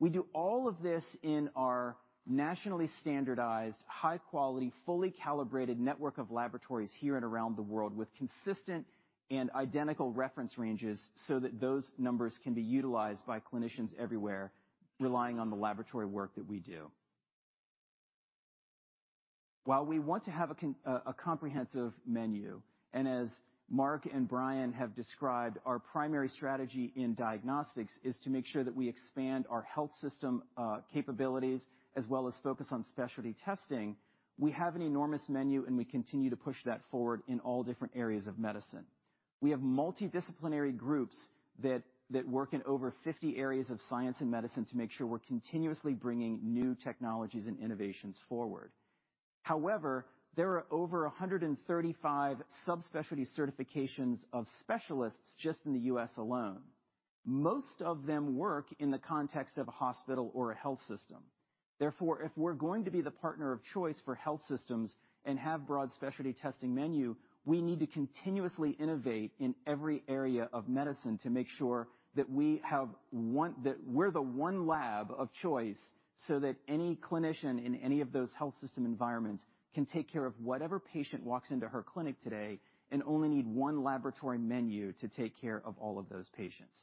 We do all of this in our nationally standardized, high-quality, fully calibrated network of laboratories here and around the world with consistent and identical reference ranges, so that those numbers can be utilized by clinicians everywhere, relying on the laboratory work that we do. While we want to have a comprehensive menu, and as Mark and Brian have described, our primary strategy in diagnostics is to make sure that we expand our health system capabilities, as well as focus on specialty testing. We have an enormous menu, and we continue to push that forward in all different areas of medicine. We have multidisciplinary groups that work in over 50 areas of science and medicine to make sure we're continuously bringing new technologies and innovations forward. However, there are over 135 subspecialty certifications of specialists just in the U.S. alone. Most of them work in the context of a hospital or a health system. Therefore, if we're going to be the partner of choice for health systems and have broad specialty testing menu, we need to continuously innovate in every area of medicine to make sure that we have that we're the one lab of choice, so that any clinician in any of those health system environments can take care of whatever patient walks into her clinic today and only need one laboratory menu to take care of all of those patients.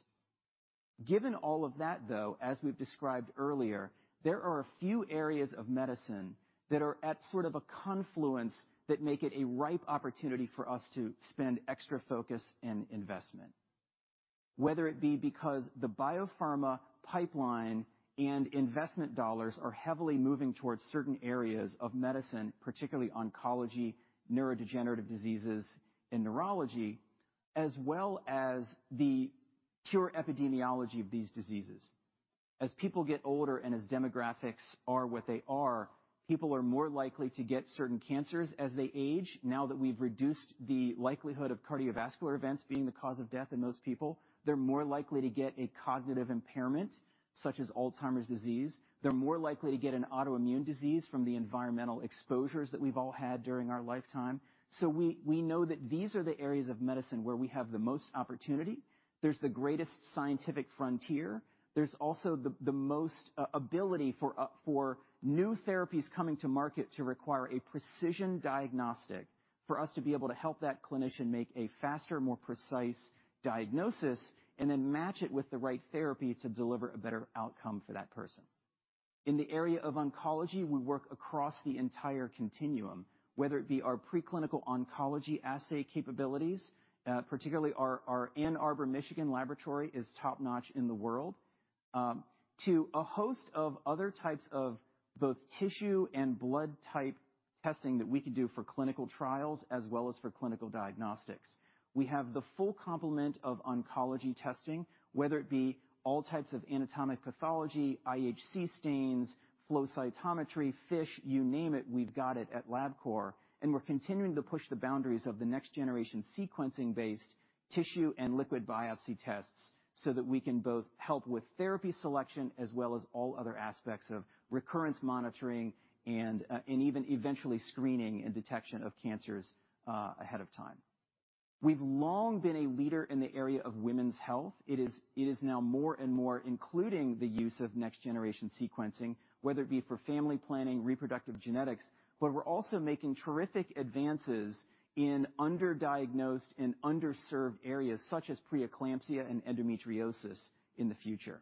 Given all of that, though, as we've described earlier, there are a few areas of medicine that are at sort of a confluence that make it a ripe opportunity for us to spend extra focus and investment. Whether it be because the biopharma pipeline and investment dollars are heavily moving towards certain areas of medicine, particularly oncology, neurodegenerative diseases, and neurology, as well as the pure epidemiology of these diseases. As people get older and as demographics are what they are, people are more likely to get certain cancers as they age, now that we've reduced the likelihood of cardiovascular events being the cause of death in most people. They're more likely to get a cognitive impairment, such as Alzheimer's disease. They're more likely to get an autoimmune disease from the environmental exposures that we've all had during our lifetime. So we know that these are the areas of medicine where we have the most opportunity. There's the greatest scientific frontier. There's also the most ability for new therapies coming to market to require a precision diagnostic for us to be able to help that clinician make a faster, more precise diagnosis, and then match it with the right therapy to deliver a better outcome for that person. In the area of oncology, we work across the entire continuum, whether it be our preclinical oncology assay capabilities, particularly our Ann Arbor, Michigan laboratory is top-notch in the world, to a host of other types of both tissue and blood type testing that we can do for clinical trials as well as for clinical diagnostics. We have the full complement of oncology testing, whether it be all types of anatomic pathology, IHC stains, flow cytometry, FISH, you name it, we've got it at Labcorp. And we're continuing to push the boundaries of the next-generation sequencing-based tissue and liquid biopsy tests, so that we can both help with therapy selection as well as all other aspects of recurrence monitoring and, and even eventually screening and detection of cancers, ahead of time. We've long been a leader in the area of women's health. It is, it is now more and more including the use of next-generation sequencing, whether it be for family planning, reproductive genetics, but we're also making terrific advances in underdiagnosed and underserved areas such as preeclampsia and endometriosis in the future.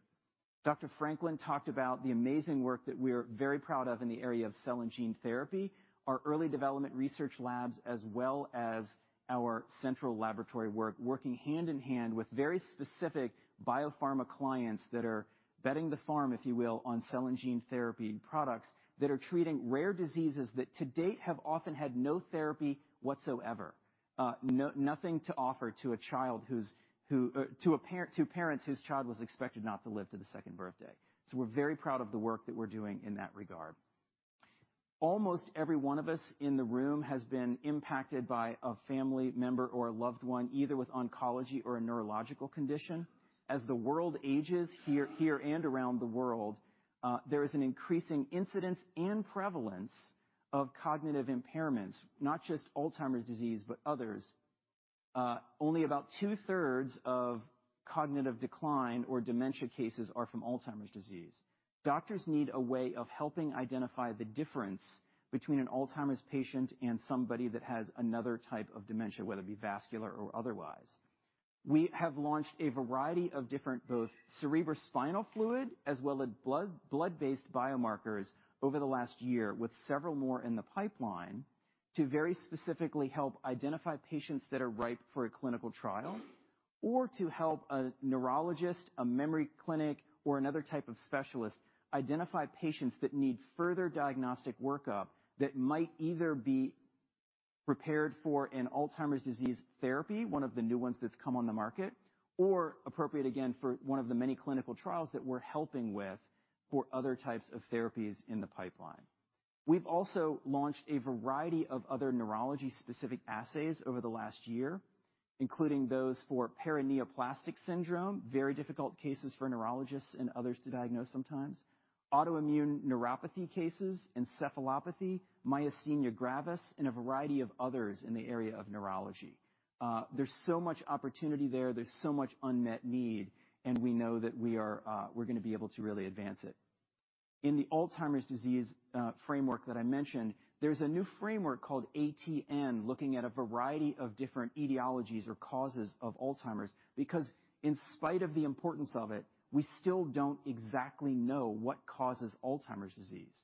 Dr. Franklin talked about the amazing work that we are very proud of in the area of cell and gene therapy, our early development research labs, as well as our central laboratory work, working hand-in-hand with very specific biopharma clients that are betting the farm, if you will, on cell and gene therapy products that are treating rare diseases that to date have often had no therapy whatsoever. Nothing to offer to parents whose child was expected not to live to the second birthday. So we're very proud of the work that we're doing in that regard. Almost every one of us in the room has been impacted by a family member or a loved one, either with oncology or a neurological condition. As the world ages, here and around the world, there is an increasing incidence and prevalence of cognitive impairments, not just Alzheimer's disease, but others. Only about two-thirds of cognitive decline or dementia cases are from Alzheimer's disease. Doctors need a way of helping identify the difference between an Alzheimer's patient and somebody that has another type of dementia, whether it be vascular or otherwise. We have launched a variety of different, both cerebrospinal fluid as well as blood, blood-based biomarkers over the last year, with several more in the pipeline, to very specifically help identify patients that are ripe for a clinical trial, or to help a neurologist, a memory clinic, or another type of specialist identify patients that need further diagnostic workup that might either be prepared for an Alzheimer's disease therapy, one of the new ones that's come on the market, or appropriate, again, for one of the many clinical trials that we're helping with for other types of therapies in the pipeline. We've also launched a variety of other neurology-specific assays over the last year, including those for paraneoplastic syndrome, very difficult cases for neurologists and others to diagnose sometimes, autoimmune neuropathy cases, encephalopathy, myasthenia gravis, and a variety of others in the area of neurology. There's so much opportunity there, there's so much unmet need, and we know that we are, we're gonna be able to really advance it. In the Alzheimer's disease framework that I mentioned, there's a new framework called ATN, looking at a variety of different etiologies or causes of Alzheimer's, because in spite of the importance of it, we still don't exactly know what causes Alzheimer's disease.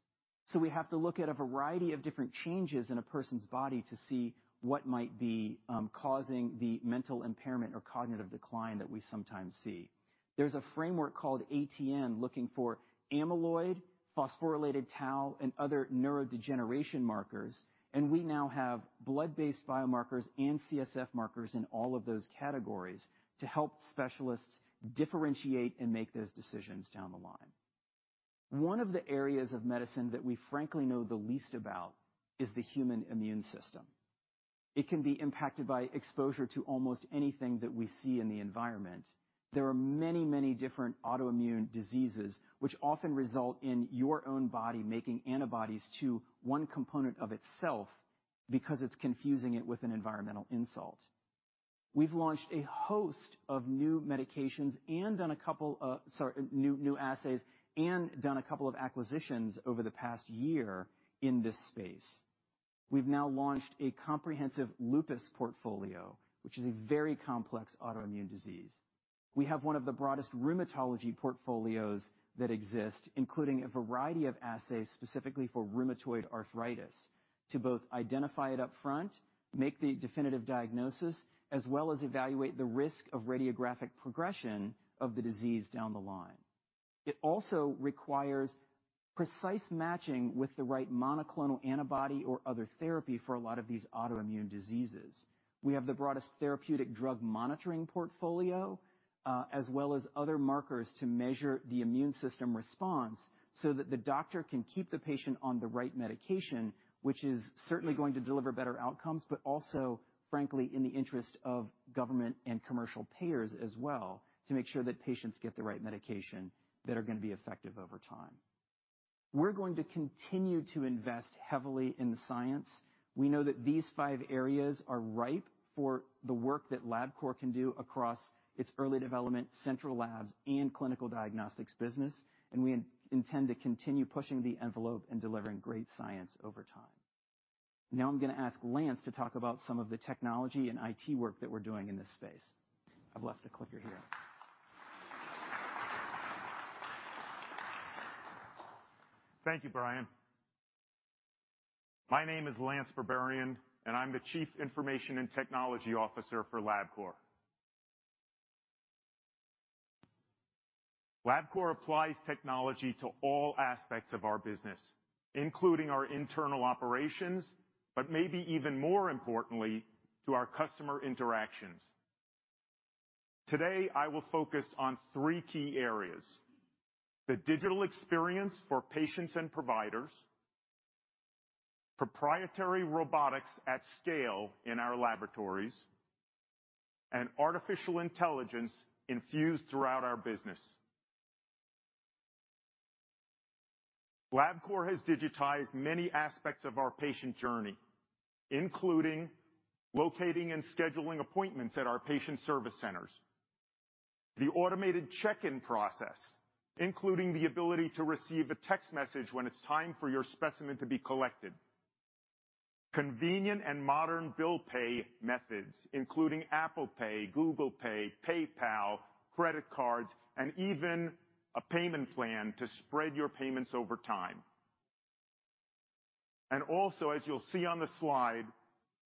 So we have to look at a variety of different changes in a person's body to see what might be causing the mental impairment or cognitive decline that we sometimes see. There's a framework called ATN, looking for amyloid, phosphorylated tau, and other neurodegeneration markers, and we now have blood-based biomarkers and CSF markers in all of those categories to help specialists differentiate and make those decisions down the line. One of the areas of medicine that we frankly know the least about is the human immune system. It can be impacted by exposure to almost anything that we see in the environment. There are many, many different autoimmune diseases, which often result in your own body making antibodies to one component of itself because it's confusing it with an environmental insult. We've launched a host of new assays and done a couple of acquisitions over the past year in this space. We've now launched a comprehensive lupus portfolio, which is a very complex autoimmune disease. We have one of the broadest rheumatology portfolios that exist, including a variety of assays specifically for rheumatoid arthritis, to both identify it upfront, make the definitive diagnosis, as well as evaluate the risk of radiographic progression of the disease down the line. It also requires precise matching with the right monoclonal antibody or other therapy for a lot of these autoimmune diseases. We have the broadest therapeutic drug monitoring portfolio, as well as other markers to measure the immune system response, so that the doctor can keep the patient on the right medication, which is certainly going to deliver better outcomes, but also, frankly, in the interest of government and commercial payers as well, to make sure that patients get the right medication that are going to be effective over time. We're going to continue to invest heavily in the science. We know that these five areas are ripe for the work that Labcorp can do across its early development, central labs, and clinical diagnostics business, and we intend to continue pushing the envelope and delivering great science over time. Now, I'm going to ask Lance to talk about some of the technology and IT work that we're doing in this space. I've left the clicker here. Thank you, Brian. My name is Lance Berberian, and I'm the Chief Information and Technology Officer for Labcorp. Labcorp applies technology to all aspects of our business, including our internal operations, but maybe even more importantly, to our customer interactions. Today, I will focus on three key areas: the digital experience for patients and providers, proprietary robotics at scale in our laboratories, and artificial intelligence infused throughout our business. Labcorp has digitized many aspects of our patient journey, including locating and scheduling appointments at our patient service centers. The automated check-in process, including the ability to receive a text message when it's time for your specimen to be collected. Convenient and modern bill pay methods, including Apple Pay, Google Pay, PayPal, credit cards, and even a payment plan to spread your payments over time. Also, as you'll see on the slide,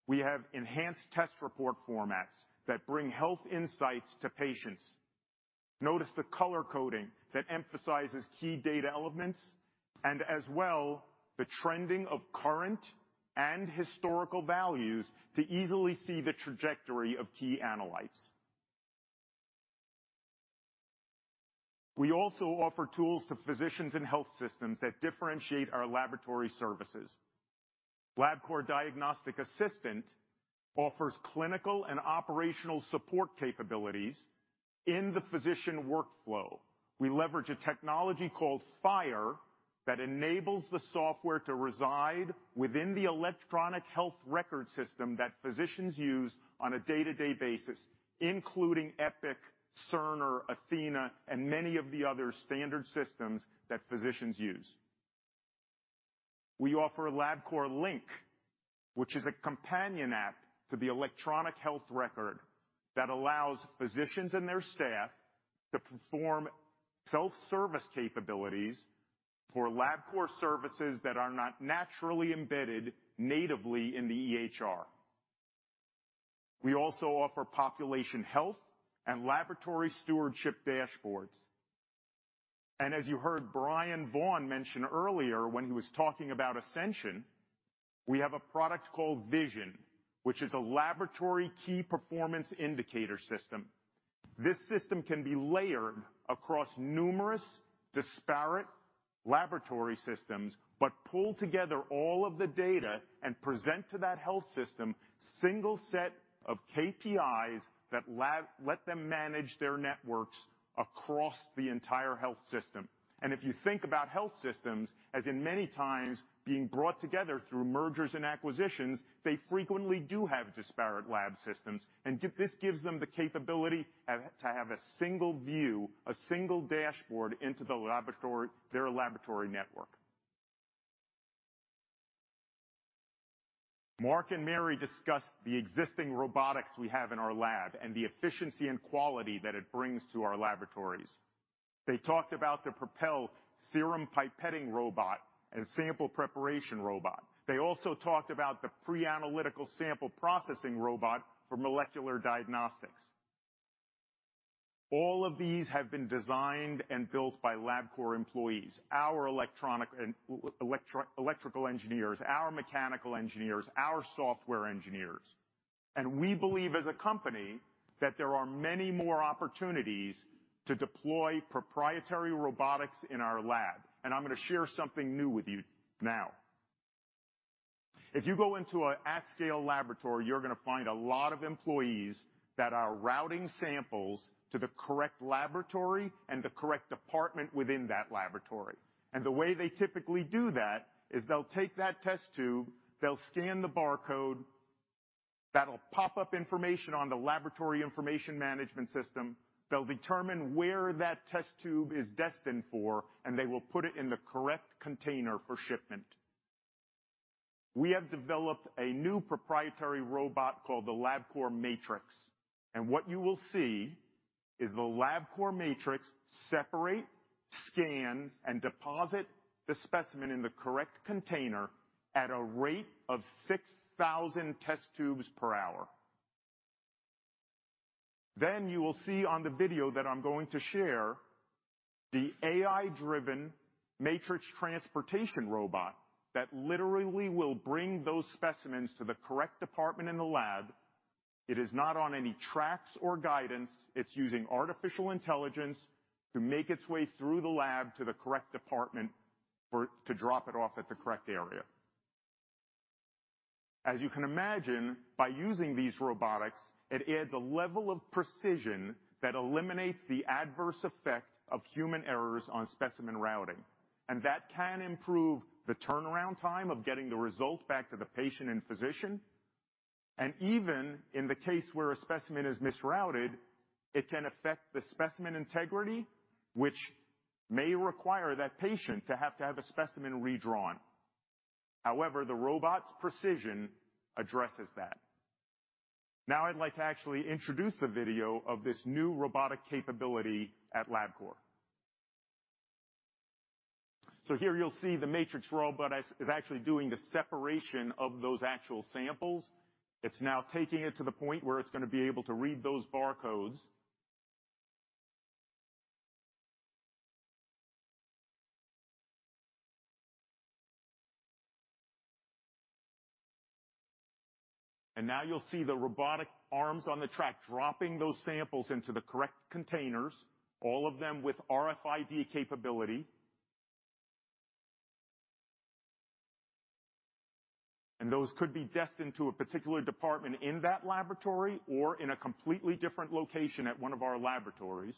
we have enhanced test report formats that bring health insights to patients. Notice the color coding that emphasizes key data elements, and as well, the trending of current and historical values to easily see the trajectory of key analytes. We also offer tools to physicians and health systems that differentiate our laboratory services. Labcorp Diagnostic Assistant offers clinical and operational support capabilities in the physician workflow. We leverage a technology called FHIR that enables the software to reside within the electronic health record system that physicians use on a day-to-day basis, including Epic, Cerner, Athena, and many of the other standard systems that physicians use. We offer Labcorp Link, which is a companion app to the electronic health record, that allows physicians and their staff to perform self-service capabilities for Labcorp services that are not naturally embedded natively in the EHR. We also offer population health and laboratory stewardship dashboards. As you heard Bryan Vaughn mention earlier when he was talking about Ascension, we have a product called Visiun, which is a laboratory key performance indicator system. This system can be layered across numerous disparate laboratory systems, but pull together all of the data and present to that health system single set of KPIs that let them manage their networks across the entire health system. If you think about health systems, as in many times being brought together through mergers and acquisitions, they frequently do have disparate lab systems, and this gives them the capability to have a single view, a single dashboard, into the laboratory, their laboratory network. Mark and Mary discussed the existing robotics we have in our lab and the efficiency and quality that it brings to our laboratories. They talked about the Propel serum pipetting robot and sample preparation robot. They also talked about the pre-analytical sample processing robot for molecular diagnostics. All of these have been designed and built by Labcorp employees, our electronic and electrical engineers, our mechanical engineers, our software engineers. We believe, as a company, that there are many more opportunities to deploy proprietary robotics in our lab, and I'm going to share something new with you now. If you go into an at-scale laboratory, you're going to find a lot of employees that are routing samples to the correct laboratory and the correct department within that laboratory. The way they typically do that is they'll take that test tube, they'll scan the barcode, that'll pop up information on the Laboratory Information Management System. They'll determine where that test tube is destined for, and they will put it in the correct container for shipment. We have developed a new proprietary robot called the Labcorp Matrix, and what you will see is the Labcorp Matrix separate, scan, and deposit the specimen in the correct container at a rate of 6,000 test tubes per hour. Then you will see on the video that I'm going to share, the AI-driven matrix transportation robot that literally will bring those specimens to the correct department in the lab. It is not on any tracks or guidance. It's using artificial intelligence to make its way through the lab to the correct department for to drop it off at the correct area. As you can imagine, by using these robotics, it adds a level of precision that eliminates the adverse effect of human errors on specimen routing, and that can improve the turnaround time of getting the result back to the patient and physician. And even in the case where a specimen is misrouted, it can affect the specimen integrity, which may require that patient to have to have a specimen redrawn. However, the robot's precision addresses that. Now, I'd like to actually introduce the video of this new robotic capability at Labcorp. So here you'll see the Matrix robot is actually doing the separation of those actual samples. It's now taking it to the point where it's going to be able to read those barcodes. And now you'll see the robotic arms on the track, dropping those samples into the correct containers, all of them with RFID capability. Those could be destined to a particular department in that laboratory or in a completely different location at one of our laboratories.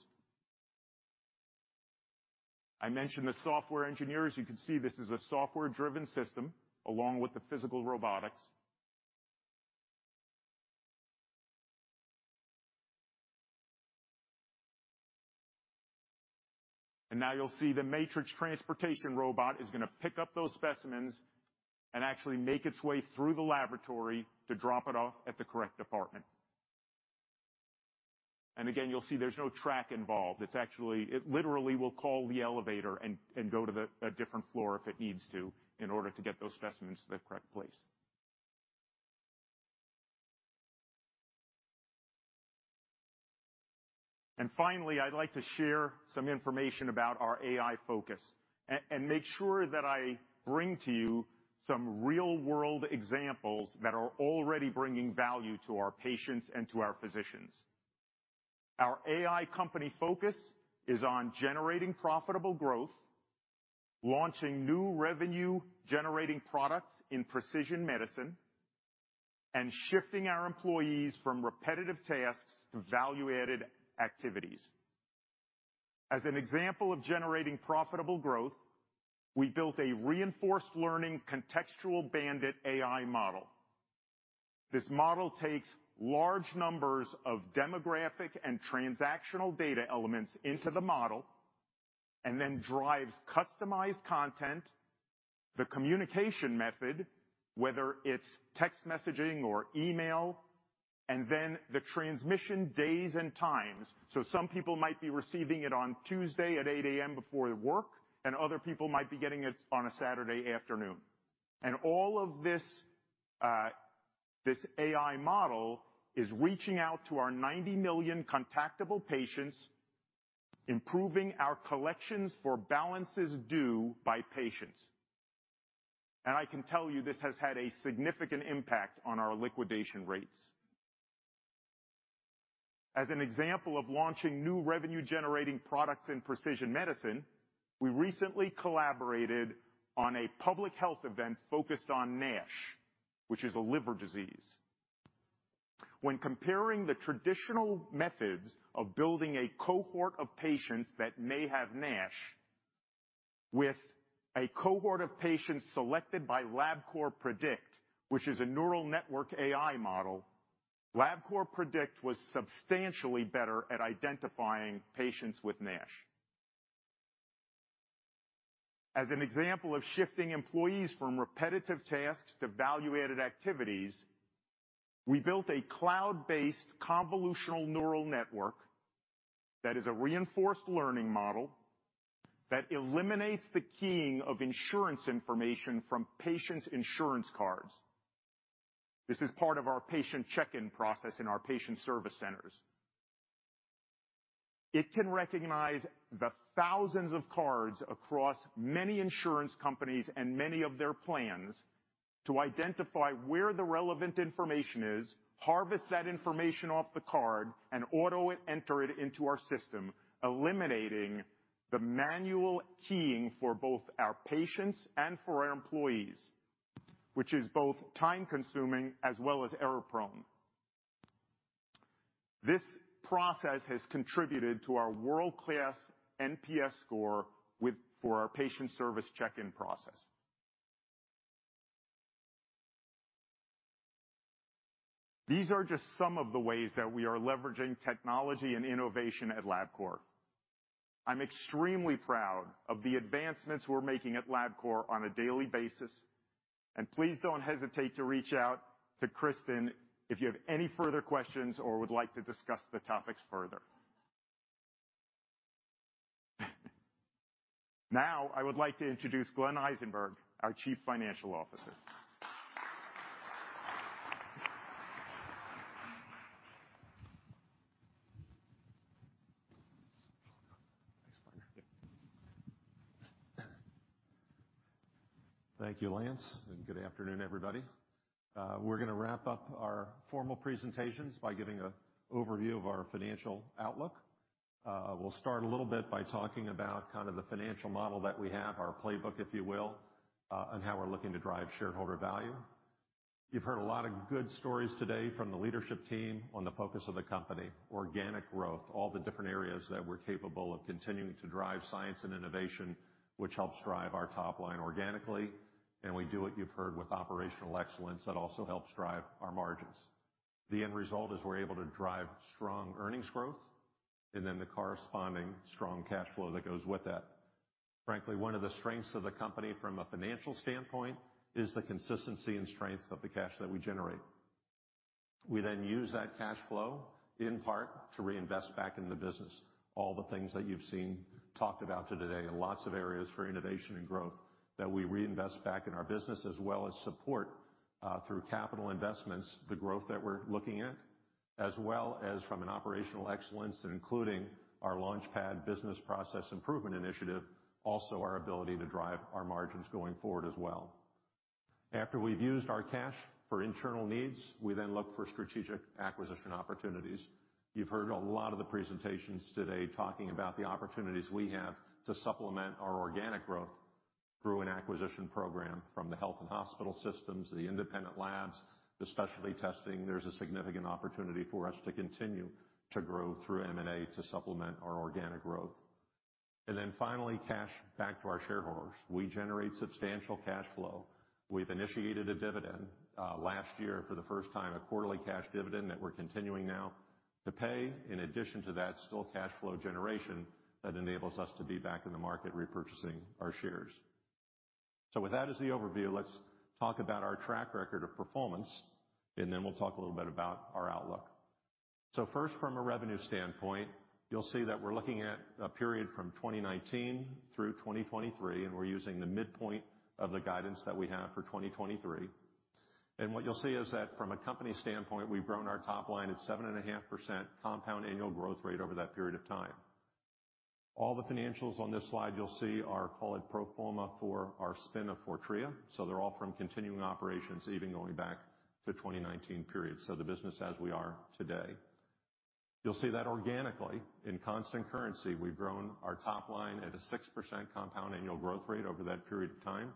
I mentioned the software engineers. You can see this is a software-driven system along with the physical robotics. Now you'll see the Matrix transportation robot is going to pick up those specimens and actually make its way through the laboratory to drop it off at the correct department. Again, you'll see there's no track involved. It literally will call the elevator and go to a different floor if it needs to, in order to get those specimens to the correct place. Finally, I'd like to share some information about our AI focus and make sure that I bring to you some real-world examples that are already bringing value to our patients and to our physicians. Our AI company focus is on generating profitable growth, launching new revenue, generating products in precision medicine, and shifting our employees from repetitive tasks to value-added activities. As an example of generating profitable growth, we built a reinforced learning contextual bandit AI model. This model takes large numbers of demographic and transactional data elements into the model, and then drives customized content, the communication method, whether it's text messaging or email, and then the transmission days and times. So some people might be receiving it on Tuesday at 8:00 A.M. before work, and other people might be getting it on a Saturday afternoon. And all of this, this AI model is reaching out to our 90 million contactable patients, improving our collections for balances due by patients. And I can tell you, this has had a significant impact on our liquidation rates. As an example of launching new revenue-generating products in precision medicine, we recently collaborated on a public health event focused on NASH, which is a liver disease. When comparing the traditional methods of building a cohort of patients that may have NASH with a cohort of patients selected by Labcorp Predict, which is a neural network AI model, Labcorp Predict was substantially better at identifying patients with NASH. As an example of shifting employees from repetitive tasks to value-added activities, we built a cloud-based convolutional neural network that is a reinforced learning model that eliminates the keying of insurance information from patients' insurance cards. This is part of our patient check-in process in our patient service centers. It can recognize the thousands of cards across many insurance companies and many of their plans, to identify where the relevant information is, harvest that information off the card, and auto enter it into our system, eliminating the manual keying for both our patients and for our employees, which is both time-consuming as well as error-prone. This process has contributed to our world-class NPS score for our patient service check-in process. These are just some of the ways that we are leveraging technology and innovation at Labcorp. I'm extremely proud of the advancements we're making at Labcorp on a daily basis, and please don't hesitate to reach out to Christin if you have any further questions or would like to discuss the topics further. Now, I would like to introduce Glenn Eisenberg, our Chief Financial Officer. Thank you, Lance, and good afternoon, everybody. We're gonna wrap up our formal presentations by giving an overview of our financial outlook. We'll start a little bit by talking about kind of the financial model that we have, our playbook, if you will, on how we're looking to drive shareholder value. You've heard a lot of good stories today from the leadership team on the focus of the company, organic growth, all the different areas that we're capable of continuing to drive science and innovation, which helps drive our top line organically, and we do what you've heard with operational excellence. That also helps drive our margins. The end result is we're able to drive strong earnings growth and then the corresponding strong cash flow that goes with that. Frankly, one of the strengths of the company from a financial standpoint is the consistency and strength of the cash that we generate. We then use that cash flow, in part, to reinvest back in the business. All the things that you've seen talked about today, and lots of areas for innovation and growth that we reinvest back in our business, as well as support through capital investments, the growth that we're looking at. As well as from an operational excellence, including our LaunchPad business process improvement initiative, also our ability to drive our margins going forward as well. After we've used our cash for internal needs, we then look for strategic acquisition opportunities. You've heard a lot of the presentations today talking about the opportunities we have to supplement our organic growth through an acquisition program from the health and hospital systems, the independent labs, the specialty testing. There's a significant opportunity for us to continue to grow through M&A, to supplement our organic growth. And then finally, cash back to our shareholders. We generate substantial cash flow. We've initiated a dividend last year, for the first time, a quarterly cash dividend that we're continuing now to pay. In addition to that, still cash flow generation that enables us to be back in the market, repurchasing our shares. So with that as the overview, let's talk about our track record of performance, and then we'll talk a little bit about our outlook. So first, from a revenue standpoint, you'll see that we're looking at a period from 2019 through 2023, and we're using the midpoint of the guidance that we have for 2023. What you'll see is that from a company standpoint, we've grown our top line at 7.5% compound annual growth rate over that period of time. All the financials on this slide, you'll see, are call it pro forma for our spin of Fortrea. They're all from continuing operations, even going back to 2019 period, so the business as we are today. You'll see that organically, in constant currency, we've grown our top line at a 6% compound annual growth rate over that period of time.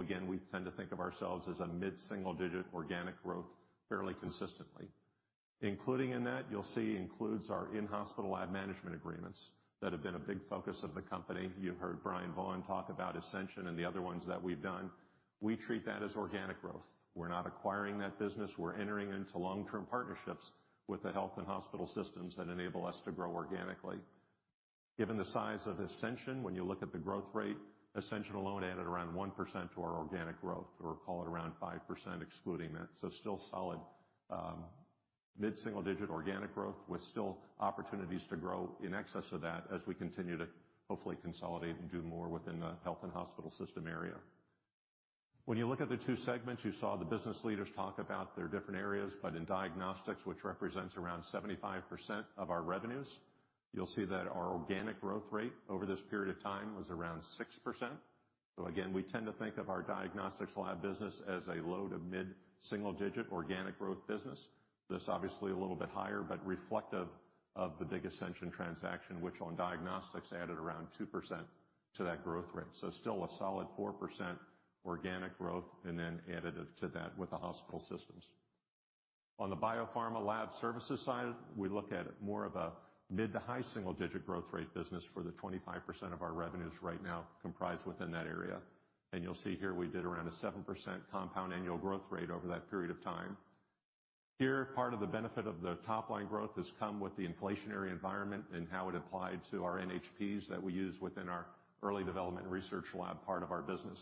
Again, we tend to think of ourselves as a mid-single digit organic growth fairly consistently. Including in that, you'll see, includes our in-hospital lab management agreements that have been a big focus of the company. You've heard Bryan Vaughn talk about Ascension and the other ones that we've done. We treat that as organic growth. We're not acquiring that business; we're entering into long-term partnerships with the health and hospital systems that enable us to grow organically. Given the size of Ascension, when you look at the growth rate, Ascension alone added around 1% to our organic growth, or call it around 5%, excluding that. So still solid, mid-single-digit organic growth, with still opportunities to grow in excess of that as we continue to hopefully consolidate and do more within the health and hospital system area. When you look at the two segments, you saw the business leaders talk about their different areas, but in diagnostics, which represents around 75% of our revenues, you'll see that our organic growth rate over this period of time was around 6%. So again, we tend to think of our diagnostics lab business as a low- to mid-single-digit organic growth business. This, obviously, a little bit higher, but reflective of the big Ascension transaction, which on diagnostics, added around 2% to that growth rate. So still a solid 4% organic growth, and then additive to that with the hospital systems. On the Biopharma Laboratory Services side, we look at more of a mid- to high-single-digit growth rate business for the 25% of our revenues right now comprised within that area. And you'll see here we did around a 7% compound annual growth rate over that period of time. Here, part of the benefit of the top line growth has come with the inflationary environment and how it applied to our NHPs that we use within our early development research lab, part of our business.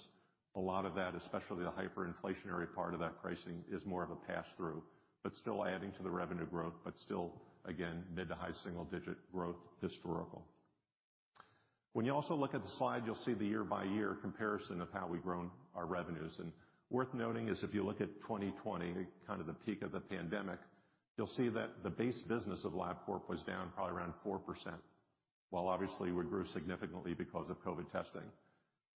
A lot of that, especially the hyperinflationary part of that pricing, is more of a pass-through, but still adding to the revenue growth, but still, again, mid to high single digit growth historical. When you also look at the slide, you'll see the year-by-year comparison of how we've grown our revenues. And worth noting is if you look at 2020, kind of the peak of the pandemic, you'll see that the base business of Labcorp was down probably around 4%, while obviously we grew significantly because of COVID testing.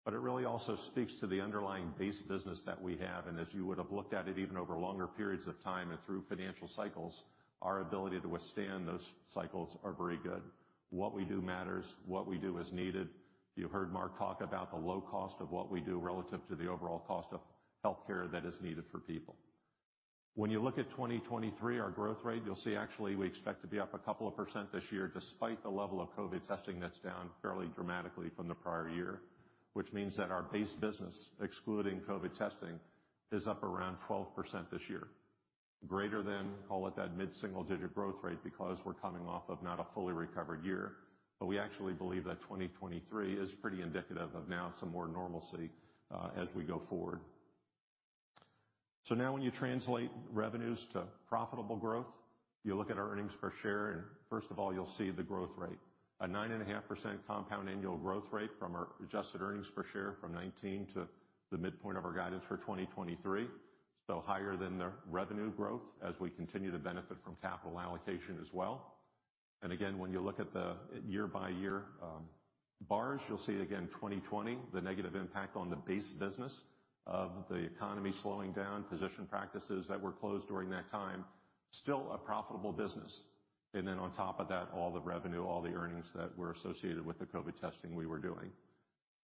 But it really also speaks to the underlying base business that we have, and as you would have looked at it, even over longer periods of time and through financial cycles, our ability to withstand those cycles are very good. What we do matters. What we do is needed. You heard Mark talk about the low cost of what we do relative to the overall cost of healthcare that is needed for people. When you look at 2023, our growth rate, you'll see actually we expect to be up 2% this year, despite the level of COVID testing that's down fairly dramatically from the prior year, which means that our base business, excluding COVID testing, is up around 12% this year. Greater than, call it, that mid-single-digit growth rate because we're coming off of not a fully recovered year. But we actually believe that 2023 is pretty indicative of now some more normalcy, as we go forward. So now when you translate revenues to profitable growth, you look at our earnings per share, and first of all, you'll see the growth rate. A 9.5% compound annual growth rate from our adjusted earnings per share from 2019 to the midpoint of our guidance for 2023. So higher than the revenue growth as we continue to benefit from capital allocation as well. And again, when you look at the year-by-year, bars, you'll see again, 2020, the negative impact on the base business of the economy slowing down, physician practices that were closed during that time, still a profitable business. And then on top of that, all the revenue, all the earnings that were associated with the COVID testing we were doing.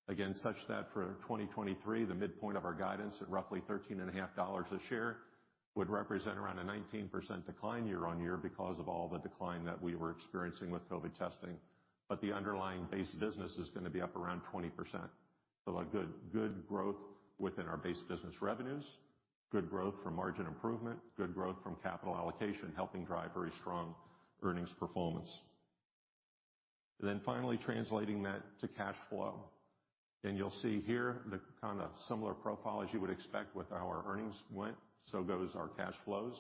Again, such that for 2023, the midpoint of our guidance at roughly $13.5 a share, would represent around a 19% decline year-on-year because of all the decline that we were experiencing with COVID testing. But the underlying base business is going to be up around 20%. So a good, good growth within our base business revenues, good growth from margin improvement, good growth from capital allocation, helping drive very strong earnings performance. Then finally, translating that to cash flow. And you'll see here the kind of similar profile as you would expect with how our earnings went, so goes our cash flows.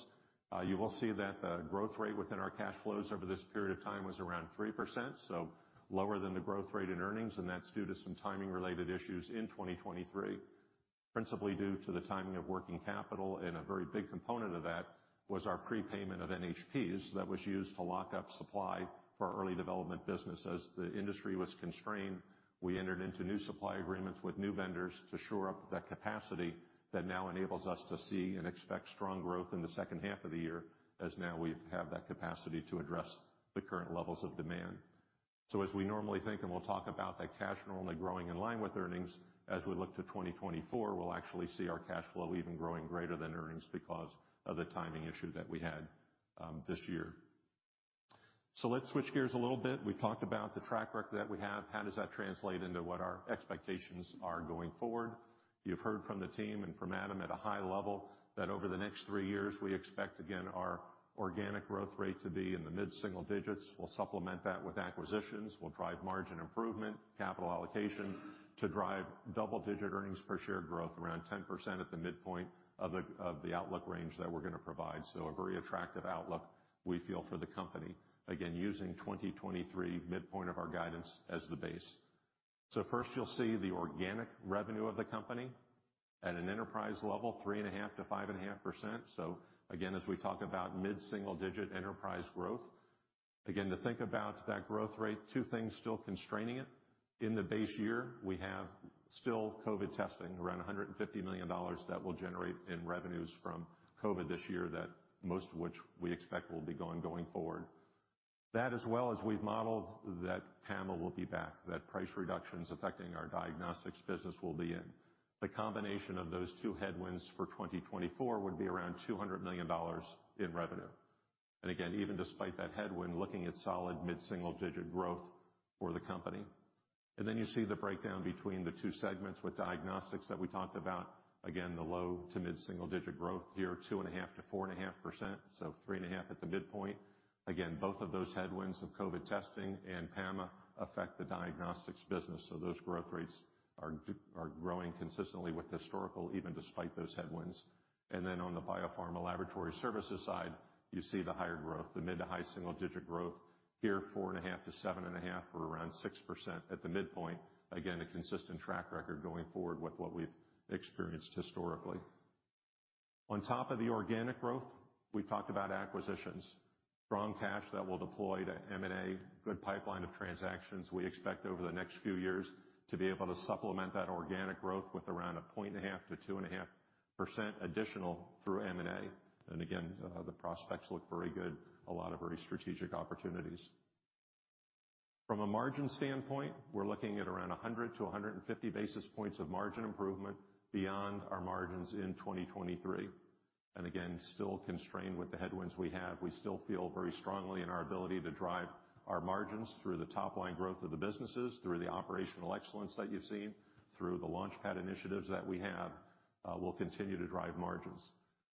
You will see that the growth rate within our cash flows over this period of time was around 3%, so lower than the growth rate in earnings, and that's due to some timing-related issues in 2023. Principally due to the timing of working capital, and a very big component of that was our prepayment of NHPs that was used to lock up supply for early development business. As the industry was constrained, we entered into new supply agreements with new vendors to shore up that capacity that now enables us to see and expect strong growth in the second half of the year, as now we have that capacity to address the current levels of demand. So as we normally think, and we'll talk about that cash normally growing in line with earnings, as we look to 2024, we'll actually see our cash flow even growing greater than earnings because of the timing issue that we had this year. So let's switch gears a little bit. We talked about the track record that we have. How does that translate into what our expectations are going forward? You've heard from the team and from Adam at a high level, that over the next three years, we expect, again, our organic growth rate to be in the mid-single digits. We'll supplement that with acquisitions. We'll drive margin improvement, capital allocation, to drive double-digit earnings per share growth, around 10% at the midpoint of the outlook range that we're going to provide. So a very attractive outlook we feel for the company, again, using 2023 midpoint of our guidance as the base. So first, you'll see the organic revenue of the company at an enterprise level, 3.5%-5.5%. So again, as we talk about mid-single digit enterprise growth, again, to think about that growth rate, two things still constraining it. In the base year, we have still COVID testing, around $150 million that we'll generate in revenues from COVID this year, that most of which we expect will be gone going forward. That, as well as we've modeled, that PAMA will be back, that price reductions affecting our diagnostics business will be in. The combination of those two headwinds for 2024 would be around $200 million in revenue. Again, even despite that headwind, looking at solid mid-single-digit growth for the company. Then you see the breakdown between the two segments with diagnostics that we talked about. Again, the low- to mid-single-digit growth year, 2.5%-4.5%, so 3.5% at the midpoint. Again, both of those headwinds of COVID testing and PAMA affect the diagnostics business, so those growth rates are growing consistently with historical, even despite those headwinds. Then on the Biopharma Laboratory Services side, you see the higher growth, the mid- to high-single-digit growth, here, 4.5%-7.5%, or around 6% at the midpoint. Again, a consistent track record going forward with what we've experienced historically. On top of the organic growth, we talked about acquisitions. Strong cash that we'll deploy to M&A, good pipeline of transactions we expect over the next few years to be able to supplement that organic growth with around 1.5%-2.5% additional through M&A. And again, the prospects look very good, a lot of very strategic opportunities. From a margin standpoint, we're looking at around 100-150 basis points of margin improvement beyond our margins in 2023. And again, still constrained with the headwinds we have, we still feel very strongly in our ability to drive our margins through the top line growth of the businesses, through the operational excellence that you've seen, through the LaunchPad initiatives that we have, will continue to drive margins.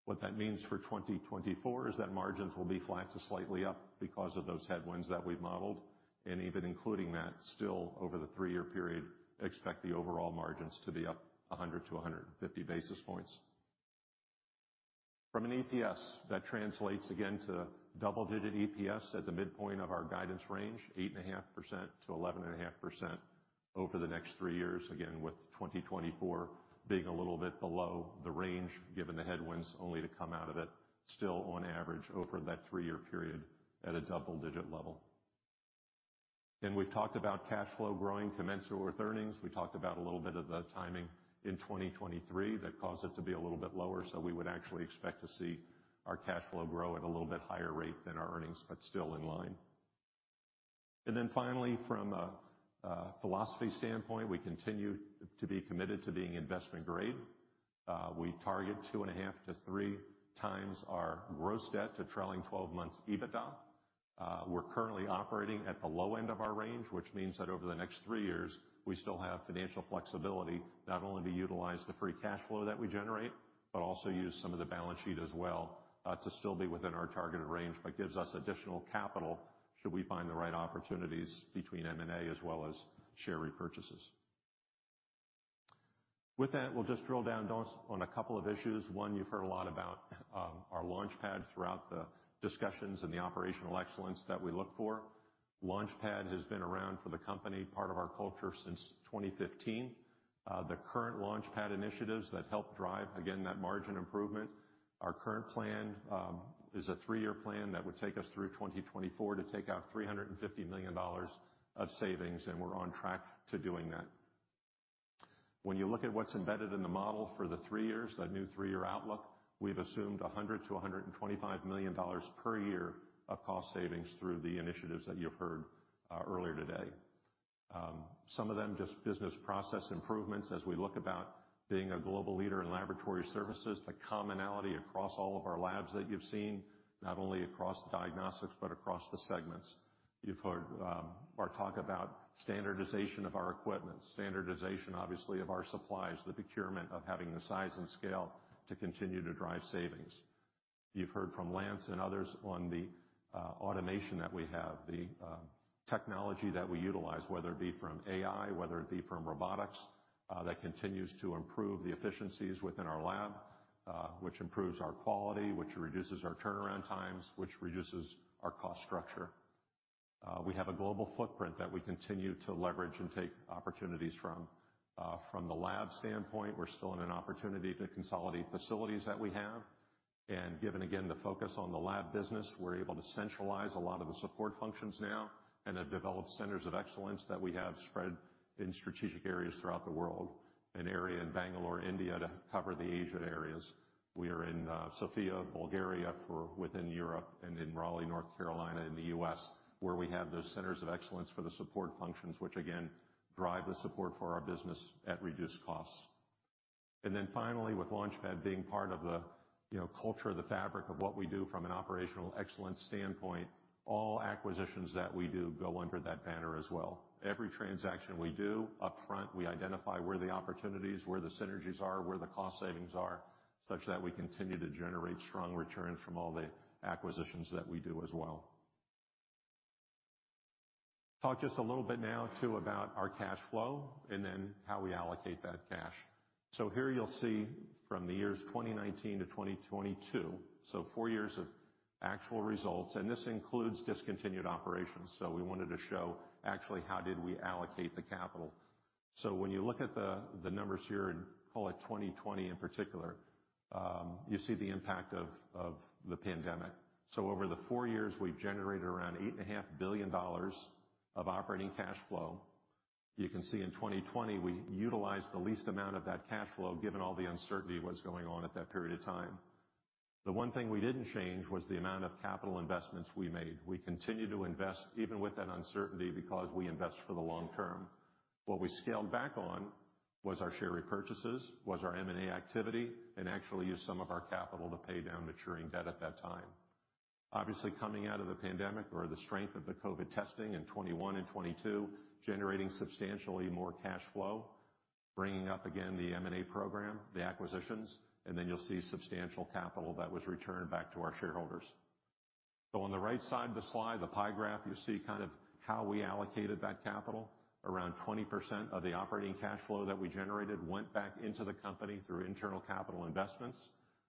What that means for 2024 is that margins will be flat to slightly up because of those headwinds that we've modeled, and even including that, still over the three-year period, expect the overall margins to be up 100-150 basis points. From an EPS, that translates again to double-digit EPS at the midpoint of our guidance range, 8.5%-11.5% over the next three years, again, with 2024 being a little bit below the range, given the headwinds only to come out of it, still on average, over that three-year period at a double-digit level. And we've talked about cash flow growing commensurate with earnings. We talked about a little bit of the timing in 2023 that caused it to be a little bit lower, so we would actually expect to see our cash flow grow at a little bit higher rate than our earnings, but still in line. Then finally, from a philosophy standpoint, we continue to be committed to being investment grade. We target 2.5x-3x our gross debt to trailing 12 months EBITDA. We're currently operating at the low end of our range, which means that over the next three years, we still have financial flexibility, not only to utilize the free cash flow that we generate, but also use some of the balance sheet as well, to still be within our targeted range, but gives us additional capital, should we find the right opportunities between M&A as well as share repurchases. With that, we'll just drill down just on a couple of issues. One, you've heard a lot about our LaunchPad throughout the discussions and the operational excellence that we look for. LaunchPad has been around for the company, part of our culture since 2015. The current LaunchPad initiatives that help drive, again, that margin improvement, our current plan is a three-year plan that would take us through 2024 to take out $350 million of savings, and we're on track to doing that. When you look at what's embedded in the model for the three years, that new three-year outlook, we've assumed $100 million to $125 million per year of cost savings through the initiatives that you've heard earlier today. Some of them, just business process improvements as we look about being a global leader in laboratory services, the commonality across all of our labs that you've seen, not only across diagnostics, but across the segments. You've heard our talk about standardization of our equipment, standardization, obviously, of our supplies, the procurement of having the size and scale to continue to drive savings. You've heard from Lance and others on the automation that we have, the technology that we utilize, whether it be from AI, whether it be from robotics that continues to improve the efficiencies within our lab which improves our quality, which reduces our turnaround times, which reduces our cost structure. We have a global footprint that we continue to leverage and take opportunities from. From the lab standpoint, we're still in an opportunity to consolidate facilities that we have, and given, again, the focus on the lab business, we're able to centralize a lot of the support functions now and have developed centers of excellence that we have spread in strategic areas throughout the world. An area in Bangalore, India, to cover the Asian areas. We are in Sofia, Bulgaria, for within Europe and in Raleigh, North Carolina, in the U.S., where we have those centers of excellence for the support functions, which again, drive the support for our business at reduced costs. And then finally, with LaunchPad being part of the, you know, culture, the fabric of what we do from an operational excellence standpoint, all acquisitions that we do go under that banner as well. Every transaction we do, upfront, we identify where the opportunities, where the synergies are, where the cost savings are, such that we continue to generate strong returns from all the acquisitions that we do as well. Talk just a little bit now, too, about our cash flow and then how we allocate that cash. So here you'll see from the years 2019 to 2022, so four years of actual results, and this includes discontinued operations. So we wanted to show actually how did we allocate the capital. So when you look at the numbers here, and call it 2020 in particular, you see the impact of the pandemic. So over the four years, we've generated around $8.5 billion of operating cash flow. You can see in 2020, we utilized the least amount of that cash flow, given all the uncertainty was going on at that period of time. The one thing we didn't change was the amount of capital investments we made. We continued to invest even with that uncertainty because we invest for the long term. What we scaled back on was our share repurchases, was our M&A activity, and actually used some of our capital to pay down maturing debt at that time. Obviously, coming out of the pandemic or the strength of the COVID testing in 2021 and 2022, generating substantially more cash flow, bringing up again the M&A program, the acquisitions, and then you'll see substantial capital that was returned back to our shareholders. So on the right side of the slide, the pie graph, you see kind of how we allocated that capital. Around 20% of the operating cash flow that we generated went back into the company through internal capital investments.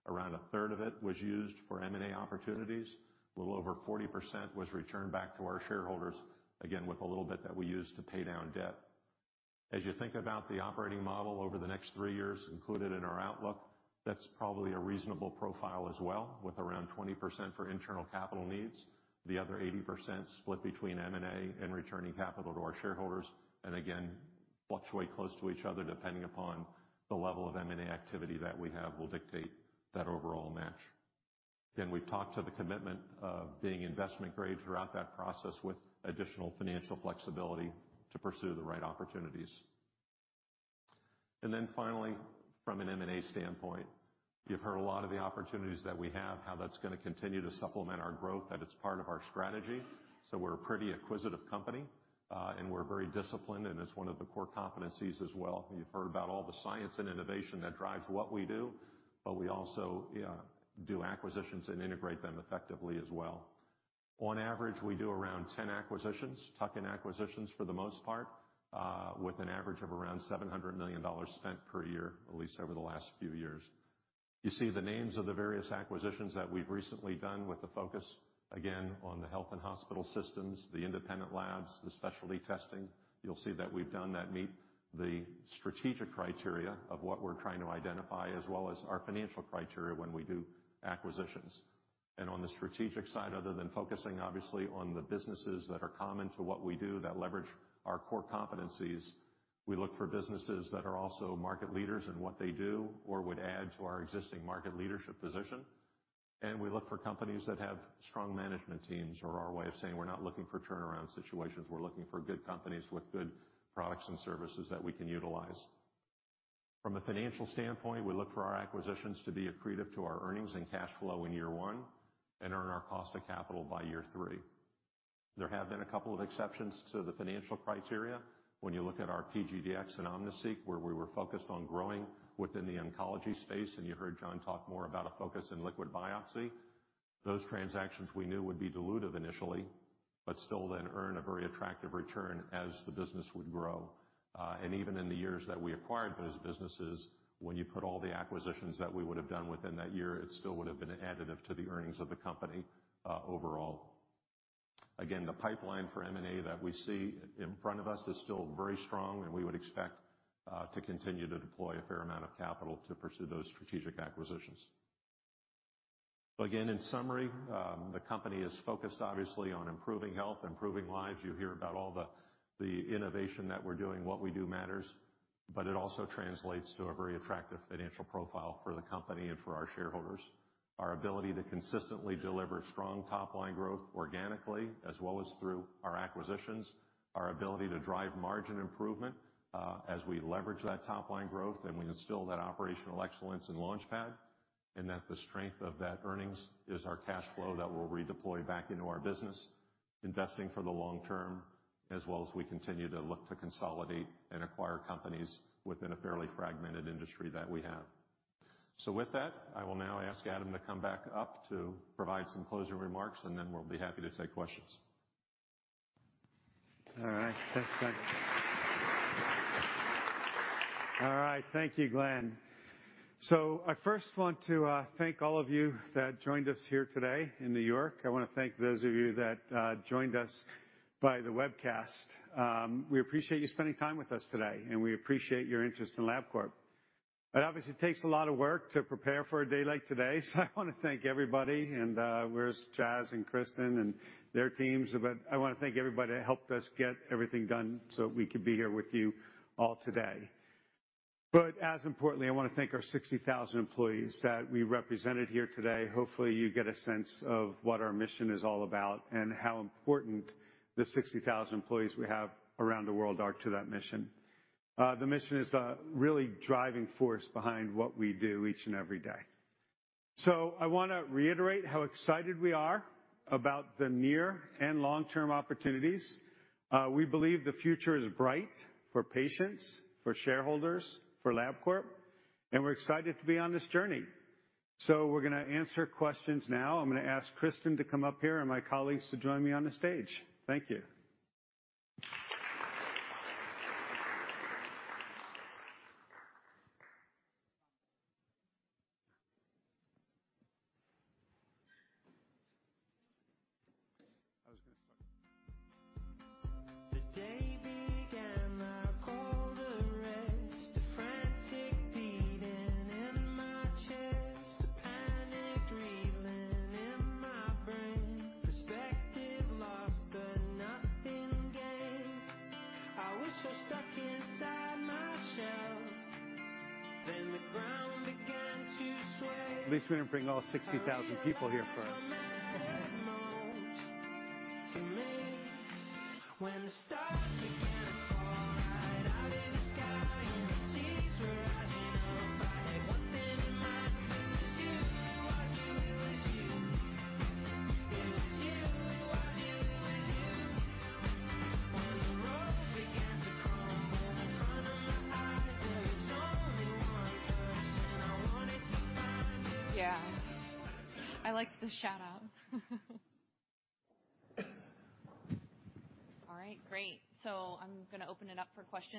Around a third of it was used for M&A opportunities. A little over 40% was returned back to our shareholders, again, with a little bit that we used to pay down debt. As you think about the operating model over the next three years included in our outlook, that's probably a reasonable profile as well, with around 20% for internal capital needs, the other 80% split between M&A and returning capital to our shareholders, and again, fluctuate close to each other depending upon the level of M&A activity that we have will dictate that overall match. Then we've talked to the commitment of being investment grade throughout that process, with additional financial flexibility to pursue the right opportunities. And then finally, from an M&A standpoint, you've heard a lot of the opportunities that we have, how that's gonna continue to supplement our growth, that it's part of our strategy. So we're a pretty acquisitive company, and we're very disciplined, and it's one of the core competencies as well. You've heard about all the science and innovation that drives what we do, but we also do acquisitions and integrate them effectively as well. On average, we do around 10 acquisitions, tuck-in acquisitions for the most part, with an average of around $700 million spent per year, at least over the last few years. You see the names of the various acquisitions that we've recently done with the focus, again, on the health and hospital systems, the independent labs, the specialty testing. You'll see that we've done that meet the strategic criteria of what we're trying to identify, as well as our financial criteria when we do acquisitions. On the strategic side, other than focusing obviously on the businesses that are common to what we do, that leverage our core competencies, we look for businesses that are also market leaders in what they do or would add to our existing market leadership position. We look for companies that have strong management teams or our way of saying we're not looking for turnaround situations. We're looking for good companies with good products and services that we can utilize. From a financial standpoint, we look for our acquisitions to be accretive to our earnings and cash flow in year one and earn our cost of capital by year three. There have been a couple of exceptions to the financial criteria. When you look at our PGDx and OmniSeq, where we were focused on growing within the oncology space, and you heard Jon talk more about a focus in liquid biopsy. Those transactions we knew would be dilutive initially, but still then earn a very attractive return as the business would grow. And even in the years that we acquired those businesses, when you put all the acquisitions that we would have done within that year, it still would have been additive to the earnings of the company, overall. Again, the pipeline for M&A that we see in front of us is still very strong, and we would expect to continue to deploy a fair amount of capital to pursue those strategic acquisitions. Again, in summary, the company is focused obviously on improving health, improving lives. You hear about all the innovation that we're doing, what we do matters, but it also translates to a very attractive financial profile for the company and for our shareholders. Our ability to consistently deliver strong top-line growth organically, as well as through our acquisitions, our ability to drive margin improvement, as we leverage that top-line growth, and we instill that operational excellence in LaunchPad, and that the strength of that earnings is our cash flow that we'll redeploy back into our business, investing for the long term, as well as we continue to look to consolidate and acquire companies within a fairly fragmented industry that we have. So with that, I will now ask Adam to come back up to provide some closing remarks, and then we'll be happy to take questions. All right. Thanks, Glenn. All right. Thank you, Glenn. So I first want to thank all of you that joined us here today in New York. I want to thank those of you that joined us by the webcast. We appreciate you spending time with us today, and we appreciate your interest in Labcorp. It obviously takes a lot of work to prepare for a day like today, so I want to thank everybody, and where's Chas and Christin and their teams? But I want to thank everybody that helped us get everything done so we could be here with you all today. But as importantly, I want to thank our 60,000 employees that we represented here today. Hopefully, you get a sense of what our mission is all about and how important the 60,000 employees we have around the world are to that mission. The mission is the really driving force behind what we do each and every day. So I want to reiterate how excited we are about the near and long-term opportunities. We believe the future is bright for patients, for shareholders, for Labcorp, and we're excited to be on this journey. So we're going to answer questions now. I'm going to ask Christin to come up here and my colleagues to join me on the stage. Thank you. Yeah, I liked the shout-out. All right, great. So I'm going to open it up for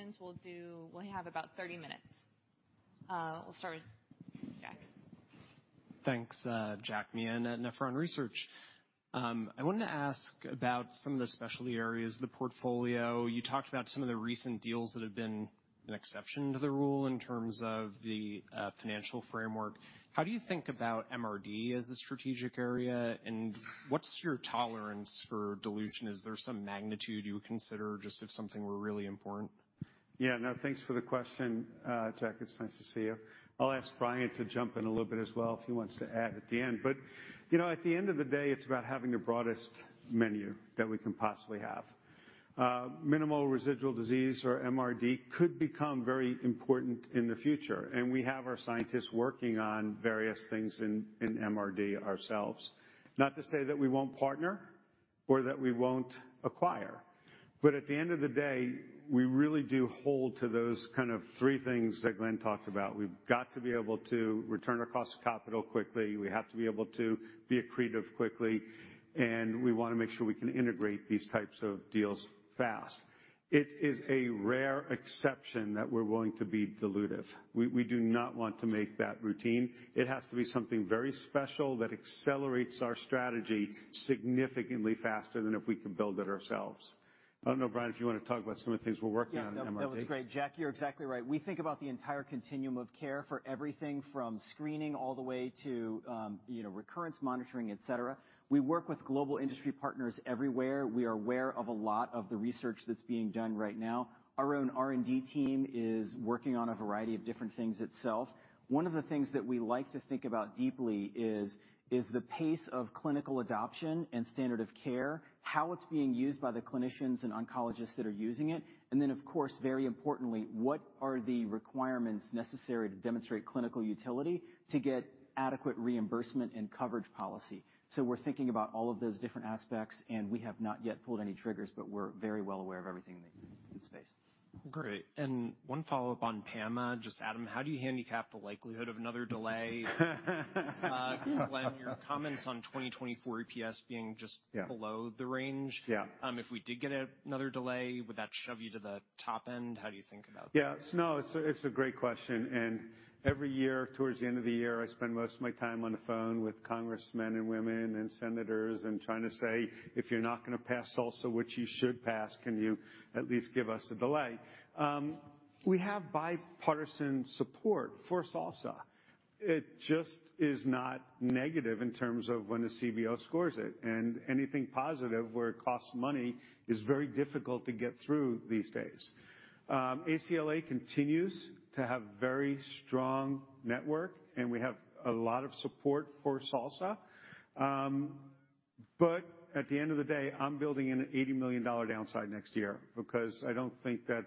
questions. We'll have about 30 minutes. We'll start with Jack. Thanks. Jack Meehan at Nephron Research. I wanted to ask about some of the specialty areas of the portfolio. You talked about some of the recent deals that have been an exception to the rule in terms of the financial framework. How do you think about MRD as a strategic area, and what's your tolerance for dilution? Is there some magnitude you would consider, just if something were really important? No, thanks for the question, Jack, it's nice to see you. I'll ask Brian to jump in a little bit as well, if he wants to add at the end. But at the end of the day, it's about having the broadest menu that we can possibly have. Minimal residual disease, or MRD, could become very important in the future, and we have our scientists working on various things in, in MRD ourselves. Not to say that we won't partner or that we won't acquire, but at the end of the day, we really do hold to those kind of three things that Glenn talked about. We've got to be able to return our cost of capital quickly. We have to be able to be accretive quickly, and we want to make sure we can integrate these types of deals fast. It is a rare exception that we're willing to be dilutive. We do not want to make that routine. It has to be something very special that accelerates our strategy significantly faster than if we can build it ourselves. I don't know, Brian, if you want to talk about some of the things we're working on in MRD. That was great. Jack, you're exactly right. We think about the entire continuum of care for everything from screening all the way to, you know, recurrence monitoring, et cetera. We work with global industry partners everywhere. We are aware of a lot of the research that's being done right now. Our own R&D team is working on a variety of different things itself. One of the things that we like to think about deeply is the pace of clinical adoption and standard of care, how it's being used by the clinicians and oncologists that are using it, and then, of course, very importantly, what are the requirements necessary to demonstrate clinical utility to get adequate reimbursement and coverage policy? So we're thinking about all of those different aspects, and we have not yet pulled any triggers, but we're very well aware of everything in this space. Great. And one follow-up on PAMA. Just, Adam, how do you handicap the likelihood of another delay? Given your comments on 2024 EPS being just below the range? If we did get another delay, would that shove you to the top end? How do you think about that? Yeah. No, it's a, it's a great question, and every year, towards the end of the year, I spend most of my time on the phone with congressmen and women and senators and trying to say: If you're not gonna pass SALSA, which you should pass, can you at least give us a delay? We have bipartisan support for SALSA. It just is not negative in terms of when the CBO scores it, and anything positive, where it costs money, is very difficult to get through these days. ACLA continues to have very strong network, and we have a lot of support for SALSA. But at the end of the day, I'm building an $80 million downside next year because I don't think that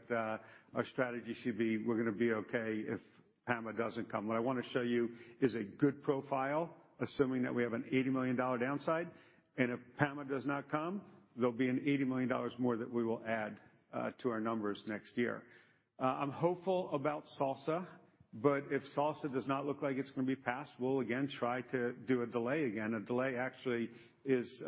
our strategy should be, "We're gonna be okay if PAMA doesn't come." What I wanna show you is a good profile, assuming that we have an $80 million downside, and if PAMA does not come, there'll be an $80 million more that we will add to our numbers next year. I'm hopeful about SALSA, but if SALSA does not look like it's gonna be passed, we'll again try to do a delay. A delay actually is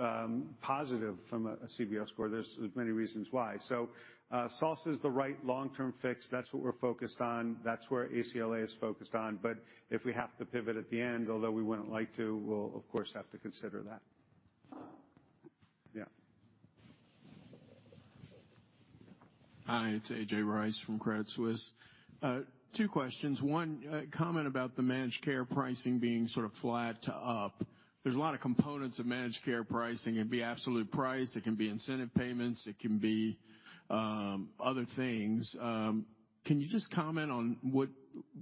positive from a CBO score. There's many reasons why. So, SALSA is the right long-term fix. That's what we're focused on. That's where ACLA is focused on, but if we have to pivot at the end, although we wouldn't like to, we'll, of course, have to consider that. Yeah. Hi, it's AJ Rice from Credit Suisse. Two questions. One, comment about the managed care pricing being sort of flat to up. There's a lot of components of managed care pricing. It'd be absolute price, it can be incentive payments, it can be, other things. Can you just comment on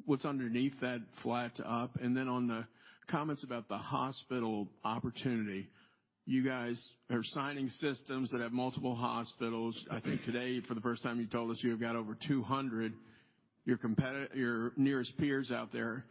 what's underneath that flat to up? And then, on the comments about the hospital opportunity, you guys are signing systems that have multiple hospitals. I think today, for the first time, you told us you have got over 200. Your competitors, your nearest peers out there,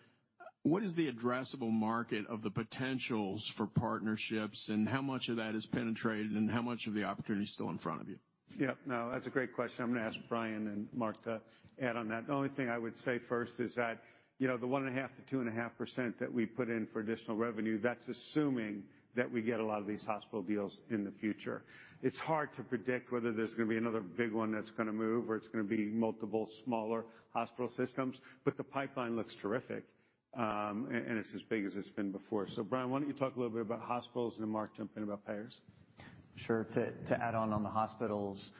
what is the addressable market of the potentials for partnerships, and how much of that is penetrated, and how much of the opportunity is still in front of you? Yeah. No, that's a great question. I'm gonna ask Bryan and Mark to add on that. The only thing I would say first is that, you know, the 1.5%-2.5% that we put in for additional revenue, that's assuming that we get a lot of these hospital deals in the future. It's hard to predict whether there's gonna be another big one that's gonna move or it's gonna be multiple smaller hospital systems, but the pipeline looks terrific, and it's as big as it's been before. So Bryan, why don't you talk a little bit about hospitals and then, Mark, jump in about payers? Sure. To add on the hospitals,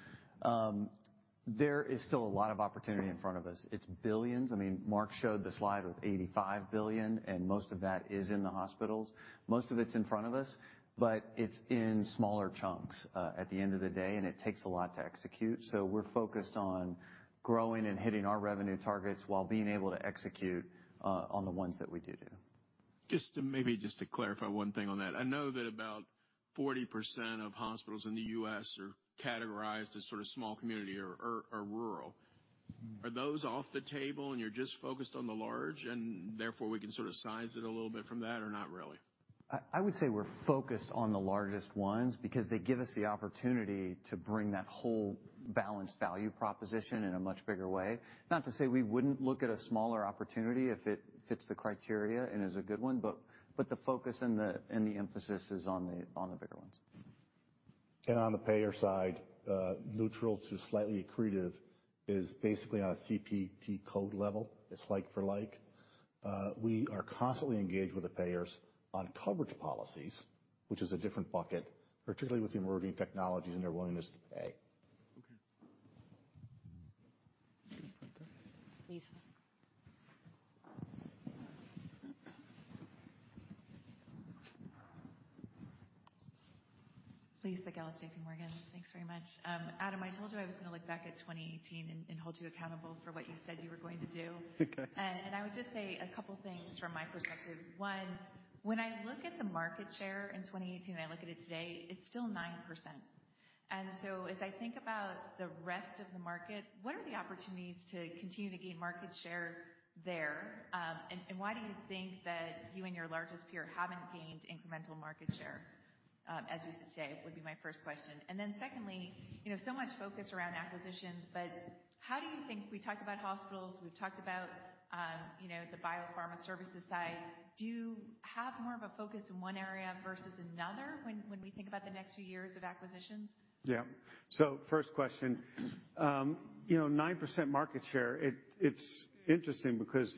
there is still a lot of opportunity in front of us. It's billions. I mean, Mark showed the slide with $85 billion, and most of that is in the hospitals. Most of it's in front of us, but it's in smaller chunks at the end of the day, and it takes a lot to execute. So we're focused on growing and hitting our revenue targets while being able to execute on the ones that we do do. Just to maybe clarify one thing on that. I know that about 40% of hospitals in the U.S. are categorized as sort of small community or, or rural. Are those off the table, and you're just focused on the large, and therefore we can sort of size it a little bit from that, or not really? I would say we're focused on the largest ones because they give us the opportunity to bring that whole balanced value proposition in a much bigger way. Not to say we wouldn't look at a smaller opportunity if it fits the criteria and is a good one, but the focus and the emphasis is on the bigger ones. On the payer side, neutral to slightly accretive is basically on a CPT code level. It's like for like. We are constantly engaged with the payers on coverage policies, which is a different bucket, particularly with the emerging technologies and their willingness to pay. Okay. Lisa Gill, JPMorgan. Thanks very much. Adam, I told you I was gonna look back at 2018 and hold you accountable for what you said you were going to do. I would just say a couple things from my perspective. One, when I look at the market share in 2018, and I look at it today, it's still 9%. As I think about the rest of the market, what are the opportunities to continue to gain market share there? Why do you think that you and your largest peer haven't gained incremental market share, as we sit today, would be my first question. Then secondly, much focus around acquisitions, we talked about hospitals, we've talked about the biopharma services side. Do you have more of a focus in one area versus another when we think about the next few years of acquisitions? First question, you know, 9% market share, it, it's interesting because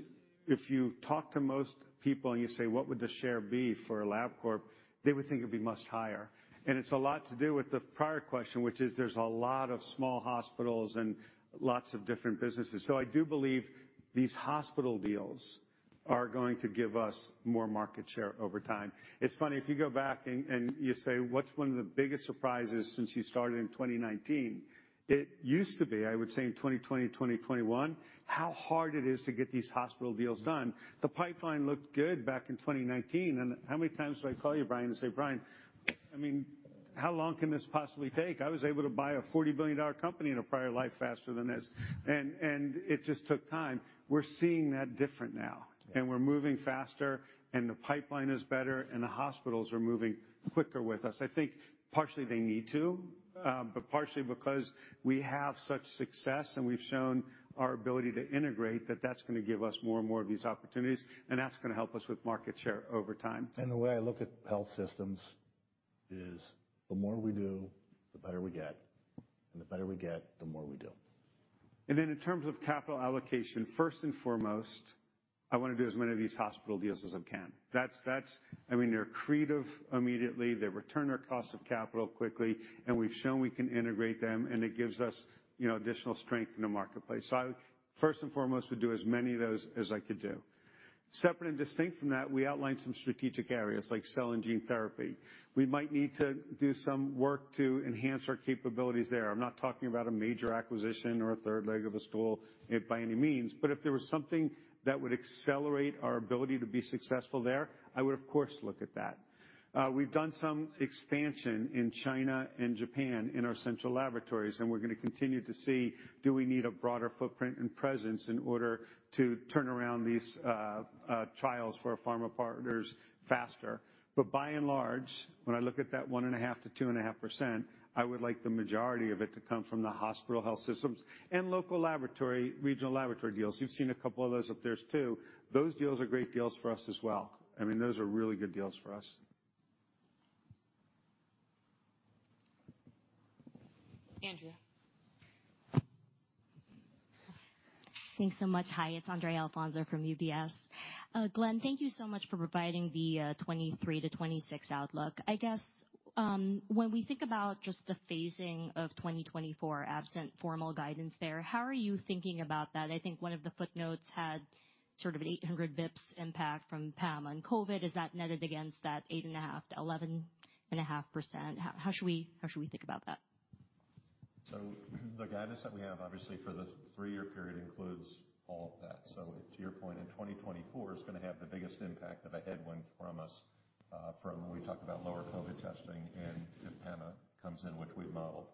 if you talk to most people, and you say: "What would the share be for Labcorp?" They would think it'd be much higher. And it's a lot to do with the prior question, which is there's a lot of small hospitals and lots of different businesses. So I do believe these hospital deals are going to give us more market share over time. It's funny, if you go back and you say, "What's one of the biggest surprises since you started in 2019?" It used to be, I would say in 2020, 2021, how hard it is to get these hospital deals done. The pipeline looked good back in 2019, and how many times did I call you, Bryan, and say, "Bryan, I mean, how long can this possibly take?" I was able to buy a $40 billion company in a prior life faster than this, and it just took time. We're seeing that different now, and we're moving faster, and the pipeline is better, and the hospitals are moving quicker with us. I think partially they need to, but partially because we have such success, and we've shown our ability to integrate, that that's gonna give us more and more of these opportunities, and that's gonna help us with market share over time. The way I look at health systems is, the more we do, the better we get, and the better we get, the more we do. Then in terms of capital allocation, first and foremost, I wanna do as many of these hospital deals as I can. That's, that's - I mean, they're accretive immediately, they return our cost of capital quickly, and we've shown we can integrate them, and it gives us, you know, additional strength in the marketplace. So I, first and foremost, would do as many of those as I could do. Separate and distinct from that, we outlined some strategic areas, like cell and gene therapy. We might need to do some work to enhance our capabilities there. I'm not talking about a major acquisition or a third leg of a stool, if by any means, but if there was something that would accelerate our ability to be successful there, I would, of course, look at that. We've done some expansion in China and Japan in our central laboratories, and we're gonna continue to see, do we need a broader footprint and presence in order to turn around these trials for our pharma partners faster? But by and large, when I look at that 1.5%-2.5%, I would like the majority of it to come from the hospital health systems and local laboratory, regional laboratory deals. You've seen a couple of those up there, too. Those deals are great deals for us as well. I mean, those are really good deals for us. Andrea. Thanks so much. Hi, it's Andrea Alfonso from UBS. Glenn, thank you so much for providing the 2023-2026 outlook. I guess, when we think about just the phasing of 2024, absent formal guidance there, how are you thinking about that? I think one of the footnotes had sort of an 800 basis points impact from PAMA on COVID. Is that netted against that 8.5%-11.5%? How should we think about that? So the guidance that we have, obviously, for the three-year period includes all of that. So to your point, in 2024, it's gonna have the biggest impact of a headwind from us, from when we talk about lower COVID testing, and if PAMA comes in which we've modeled.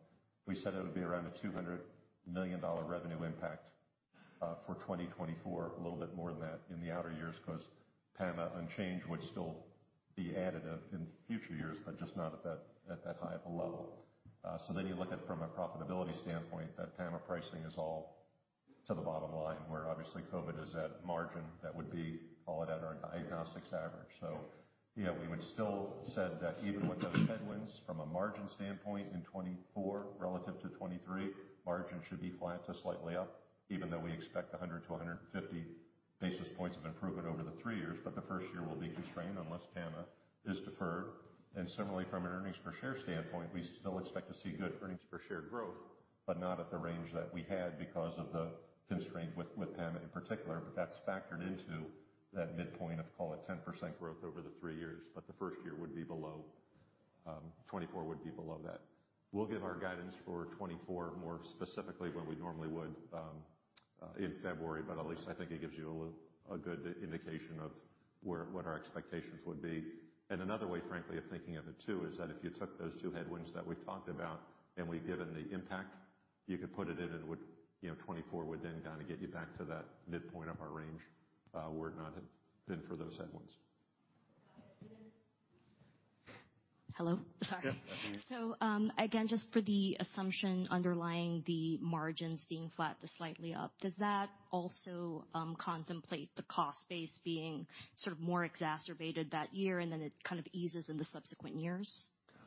We said it would be around a $200 million revenue impact, for 2024, a little bit more than that in the outer years, because PAMA unchanged would still be additive in future years, but just not at that, at that high of a level. So then you look at, from a profitability standpoint, that PAMA pricing is all to the bottom line, where obviously COVID is at margin, that would be call it at our diagnostics average. We would still said that even with those headwinds, from a margin standpoint, in 2024 relative to 2023, margins should be flat to slightly up, even though we expect 100-150 basis points of improvement over the three years. But the first year will be constrained unless PAMA is deferred. And similarly, from an earnings per share standpoint, we still expect to see good earnings per share growth, but not at the range that we had because of the constraint with, with PAMA in particular. But that's factored into that midpoint of, call it, 10% growth over the three years, but the first year would be below, 2024 would be below that. We'll give our guidance for 2024, more specifically when we normally would, in February, but at least I think it gives you a good indication of where, what our expectations would be. And another way, frankly, of thinking of it, too, is that if you took those two headwinds that we've talked about, and we've given the impact, you could put it in and it would, you know, 2024 would then kind of get you back to that midpoint of our range, were it not have been for those headwinds. Hello? Again, just for the assumption underlying the margins being flat to slightly up, does that also contemplate the cost base being sort of more exacerbated that year, and then it kind of eases in the subsequent years?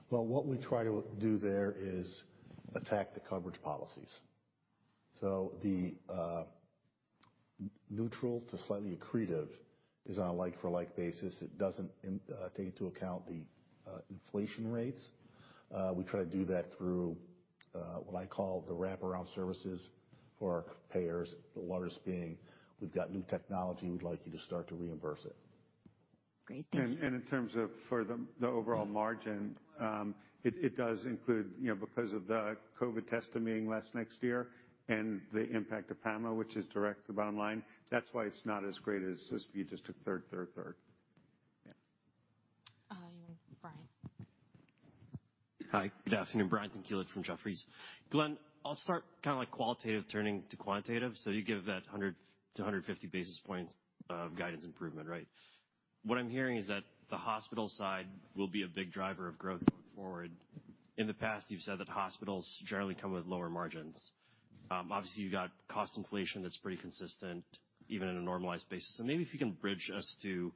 Well, what we try to do there is attack the coverage policies. So the neutral to slightly accretive is on a like for like basis. It doesn't in take into account the inflation rates. We try to do that through what I call the wraparound services for our payers, the largest being, we've got new technology, we'd like you to start to reimburse it. Great. Thank you. In terms of the overall margin, it does include, you know, because of the COVID testing being less next year and the impact of PAMA, which is direct to the bottom line, that's why it's not as great as if you just took third, third, third. Brian. Hi, good afternoon, Brian Tanquilut from Jefferies. Glenn, I'll start kind of like qualitative turning to quantitative. So you give that 100-150 basis points of guidance improvement, right? What I'm hearing is that the hospital side will be a big driver of growth going forward. In the past, you've said that hospitals generally come with lower margins. Obviously, you've got cost inflation that's pretty consistent, even in a normalized basis. So maybe if you can bridge us to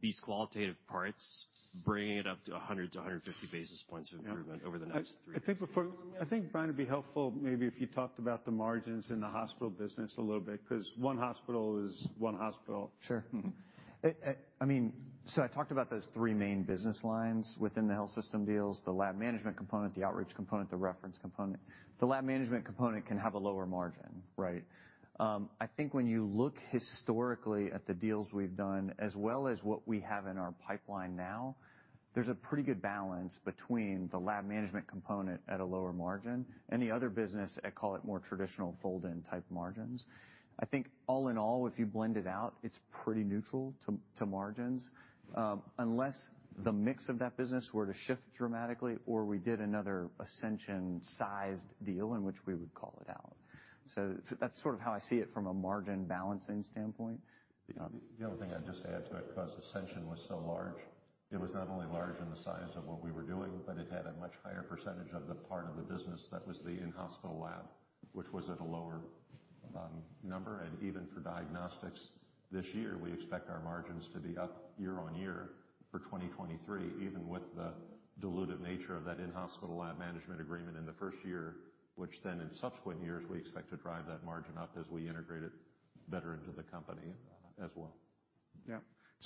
these qualitative parts, bringing it up to 100-150 basis points of improvement over the next three years. Bryan, it'd be helpful maybe if you talked about the margins in the hospital business a little bit, 'cause one hospital is one hospital. Sure. I mean, so I talked about those three main business lines within the health system deals, the lab management component, the outreach component, the reference component. The lab management component can have a lower margin, right? I think when you look historically at the deals we've done, as well as what we have in our pipeline now, there's a pretty good balance between the lab management component at a lower margin and the other business at, call it, more traditional fold-in type margins. I think all in all, if you blend it out, it's pretty neutral to margins, unless the mix of that business were to shift dramatically, or we did another Ascension-sized deal, in which we would call it out. So that's sort of how I see it from a margin balancing standpoint. Yeah. The only thing I'd just add to it, because Ascension was so large, it was not only large in the size of what we were doing, but it had a much higher percentage of the part of the business that was the in-hospital lab, which was at a lower, number. And even for diagnostics this year, we expect our margins to be up year-over-year for 2023, even with the dilutive nature of that in-hospital lab management agreement in the first year, which then in subsequent years, we expect to drive that margin up as we integrate it better into the company as well.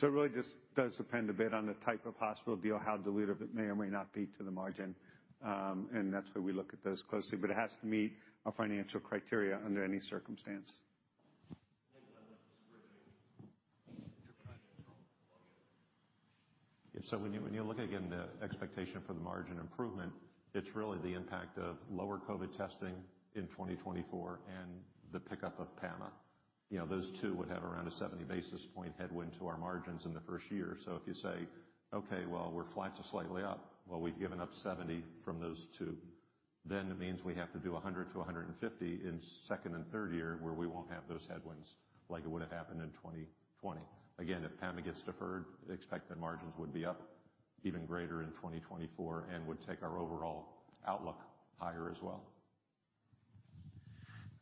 It really just does depend a bit on the type of hospital deal, how dilutive it may or may not be to the margin. And that's where we look at those closely, but it has to meet our financial criteria under any circumstance. When you look again, the expectation for the margin improvement, it's really the impact of lower COVID testing in 2024 and the pickup of PAMA. You know, those two would have around a 70 basis point headwind to our margins in the first year. So if you say, "Okay, well, we're flat to slightly up," well, we've given up 70 from those two, then it means we have to do 100-150 in second and third year, where we won't have those headwinds like it would have happened in 2020. Again, if PAMA gets deferred, expect that margins would be up even greater in 2024 and would take our overall outlook higher as well.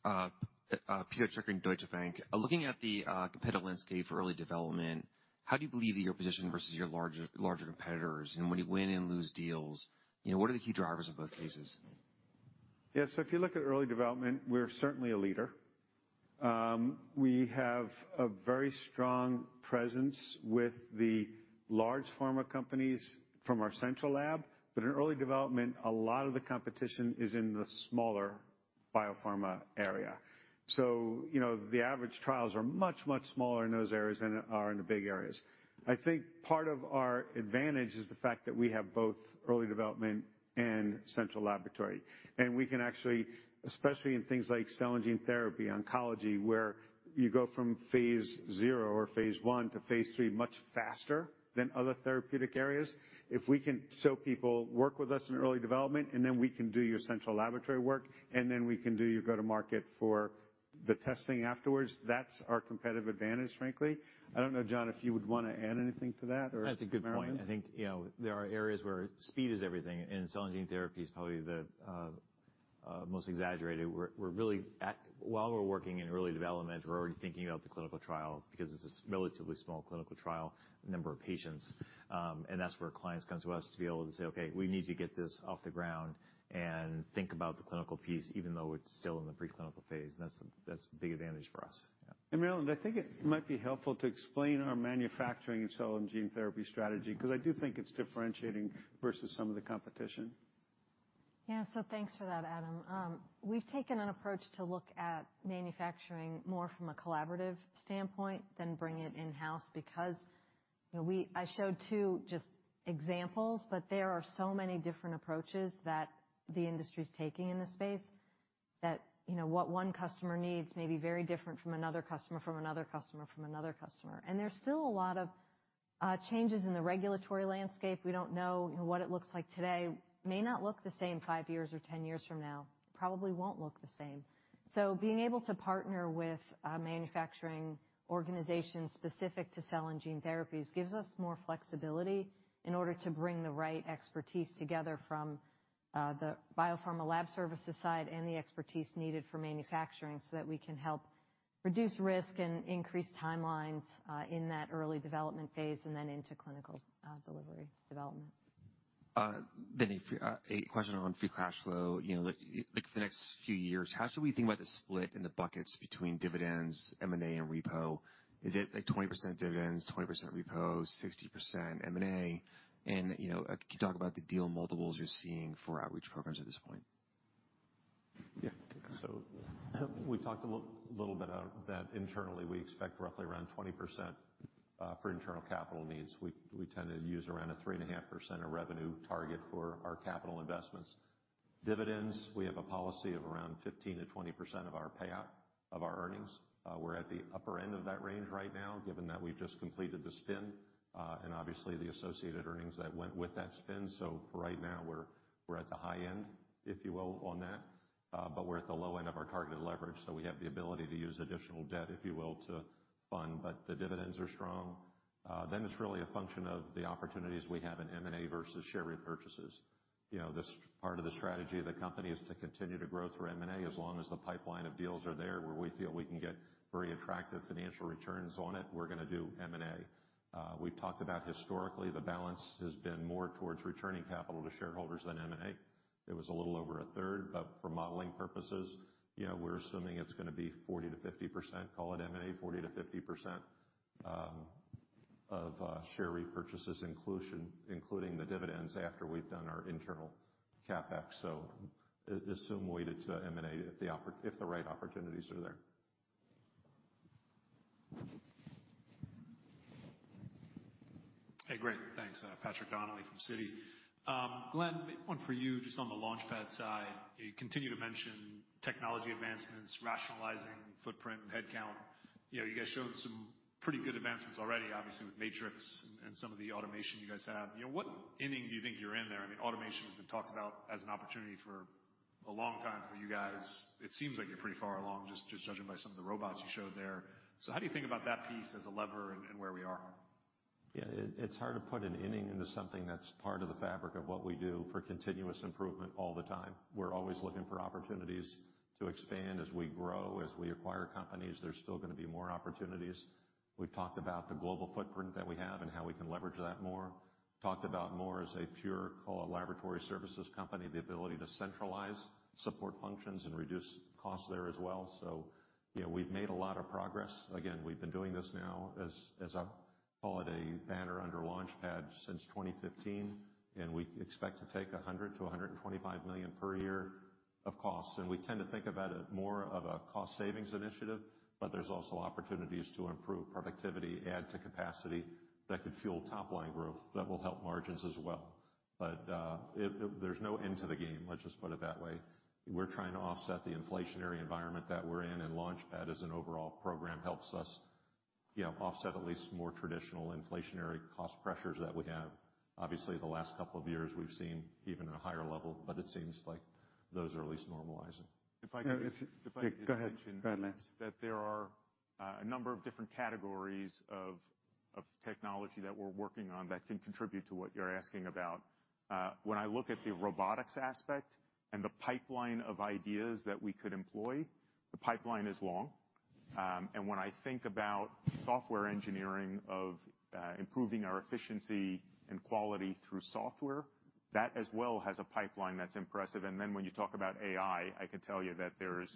Pito Chickering, Deutsche Bank. Looking at the competitive landscape for early development, how do you believe that you're positioned versus your larger, larger competitors? And when you win and lose deals, you know, what are the key drivers in both cases? If you look at early development, we're certainly a leader. We have a very strong presence with the large pharma companies from our central lab. But in early development, a lot of the competition is in the smaller biopharma area. So, you know, the average trials are much, much smaller in those areas than are in the big areas. I think part of our advantage is the fact that we have both early development and central laboratory, and we can actually, especially in things like cell and gene therapy, oncology, where you go from phase 0 or phase I to phase III, much faster than other therapeutic areas. If we can show people work with us in early development, and then we can do your central laboratory work, and then we can do your go-to-market for the testing afterwards, that's our competitive advantage, frankly. I don't know, Jon, if you would want to add anything to that. That's a good point. I think, you know, there are areas where speed is everything, and cell and gene therapy is probably the most exaggerated. We're really at, while we're working in early development, we're already thinking about the clinical trial because it's a relatively small clinical trial number of patients. And that's where clients come to us to be able to say, "Okay, we need to get this off the ground," and think about the clinical piece, even though it's still in the pre-clinical phase, and that's a big advantage for us. Maryland, I think it might be helpful to explain our manufacturing of cell and gene therapy strategy, because I do think it's differentiating versus some of the competition. Thanks for that, Adam. We've taken an approach to look at manufacturing more from a collaborative standpoint than bring it in-house, because, you know, I showed two just examples, but there are so many different approaches that the industry is taking in this space that, you know, what one customer needs may be very different from another customer, from another customer, from another customer. And there's still a lot of changes in the regulatory landscape. We don't know, you know, what it looks like today may not look the same five years or ten years from now, probably won't look the same. So being able to partner with, manufacturing organizations specific to cell and gene therapies gives us more flexibility in order to bring the right expertise together from, the Biopharma Laboratory Services side and the expertise needed for manufacturing, so that we can help reduce risk and increase timelines, in that early development phase and then into clinical, delivery development. Then a question on free cash flow. For the next few years, how should we think about the split in the buckets between dividends, M&A, and repo? Is it like 20% dividends, 20% repo, 60% M&A? And, you know, can you talk about the deal multiples you're seeing for outreach programs at this point? We've talked a little bit about that internally. We expect roughly around 20% for internal capital needs. We tend to use around a 3.5% of revenue target for our capital investments. Dividends, we have a policy of around 15%-20% of our payout of our earnings. We're at the upper end of that range right now, given that we've just completed the spin, and obviously, the associated earnings that went with that spin. So for right now, we're at the high end, if you will, on that. But we're at the low end of our targeted leverage, so we have the ability to use additional debt, if you will, to fund, but the dividends are strong. Then it's really a function of the opportunities we have in M&A versus share repurchases. This part of the strategy of the company is to continue to grow through M&A as long as the pipeline of deals are there, where we feel we can get very attractive financial returns on it, we're going to do M&A. We've talked about historically, the balance has been more towards returning capital to shareholders than M&A. It was a little over a third, but for modeling purposes, you know, we're assuming it's going to be 40%-50%, call it M&A, 40%-50% of share repurchases inclusion, including the dividends after we've done our internal CapEx. So assume weighted to M&A if the right opportunities are there. Hey, great. Thanks, Patrick Donnelly from Citi. Glenn, one for you, just on the LaunchPad side. You continue to mention technology advancements, rationalizing footprint, headcount. You know, you guys showed some pretty good advancements already, obviously, with Matrix and some of the automation you guys have. You know, what inning do you think you're in there? I mean, automation has been talked about as an opportunity for a long time for you guys. It seems like you're pretty far along, just judging by some of the robots you showed there. So how do you think about that piece as a lever and where we are? Yeah, it's hard to put an inning into something that's part of the fabric of what we do for continuous improvement all the time. We're always looking for opportunities to expand as we grow. As we acquire companies, there's still gonna be more opportunities. We've talked about the global footprint that we have and how we can leverage that more. Talked about more as a pure, call it, laboratory services company, the ability to centralize support functions and reduce costs there as well. So, you know, we've made a lot of progress. Again, we've been doing this now as a holiday banner under LaunchPad since 2015, and we expect to take $100 million-$125 million per year of costs. We tend to think about it more of a cost savings initiative, but there's also opportunities to improve productivity, add to capacity that could fuel top-line growth. That will help margins as well. But there's no end to the game, let's just put it that way. We're trying to offset the inflationary environment that we're in, and LaunchPad, as an overall program, helps us, you know, offset at least more traditional inflationary cost pressures that we have. Obviously, the last couple of years, we've seen even a higher level, but it seems like those are at least normalizing. Yeah, go ahead. Go ahead, Lance. That there are a number of different categories of technology that we're working on that can contribute to what you're asking about. When I look at the robotics aspect and the pipeline of ideas that we could employ, the pipeline is long. And when I think about software engineering of improving our efficiency and quality through software, that as well has a pipeline that's impressive. And then when you talk about AI, I can tell you that there's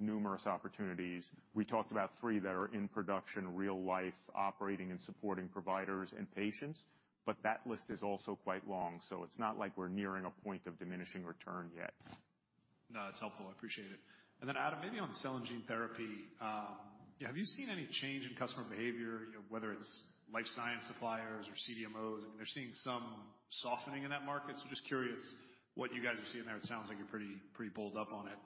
numerous opportunities. We talked about three that are in production, real-life, operating and supporting providers and patients, but that list is also quite long. So it's not like we're nearing a point of diminishing return yet. No, that's helpful. I appreciate it. And then, Adam, maybe on the cell and gene therapy, yeah, have you seen any change in customer behavior? You know, whether it's life science suppliers or CDMOs. I mean, they're seeing some softening in that market. So just curious what you guys are seeing there. It sounds like you're pretty, pretty bulled up on it.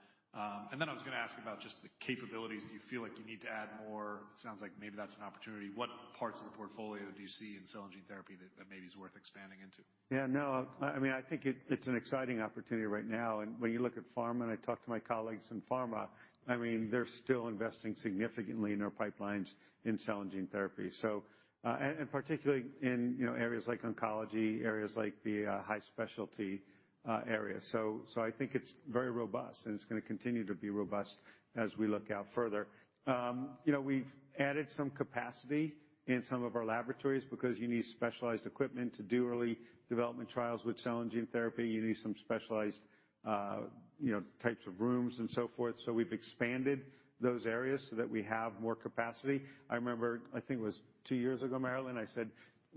And then I was gonna ask about just the capabilities. Do you feel like you need to add more? It sounds like maybe that's an opportunity. What parts of the portfolio do you see in cell and gene therapy that, that maybe is worth expanding into? I think it's an exciting opportunity right now. And when you look at pharma, and I talk to my colleagues in pharma, I mean, they're still investing significantly in their pipelines in cell and gene therapy. So, and particularly in, you know, areas like oncology, areas like the high specialty area. So, so I think it's very robust, and it's gonna continue to be robust as we look out further. You know, we've added some capacity in some of our laboratories because you need specialized equipment to do early development trials with cell and gene therapy. You need some specialized, you know, types of rooms and so forth. So we've expanded those areas so that we have more capacity. I remember, I think it was two years ago, Maryland, I said: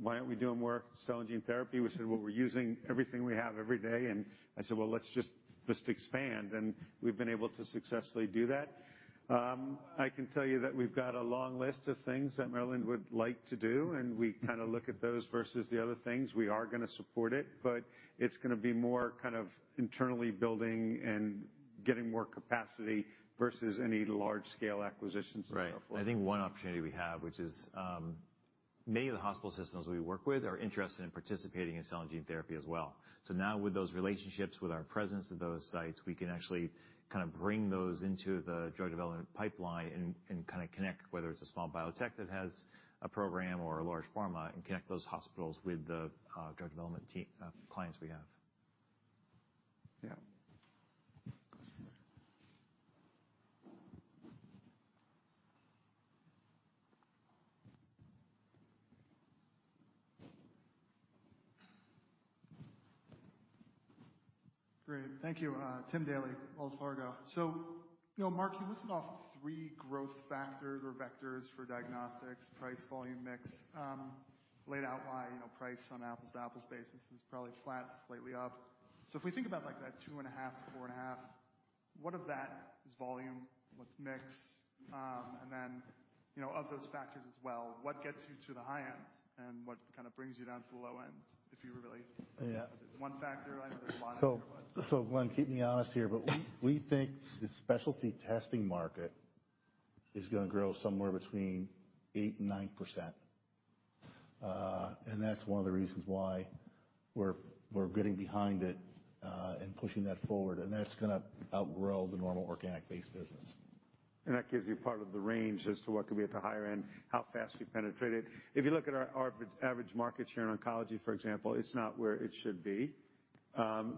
"Why aren't we doing more cell and gene therapy?" We said, "Well, we're using everything we have every day." And I said, "Well, let's just, let's expand," and we've been able to successfully do that. I can tell you that we've got a long list of things that Maryland would like to do, and we kind of look at those versus the other things. We are gonna support it, but it's gonna be more kind of internally building and getting more capacity versus any large-scale acquisitions and so forth. Right. I think one opportunity we have, which is, many of the hospital systems we work with are interested in participating in cell and gene therapy as well. So now with those relationships, with our presence at those sites, we can actually kind of bring those into the drug development pipeline and kind of connect, whether it's a small biotech that has a program or a large pharma, and connect those hospitals with the drug development team, clients we have. Great. Thank you, Tim Daley, Wells Fargo. Mark, you listed off three growth factors or vectors for diagnostics, price, volume, mix, laid out why price on apples-to-apples basis is probably flat, slightly up. So if we think about that 2.5-4.5, what of that is volume? What's mix? And then of those factors as well, what gets you to the high ends, and what kind of brings you down to the low ends, if you were really one factor, I know there's a lot. So, Glenn, keep me honest here, but we think the specialty testing market is gonna grow somewhere between 8% and 9%. And that's one of the reasons why we're getting behind it, and pushing that forward, and that's gonna outgrow the normal organic-based business. That gives you part of the range as to what could be at the higher end, how fast we penetrate it. If you look at our average market share in oncology, for example, it's not where it should be.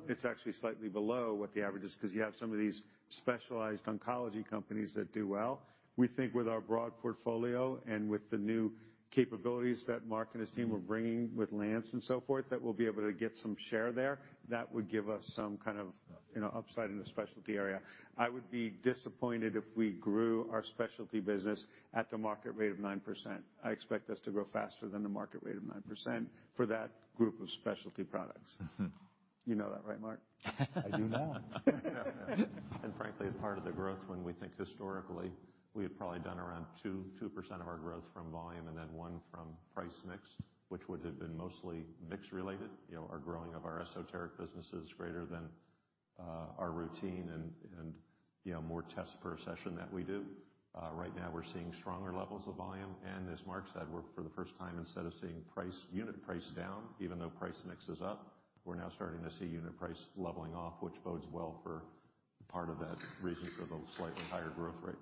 It's actually slightly below what the average is, because you have some of these specialized oncology companies that do well. We think with our broad portfolio and with the new capabilities that Mark and his team are bringing with Lance and so forth, that we'll be able to get some share there, that would give us some kind of, you know, upside in the specialty area. I would be disappointed if we grew our specialty business at the market rate of 9%. I expect us to grow faster than the market rate of 9% for that group of specialty products. You know that, right, Mark? I do now. Frankly, as part of the growth, when we think historically, we've probably done around 2, 2% of our growth from volume and then 1% from price mix, which would have been mostly mix related. You know, our growing of our esoteric business is greater than our routine and, you know, more tests per accession that we do. Right now, we're seeing stronger levels of volume, and as Mark said, we're for the first time, instead of seeing price - unit price down, even though price mix is up, we're now starting to see unit price leveling off, which bodes well for part of that reason for the slightly higher growth rate.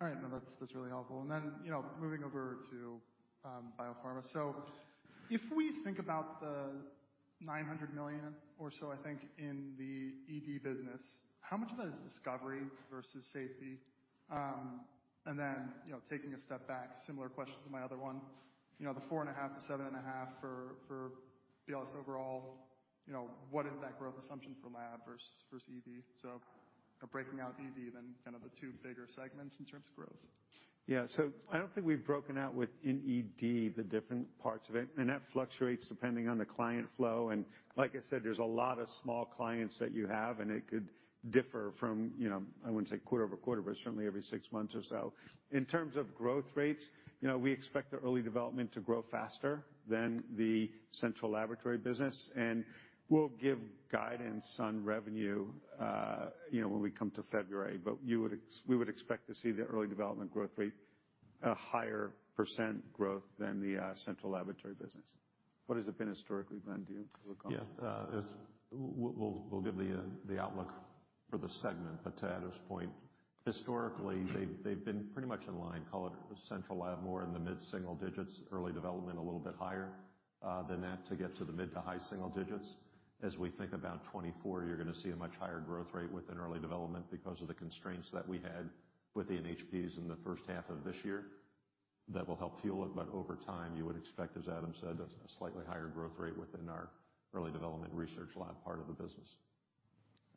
All right. No, that's, that's really helpful. And then, you know, moving over to biopharma. So if we think about the $900 million or so, I think, in the ED business, how much of that is discovery versus safety? And then, you know, taking a step back, similar question to my other one, you know, the 4.5-7.5 for BLS overall, you know, what is that growth assumption for lab versus, versus ED? So breaking out ED, then kind of the two bigger segments in terms of growth. Yeah. So I don't think we've broken out within ED the different parts of it, and that fluctuates depending on the client flow. And like I said, there's a lot of small clients that you have, and it could differ from, you know, I wouldn't say quarter-over-quarter, but certainly every six months or so. In terms of growth rates, you know, we expect the early development to grow faster than the central laboratory business, and we'll give guidance on revenue, you know, when we come to February. But we would expect to see the early development growth rate a higher percent growth than the central laboratory business. What has it been historically, Glenn, do you recall? We will give the outlook for the segment. But to Adam's point, historically, they've been pretty much in line, call it central lab, more in the mid-single digits, early development, a little bit higher than that, to get to the mid-to-high single digits. As we think about 2024, you're gonna see a much higher growth rate within early development because of the constraints that we had with the NHPs in the first half of this year. That will help fuel it, but over time, you would expect, as Adam said, a slightly higher growth rate within our early development research lab part of the business.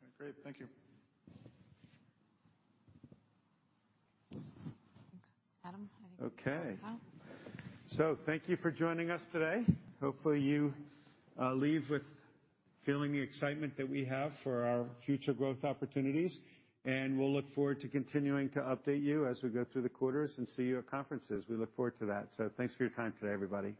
All right, great. Thank you. Adam? Thank you for joining us today. Hopefully, you leave with feeling the excitement that we have for our future growth opportunities, and we'll look forward to continuing to update you as we go through the quarters and see you at conferences. We look forward to that. Thanks for your time today, everybody.